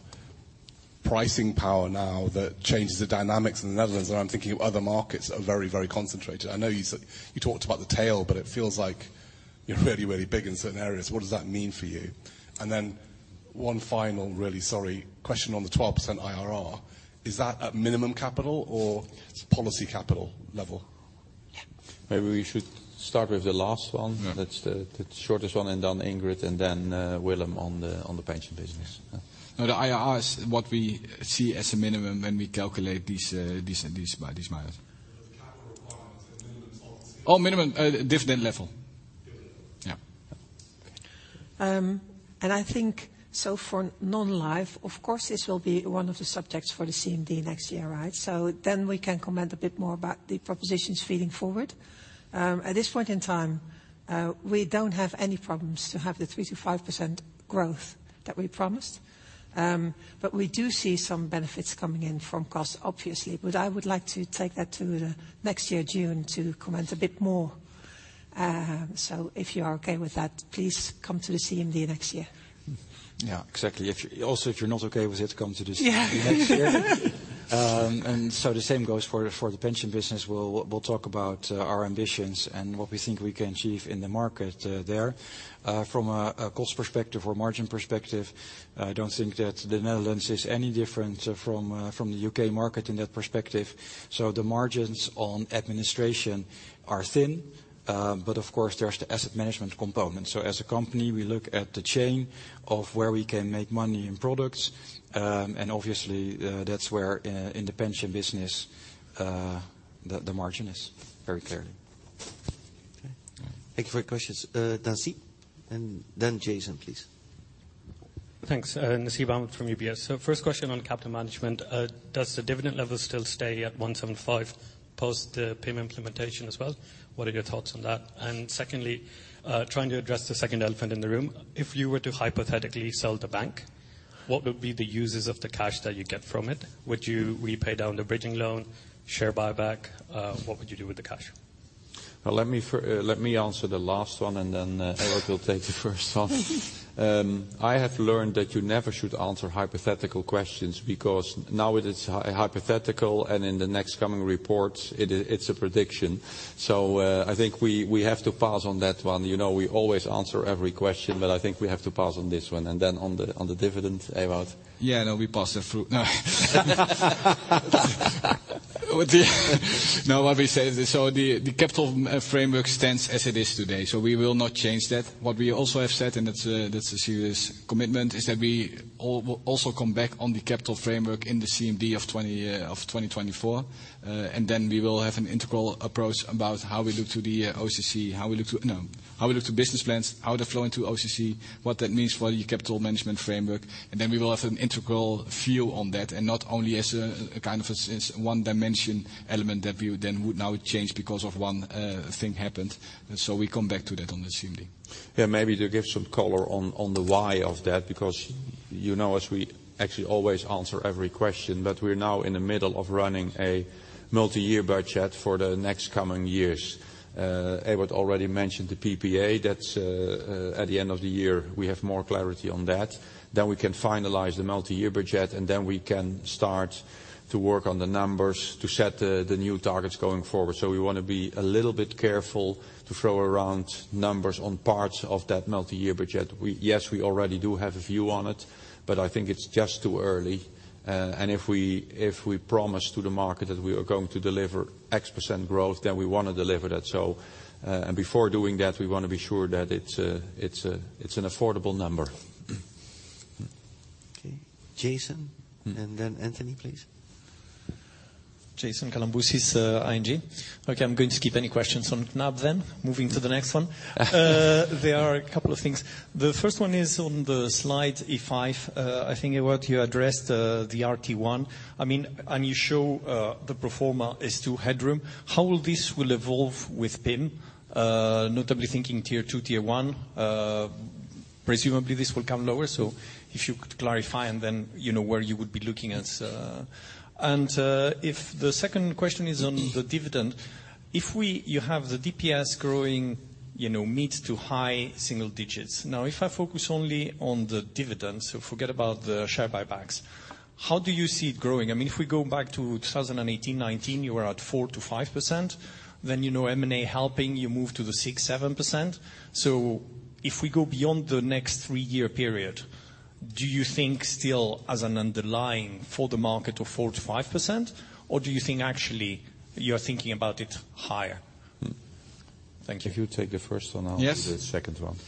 pricing power now that changes the dynamics in the Netherlands? I'm thinking of other markets that are very, very concentrated. I know you said, you talked about the tail, but it feels like you're really, really big in certain areas. What does that mean for you? And then one final, really sorry, question on the 12% IRR. Is that at minimum capital or policy capital level? Yeah. Maybe we should start with the last one. Yeah. That's the shortest one, and then Ingrid, and then Willem on the pension business. No, the IRR is what we see as a minimum when we calculate these by these models. The capital requirements at minimum- Oh, minimum dividend level. Dividend level. Yeah. And I think so for non-life, of course, this will be one of the subjects for the CMD next year, right? So then we can comment a bit more about the propositions feeding forward. At this point in time, we don't have any problems to have the 3%-5% growth that we promised. But we do see some benefits coming in from cost, obviously, but I would like to take that to the next year, June, to comment a bit more. So if you are okay with that, please come to the CMD next year. Yeah, exactly. If you, also, if you're not okay with it, come to the CMD next year. And so the same goes for the pension business. We'll talk about our ambitions and what we think we can achieve in the market, there. From a cost perspective or margin perspective, I don't think that the Netherlands is any different from the U.K. market in that perspective. So the margins on administration are thin, but of course, there's the asset management component. So as a company, we look at the chain of where we can make money in products, and obviously, that's where, in the pension business, the margin is, very clearly. Okay. Thank you for your questions. Nasib and then Jason, please. Thanks, Nasib Ahmed from UBS. So first question on capital management. Does the dividend level still stay at 1.75 post the payment implementation as well? What are your thoughts on that? And secondly, trying to address the second elephant in the room, if you were to hypothetically sell the bank, what would be the uses of the cash that you get from it? Would you repay down the bridging loan, share buyback? What would you do with the cash? Well, let me answer the last one, and then Ewout will take the first one. I have learned that you never should answer hypothetical questions, because now it is a hypothetical, and in the next coming reports, it is, it's a prediction. So, I think we have to pass on that one. You know, we always answer every question, but I think we have to pass on this one. And then on the, on the dividend, Ewout? Yeah, no, we pass that through. No. With the... No, what we say is, so the, the capital framework stands as it is today, so we will not change that. What we also have said, and that's, that's a serious commitment, is that we also come back on the capital framework in the CMD of 2024. And then we will have an integral approach about how we look to the, OCC, how we look to business plans, how they flow into OCC, what that means for the capital management framework, and then we will have an integral view on that, and not only as a, a kind of a one dimension element that we would then now change because of one thing happened. So we come back to that on the CMD. Yeah, maybe to give some color on the why of that, because you know, as we actually always answer every question, but we're now in the middle of running a multi-year budget for the next coming years. Ewout already mentioned the PPA. That's at the end of the year, we have more clarity on that. Then we can finalize the multi-year budget, and then we can start to work on the numbers to set the new targets going forward. So we want to be a little bit careful to throw around numbers on parts of that multi-year budget. Yes, we already do have a view on it, but I think it's just too early, and if we promise to the market that we are going to deliver x% growth, then we want to deliver that. Before doing that, we want to be sure that it's an affordable number. Okay. Jason, and then Anthony, please. Jason Kalamboussis, ING. Okay, I'm going to skip any questions on Knab then. Moving to the next one. There are a couple of things. The first one is on the slide E5. I think, Ewout, you addressed the RT1. I mean, and you show the pro forma is to headroom. How will this will evolve with PIM, notably thinking Tier Two, Tier One? Presumably, this will come lower, so if you could clarify, and then, you know, where you would be looking as... And, if the second question is on the dividend, if we, you have the DPS growing, you know, mid to high single digits. Now, if I focus only on the dividends, so forget about the share buybacks, how do you see it growing? I mean, if we go back to 2018, 2019, you were at 4%-5%. Then, you know, M&A helping, you move to the 6%-7%. So if we go beyond the next three-year period, do you think still as an underlying for the market of 4%-5%, or do you think actually you're thinking about it higher? Thank you. If you take the first one, I'll do- Yes. - the second one.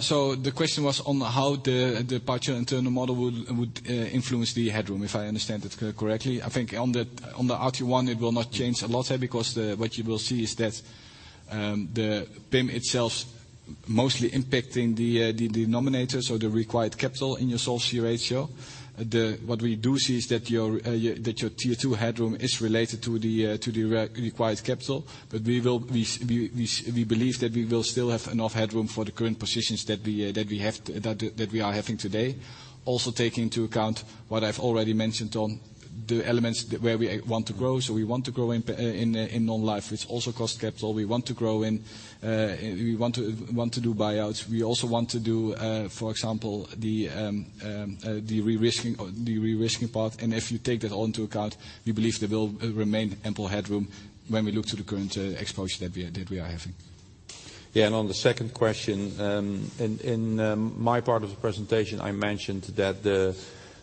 So the question was on how the budget and internal model would influence the headroom, if I understand it correctly. I think on the RT1, it will not change a lot, because what you will see is that the PIM itself mostly impacting the denominator, so the required capital in your Solvency ratio. What we do see is that your Tier Two headroom is related to the required capital. But we believe that we will still have enough headroom for the current positions that we have that we are having today. Also, take into account what I've already mentioned on the elements where we want to grow. So we want to grow in P&C, in non-life; it's also cost capital. We want to grow in; we want to do buyouts. We also want to do, for example, the de-risking part. And if you take that all into account, we believe there will remain ample headroom when we look to the current exposure that we are having. Yeah, and on the second question, in my part of the presentation, I mentioned that the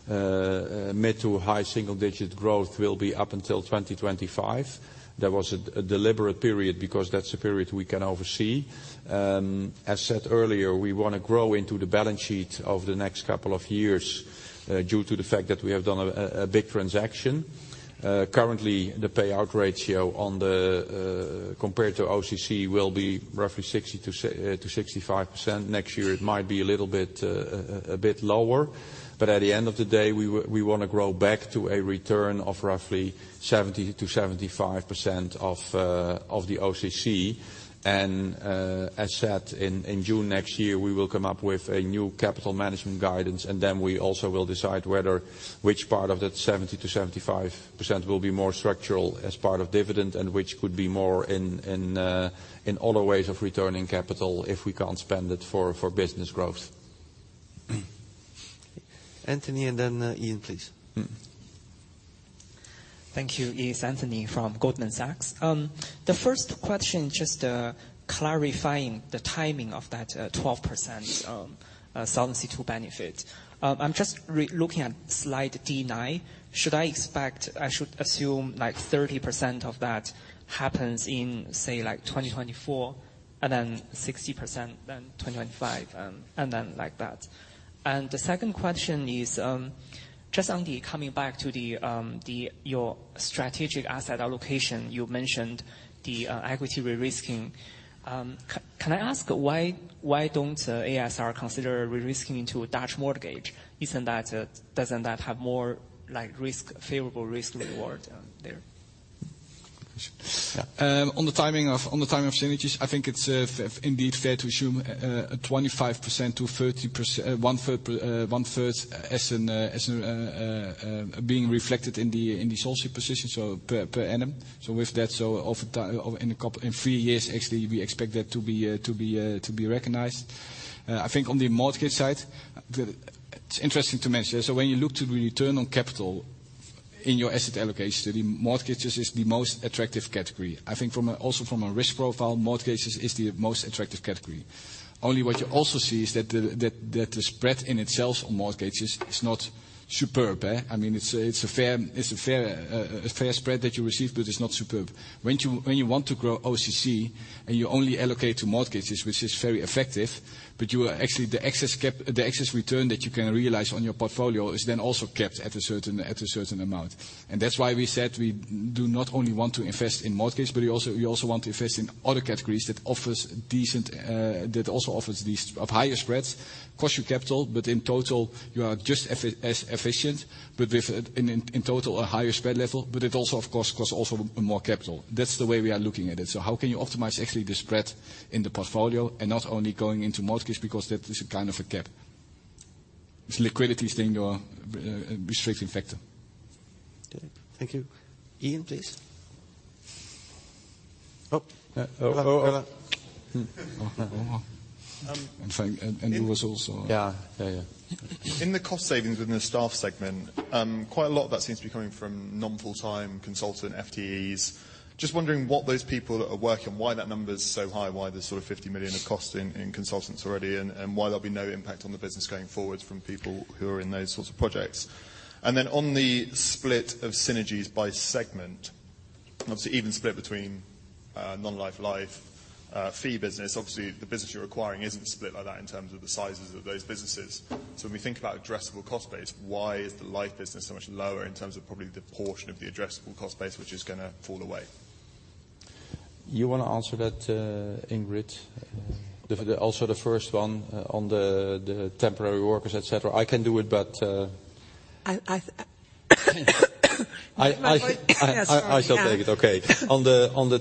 mid to high single digit growth will be up until 2025. That was a deliberate period, because that's the period we can oversee. As said earlier, we want to grow into the balance sheet over the next couple of years, due to the fact that we have done a big transaction. Currently, the payout ratio on the compared to OCC will be roughly 60%-65%. Next year, it might be a little bit lower, but at the end of the day, we want to grow back to a return of roughly 70%-75% of the OCC. As said, in June next year, we will come up with a new capital management guidance, and then we also will decide whether which part of that 70%-75% will be more structural as part of dividend, and which could be more in other ways of returning capital if we can't spend it for business growth. ... Anthony, and then, Iain, please. Thank you. It's Anthony from Goldman Sachs. The first question, just, clarifying the timing of that, 12%, Solvency II benefit. I'm just re-looking at slide D9. Should I expect, I should assume, like, 30% of that happens in, say, like, 2024, and then 60% then 2025, and then like that? And the second question is, just on the coming back to the, the, your strategic asset allocation. You mentioned the, equity de-risking. Can I ask why, why don't ASR consider risking into a Dutch mortgage? Isn't that, doesn't that have more, like, risk, favorable risk reward there? Yeah. On the timing of synergies, I think it's indeed fair to assume 25%-30%, 1/3, 1/3 as in being reflected in the Solvency position, so per annum. So with that, so of the time, in a couple, in three years, actually, we expect that to be recognized. I think on the mortgage side, it's interesting to mention. So when you look to the return on capital in your asset allocation, the mortgages is the most attractive category. I think from a, also from a risk profile, mortgages is the most attractive category. Only what you also see is that the spread in itself on mortgages is not superb, eh? I mean, it's a fair spread that you receive, but it's not superb. When you want to grow OCC, and you only allocate to mortgages, which is very effective, but you are actually the excess cap, the excess return that you can realize on your portfolio is then also capped at a certain amount. And that's why we said we do not only want to invest in mortgages, but we also want to invest in other categories that offers decent, that also offers these of higher spreads, cost you capital, but in total you are just as efficient. But with, in total, a higher spread level, but it also, of course, costs also more capital. That's the way we are looking at it. So how can you optimize actually the spread in the portfolio and not only going into mortgages, because that is a kind of a cap? It's liquidity thing or restricting factor. Okay, thank you. Iain, please. Oh. Oh, oh, oh. Hmm. And Frank, it was also- Yeah. Yeah, yeah. In the cost savings within the staff segment, quite a lot of that seems to be coming from non-full time consultant FTEs. Just wondering what those people are working, why that number is so high, why there's sort of 50 million of cost in consultants already, and why there'll be no impact on the business going forward from people who are in those sorts of projects? And then on the split of synergies by segment, obviously, even split between non-life, life, fee business. Obviously, the business you're acquiring isn't split like that in terms of the sizes of those businesses. So when we think about addressable cost base, why is the life business so much lower in terms of probably the portion of the addressable cost base, which is gonna fall away? You want to answer that, Ingrid? The, also the first one, on the temporary workers, et cetera. I can do it, but, I, my voice. I, I- Yeah. I shall take it. Okay. On the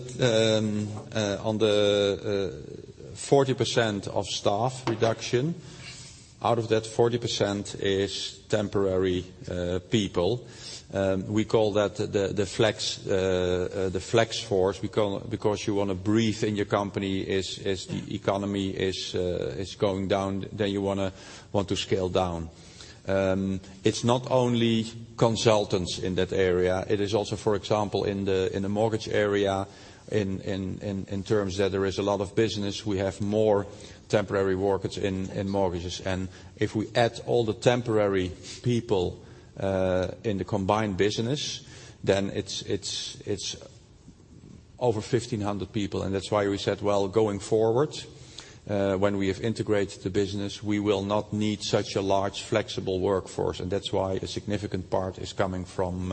40% of staff reduction, out of that 40% is temporary people. We call that the flex force, because you want to breathe in your company. As the economy is going down, then you want to scale down. It's not only consultants in that area. It is also, for example, in the mortgage area, in terms that there is a lot of business, we have more temporary workers in mortgages. And if we add all the temporary people in the combined business, then it's over 1,500 people. And that's why we said, well, going forward, when we have integrated the business, we will not need such a large, flexible workforce. And that's why a significant part is coming from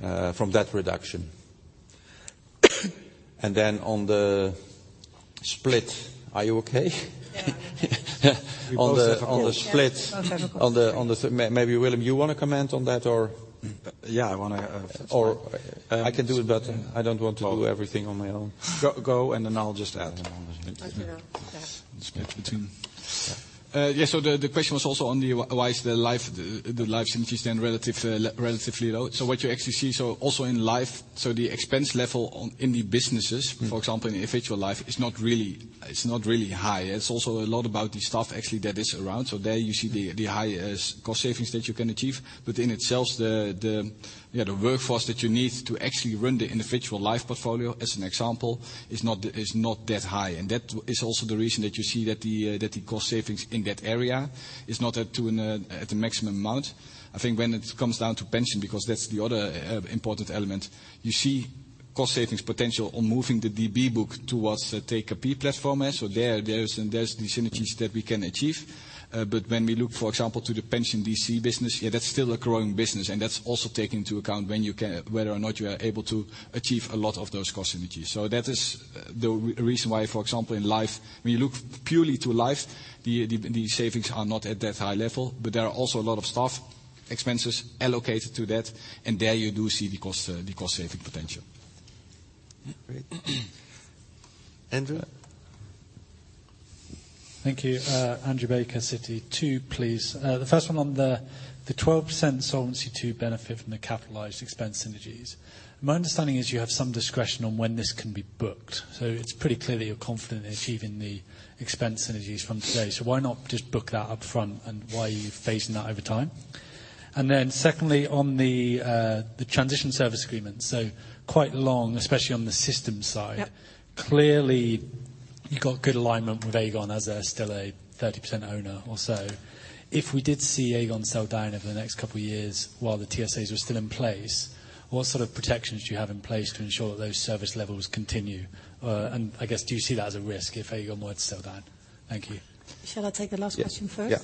that reduction. And then on the split... Are you okay? Yeah, I'm okay. On the- We both have a cold. On the split- Yeah, both have a cold. On the... Maybe, Willem, you want to comment on that, or? Yeah, I want to, Or I can do it, but I don't want to do everything on my own. Go, go, and then I'll just add. Okay, yeah. Yeah, so the, the question was also on the, why is the life, the life synergies then relative, relatively low? So what you actually see, so also in life, so the expense level on, in the businesses- Mm-hmm. For example, in individual life, is not really, it's not really high. It's also a lot about the staff actually that is around. So there you see the highest cost savings that you can achieve. But in itself, yeah, the workforce that you need to actually run the individual life portfolio, as an example, is not that high. And that is also the reason that you see that the cost savings in that area is not up to, at the maximum amount. I think when it comes down to pension, because that's the other important element, you see cost savings potential on moving the DB book towards a TKP platform. So there, there's the synergies that we can achieve. But when we look, for example, to the pension DC business, yeah, that's still a growing business, and that's also take into account when you can whether or not you are able to achieve a lot of those cost synergies. So that is the reason why, for example, in life, when you look purely to life, the savings are not at that high level, but there are also a lot of staff expenses allocated to that, and there you do see the cost-saving potential. Great. Andrew?... Thank you. Andrew Baker, Citi. Two, please. The first one on the 12% Solvency II benefit from the capitalized expense synergies. My understanding is you have some discretion on when this can be booked, so it's pretty clear that you're confident in achieving the expense synergies from today. So why not just book that up front, and why are you phasing that over time? And then secondly, on the transition service agreement, so quite long, especially on the systems side. Yep. Clearly, you've got good alignment with Aegon as they're still a 30% owner or so. If we did see Aegon sell down over the next couple of years while the TSAs were still in place, what sort of protections do you have in place to ensure that those service levels continue? And I guess, do you see that as a risk if Aegon were to sell that? Thank you. Shall I take the last question first? Yeah.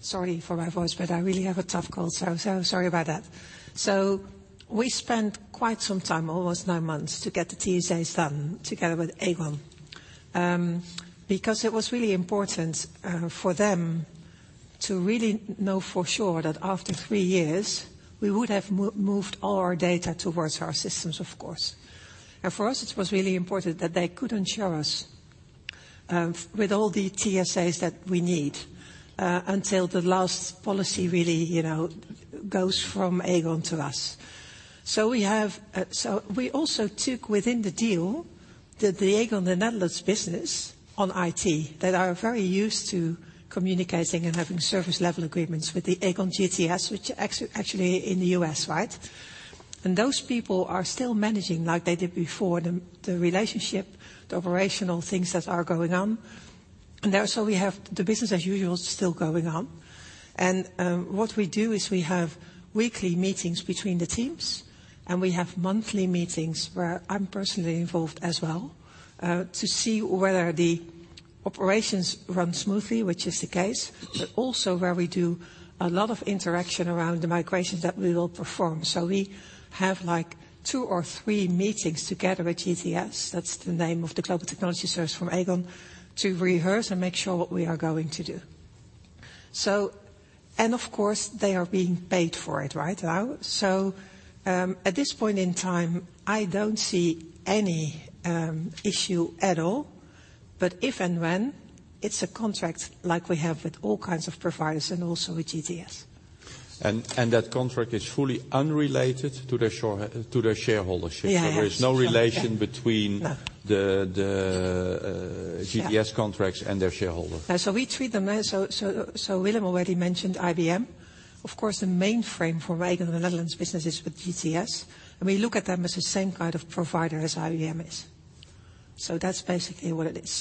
Sorry for my voice, but I really have a tough cold, so, so sorry about that. So we spent quite some time, almost nine months, to get the TSAs done together with Aegon. Because it was really important for them to really know for sure that after three years, we would have moved all our data towards our systems, of course. And for us, it was really important that they could ensure us with all the TSAs that we need until the last policy really, you know, goes from Aegon to us. So we also took within the deal, that the Aegon, the Netherlands business on IT, that are very used to communicating and having service level agreements with the Aegon GTS, which are actually in the U.S., right? And those people are still managing like they did before, the relationship, the operational things that are going on. There, so we have the business as usual, still going on. And what we do is we have weekly meetings between the teams, and we have monthly meetings where I'm personally involved as well, to see whether the operations run smoothly, which is the case, but also where we do a lot of interaction around the migrations that we will perform. So we have, like, two or three meetings together with GTS, that's the name of the Global Technology Services from Aegon, to rehearse and make sure what we are going to do. So and of course, they are being paid for it right now. At this point in time, I don't see any issue at all, but if and when, it's a contract like we have with all kinds of providers and also with GTS. That contract is fully unrelated to their shareholding. Yeah, yeah. There is no relation between- No -the, the, uh- Yeah... GTS contracts and their shareholder. Yeah, we treat them as Willem already mentioned IBM. Of course, the mainframe for Aegon in the Netherlands business is with GTS, and we look at them as the same kind of provider as IBM is. So that's basically what it is.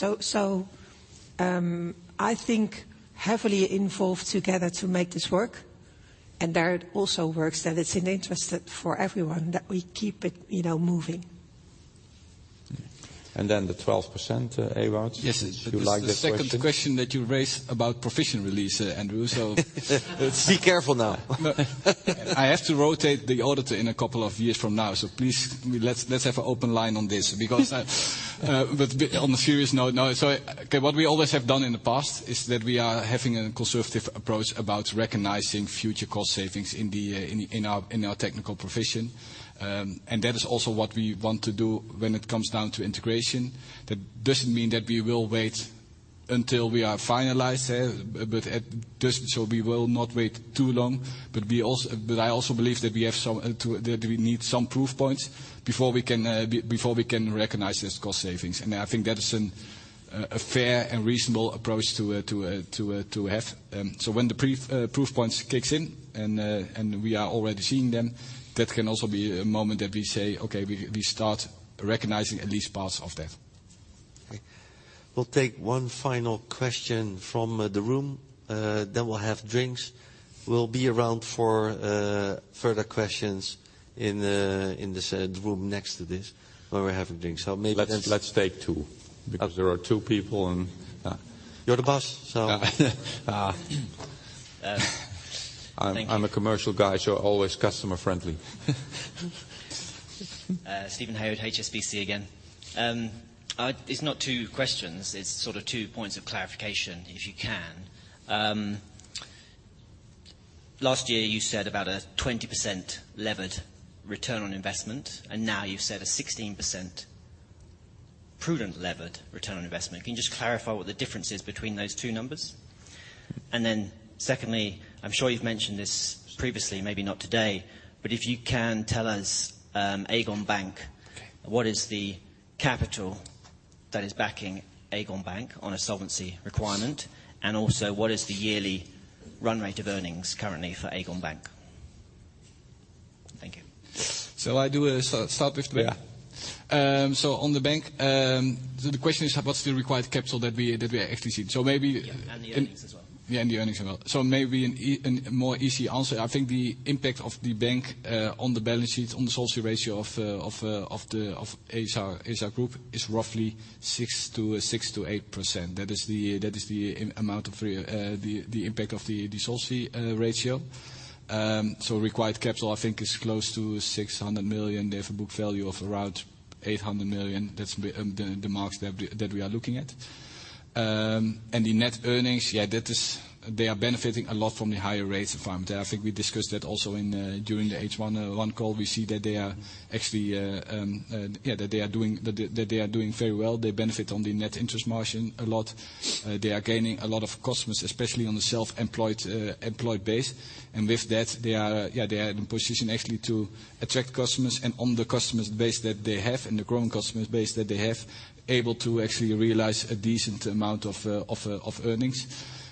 I think heavily involved together to make this work, and that also works, that it's in the interest for everyone that we keep it, you know, moving. And then the 12%, Ewout? Yes. Would you like this question? The second question that you raised about provision release, Andrew, so, Be careful now. I have to rotate the auditor in a couple of years from now, so please, let's have an open line on this, because, but on a serious note, no. So, okay, what we always have done in the past is that we are having a conservative approach about recognizing future cost savings in our technical provision. And that is also what we want to do when it comes down to integration. That doesn't mean that we will wait until we are finalized, but just, so we will not wait too long. But we also-- but I also believe that we have some, to, that we need some proof points before we can, before we can recognize this cost savings. I think that is a fair and reasonable approach to have. So when the proof points kicks in, and we are already seeing them, that can also be a moment that we say, "Okay, we start recognizing at least parts of that. Okay. We'll take one final question from the room, then we'll have drinks. We'll be around for further questions in this room next to this, where we're having drinks. So maybe- Let's take two, because there are two people and... You're the boss, so Uh, I'm- Thank you. I'm a commercial guy, so always customer friendly. Steven Haywood, HSBC again. It's not two questions, it's sort of two points of clarification, if you can. Last year, you said about a 20% levered return on investment, and now you've said a 16% prudent levered return on investment. Can you just clarify what the difference is between those two numbers? And then secondly, I'm sure you've mentioned this previously, maybe not today, but if you can tell us, Aegon Bank, what is the capital that is backing Aegon Bank on a solvency requirement? And also, what is the yearly run rate of earnings currently for Aegon Bank? Thank you. So I do start with the bank? Yeah. So on the bank, the question is what's the required capital that we actually see? So maybe- Yeah, and the earnings as well. Yeah, and the earnings as well. So maybe a more easy answer, I think the impact of the bank on the balance sheet, on the solvency ratio of ASR, ASR group, is roughly 6%-8%. That is the amount of the impact of the solvency ratio. So required capital, I think, is close to 600 million. They have a book value of around 800 million. That's the marks that we are looking at. And the net earnings, yeah, that is, they are benefiting a lot from the higher rates environment. I think we discussed that also during the H1 2021 call. We see that they are actually, yeah, that they are doing very well. They benefit on the net interest margin a lot. They are gaining a lot of customers, especially on the self-employed, employed base. And with that, they are, yeah, they are in a position actually to attract customers, and on the customers base that they have, and the growing customers base that they have, able to actually realize a decent amount of earnings.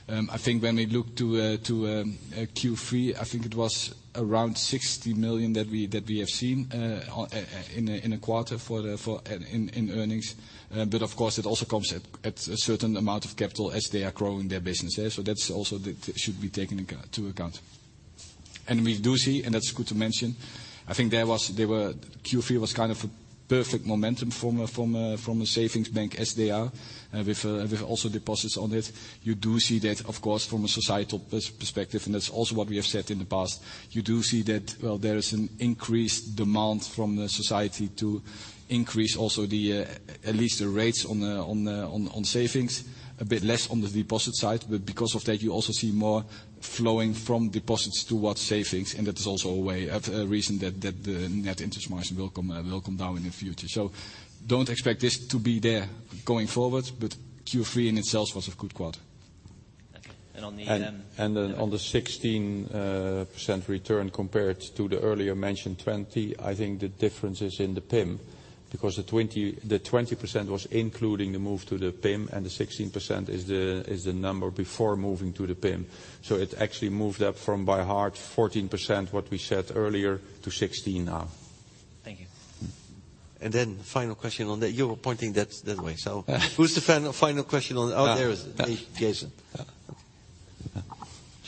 I think when we look to Q3, I think it was around 60 million that we have seen in a quarter for the earnings. But of course, it also comes at a certain amount of capital as they are growing their business, yeah, so that's also that should be taken into account. And we do see, and that's good to mention, I think Q3 was kind of a perfect momentum from a savings bank SDR, with also deposits on it. You do see that, of course, from a societal perspective, and that's also what we have said in the past. You do see that, well, there is an increased demand from the society to increase also the at least the rates on the savings, a bit less on the deposit side. But because of that, you also see more flowing from deposits towards savings, and that is also a way, a reason that the net interest margin will come down in the future. So don't expect this to be there going forward, but Q3 in itself was a good quarter. Okay. And on the- On the 16% return compared to the earlier mentioned 20%, I think the difference is in the PIM. Because the 20%, the 20% was including the move to the PIM, and the 16% is the number before moving to the PIM. So it actually moved up from, by heart, 14%, what we said earlier, to 16% now. Thank you. And then final question on that. You were pointing that, that way, so who's the final question on... Oh, there it is. Jason. Jason Kalamboussis, ING. Yeah,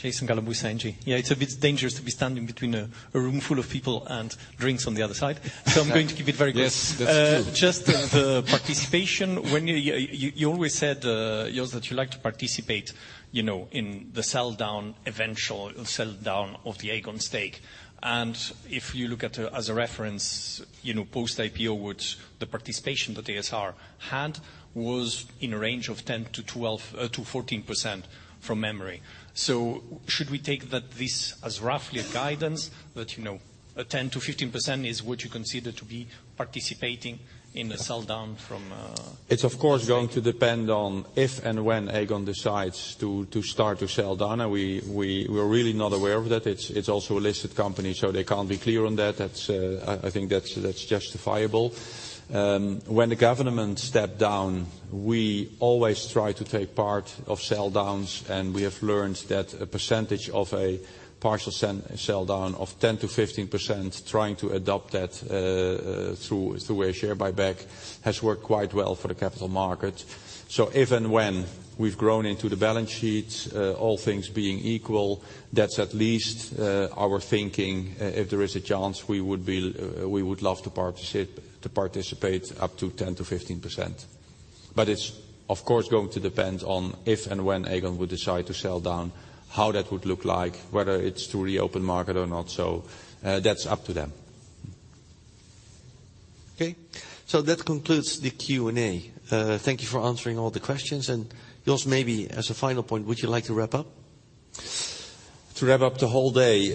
it's a bit dangerous to be standing between a room full of people and drinks on the other side. So I'm going to keep it very brief. Yes, that's true. Just the participation. When you always said, Jos, that you like to participate, you know, in the sell down, eventual sell down of the Aegon stake. And if you look at, as a reference, you know, post IPO, which the participation that ASR had, was in a range of 10 to 12 to 14% from memory. So should we take that this as roughly a guidance that, you know, a 10%-15% is what you consider to be participating in the sell down from, It's of course going to depend on if and when Aegon decides to start to sell down. And we're really not aware of that. It's also a listed company, so they can't be clear on that. I think that's justifiable. When the government stepped down, we always try to take part of sell downs, and we have learned that a percentage of a partial sell down of 10%-15%, trying to adopt that through a share buyback, has worked quite well for the capital market. So if and when we've grown into the balance sheets, all things being equal, that's at least our thinking. If there is a chance, we would love to participate up to 10%-15%. But it's, of course, going to depend on if and when Aegon would decide to sell down, how that would look like, whether it's through the open market or not. So, that's up to them. Okay, so that concludes the Q&A. Thank you for answering all the questions. Jos, maybe as a final point, would you like to wrap up? To wrap up the whole day.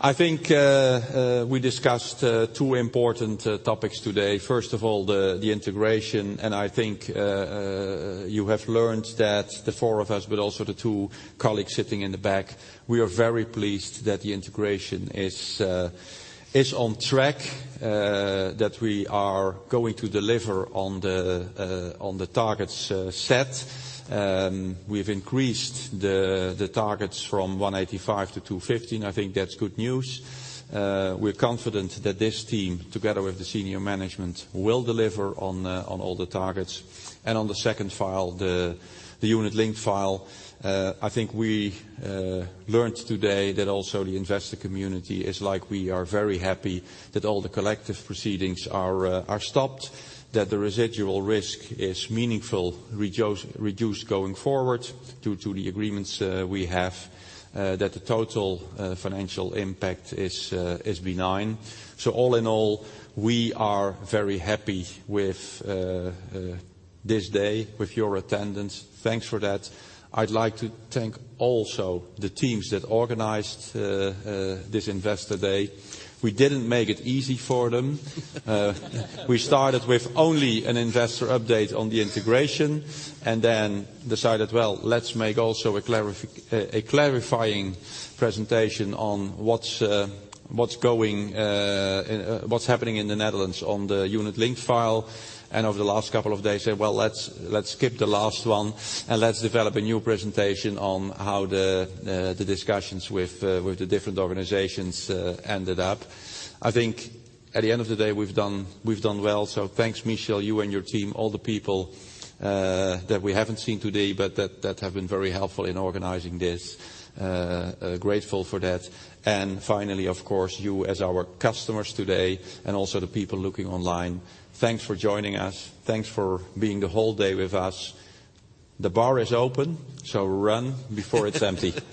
I think we discussed two important topics today. First of all, the integration, and I think you have learned that the four of us, but also the two colleagues sitting in the back, we are very pleased that the integration is on track, that we are going to deliver on the targets set. We've increased the targets from 185 to 215. I think that's good news. We're confident that this team, together with the senior management, will deliver on all the targets. On the second file, the unit-linked file, I think we learned today that also the investor community is like, we are very happy that all the collective proceedings are stopped, that the residual risk is meaningfully reduced going forward, due to the agreements we have, that the total financial impact is benign. So all in all, we are very happy with this day, with your attendance. Thanks for that. I'd like to thank also the teams that organized this investor day. We didn't make it easy for them. We started with only an investor update on the integration, and then decided, well, let's make also a clarifying presentation on what's going on, what's happening in the Netherlands on the unit-linked file. And over the last couple of days, say, "Well, let's, let's skip the last one, and let's develop a new presentation on how the, the discussions with, with the different organizations, ended up." I think at the end of the day, we've done, we've done well. So thanks, Michel, you and your team, all the people, that we haven't seen today, but that, that have been very helpful in organizing this. Grateful for that. And finally, of course, you as our customers today, and also the people looking online, thanks for joining us. Thanks for being the whole day with us. The bar is open, so run before it's empty.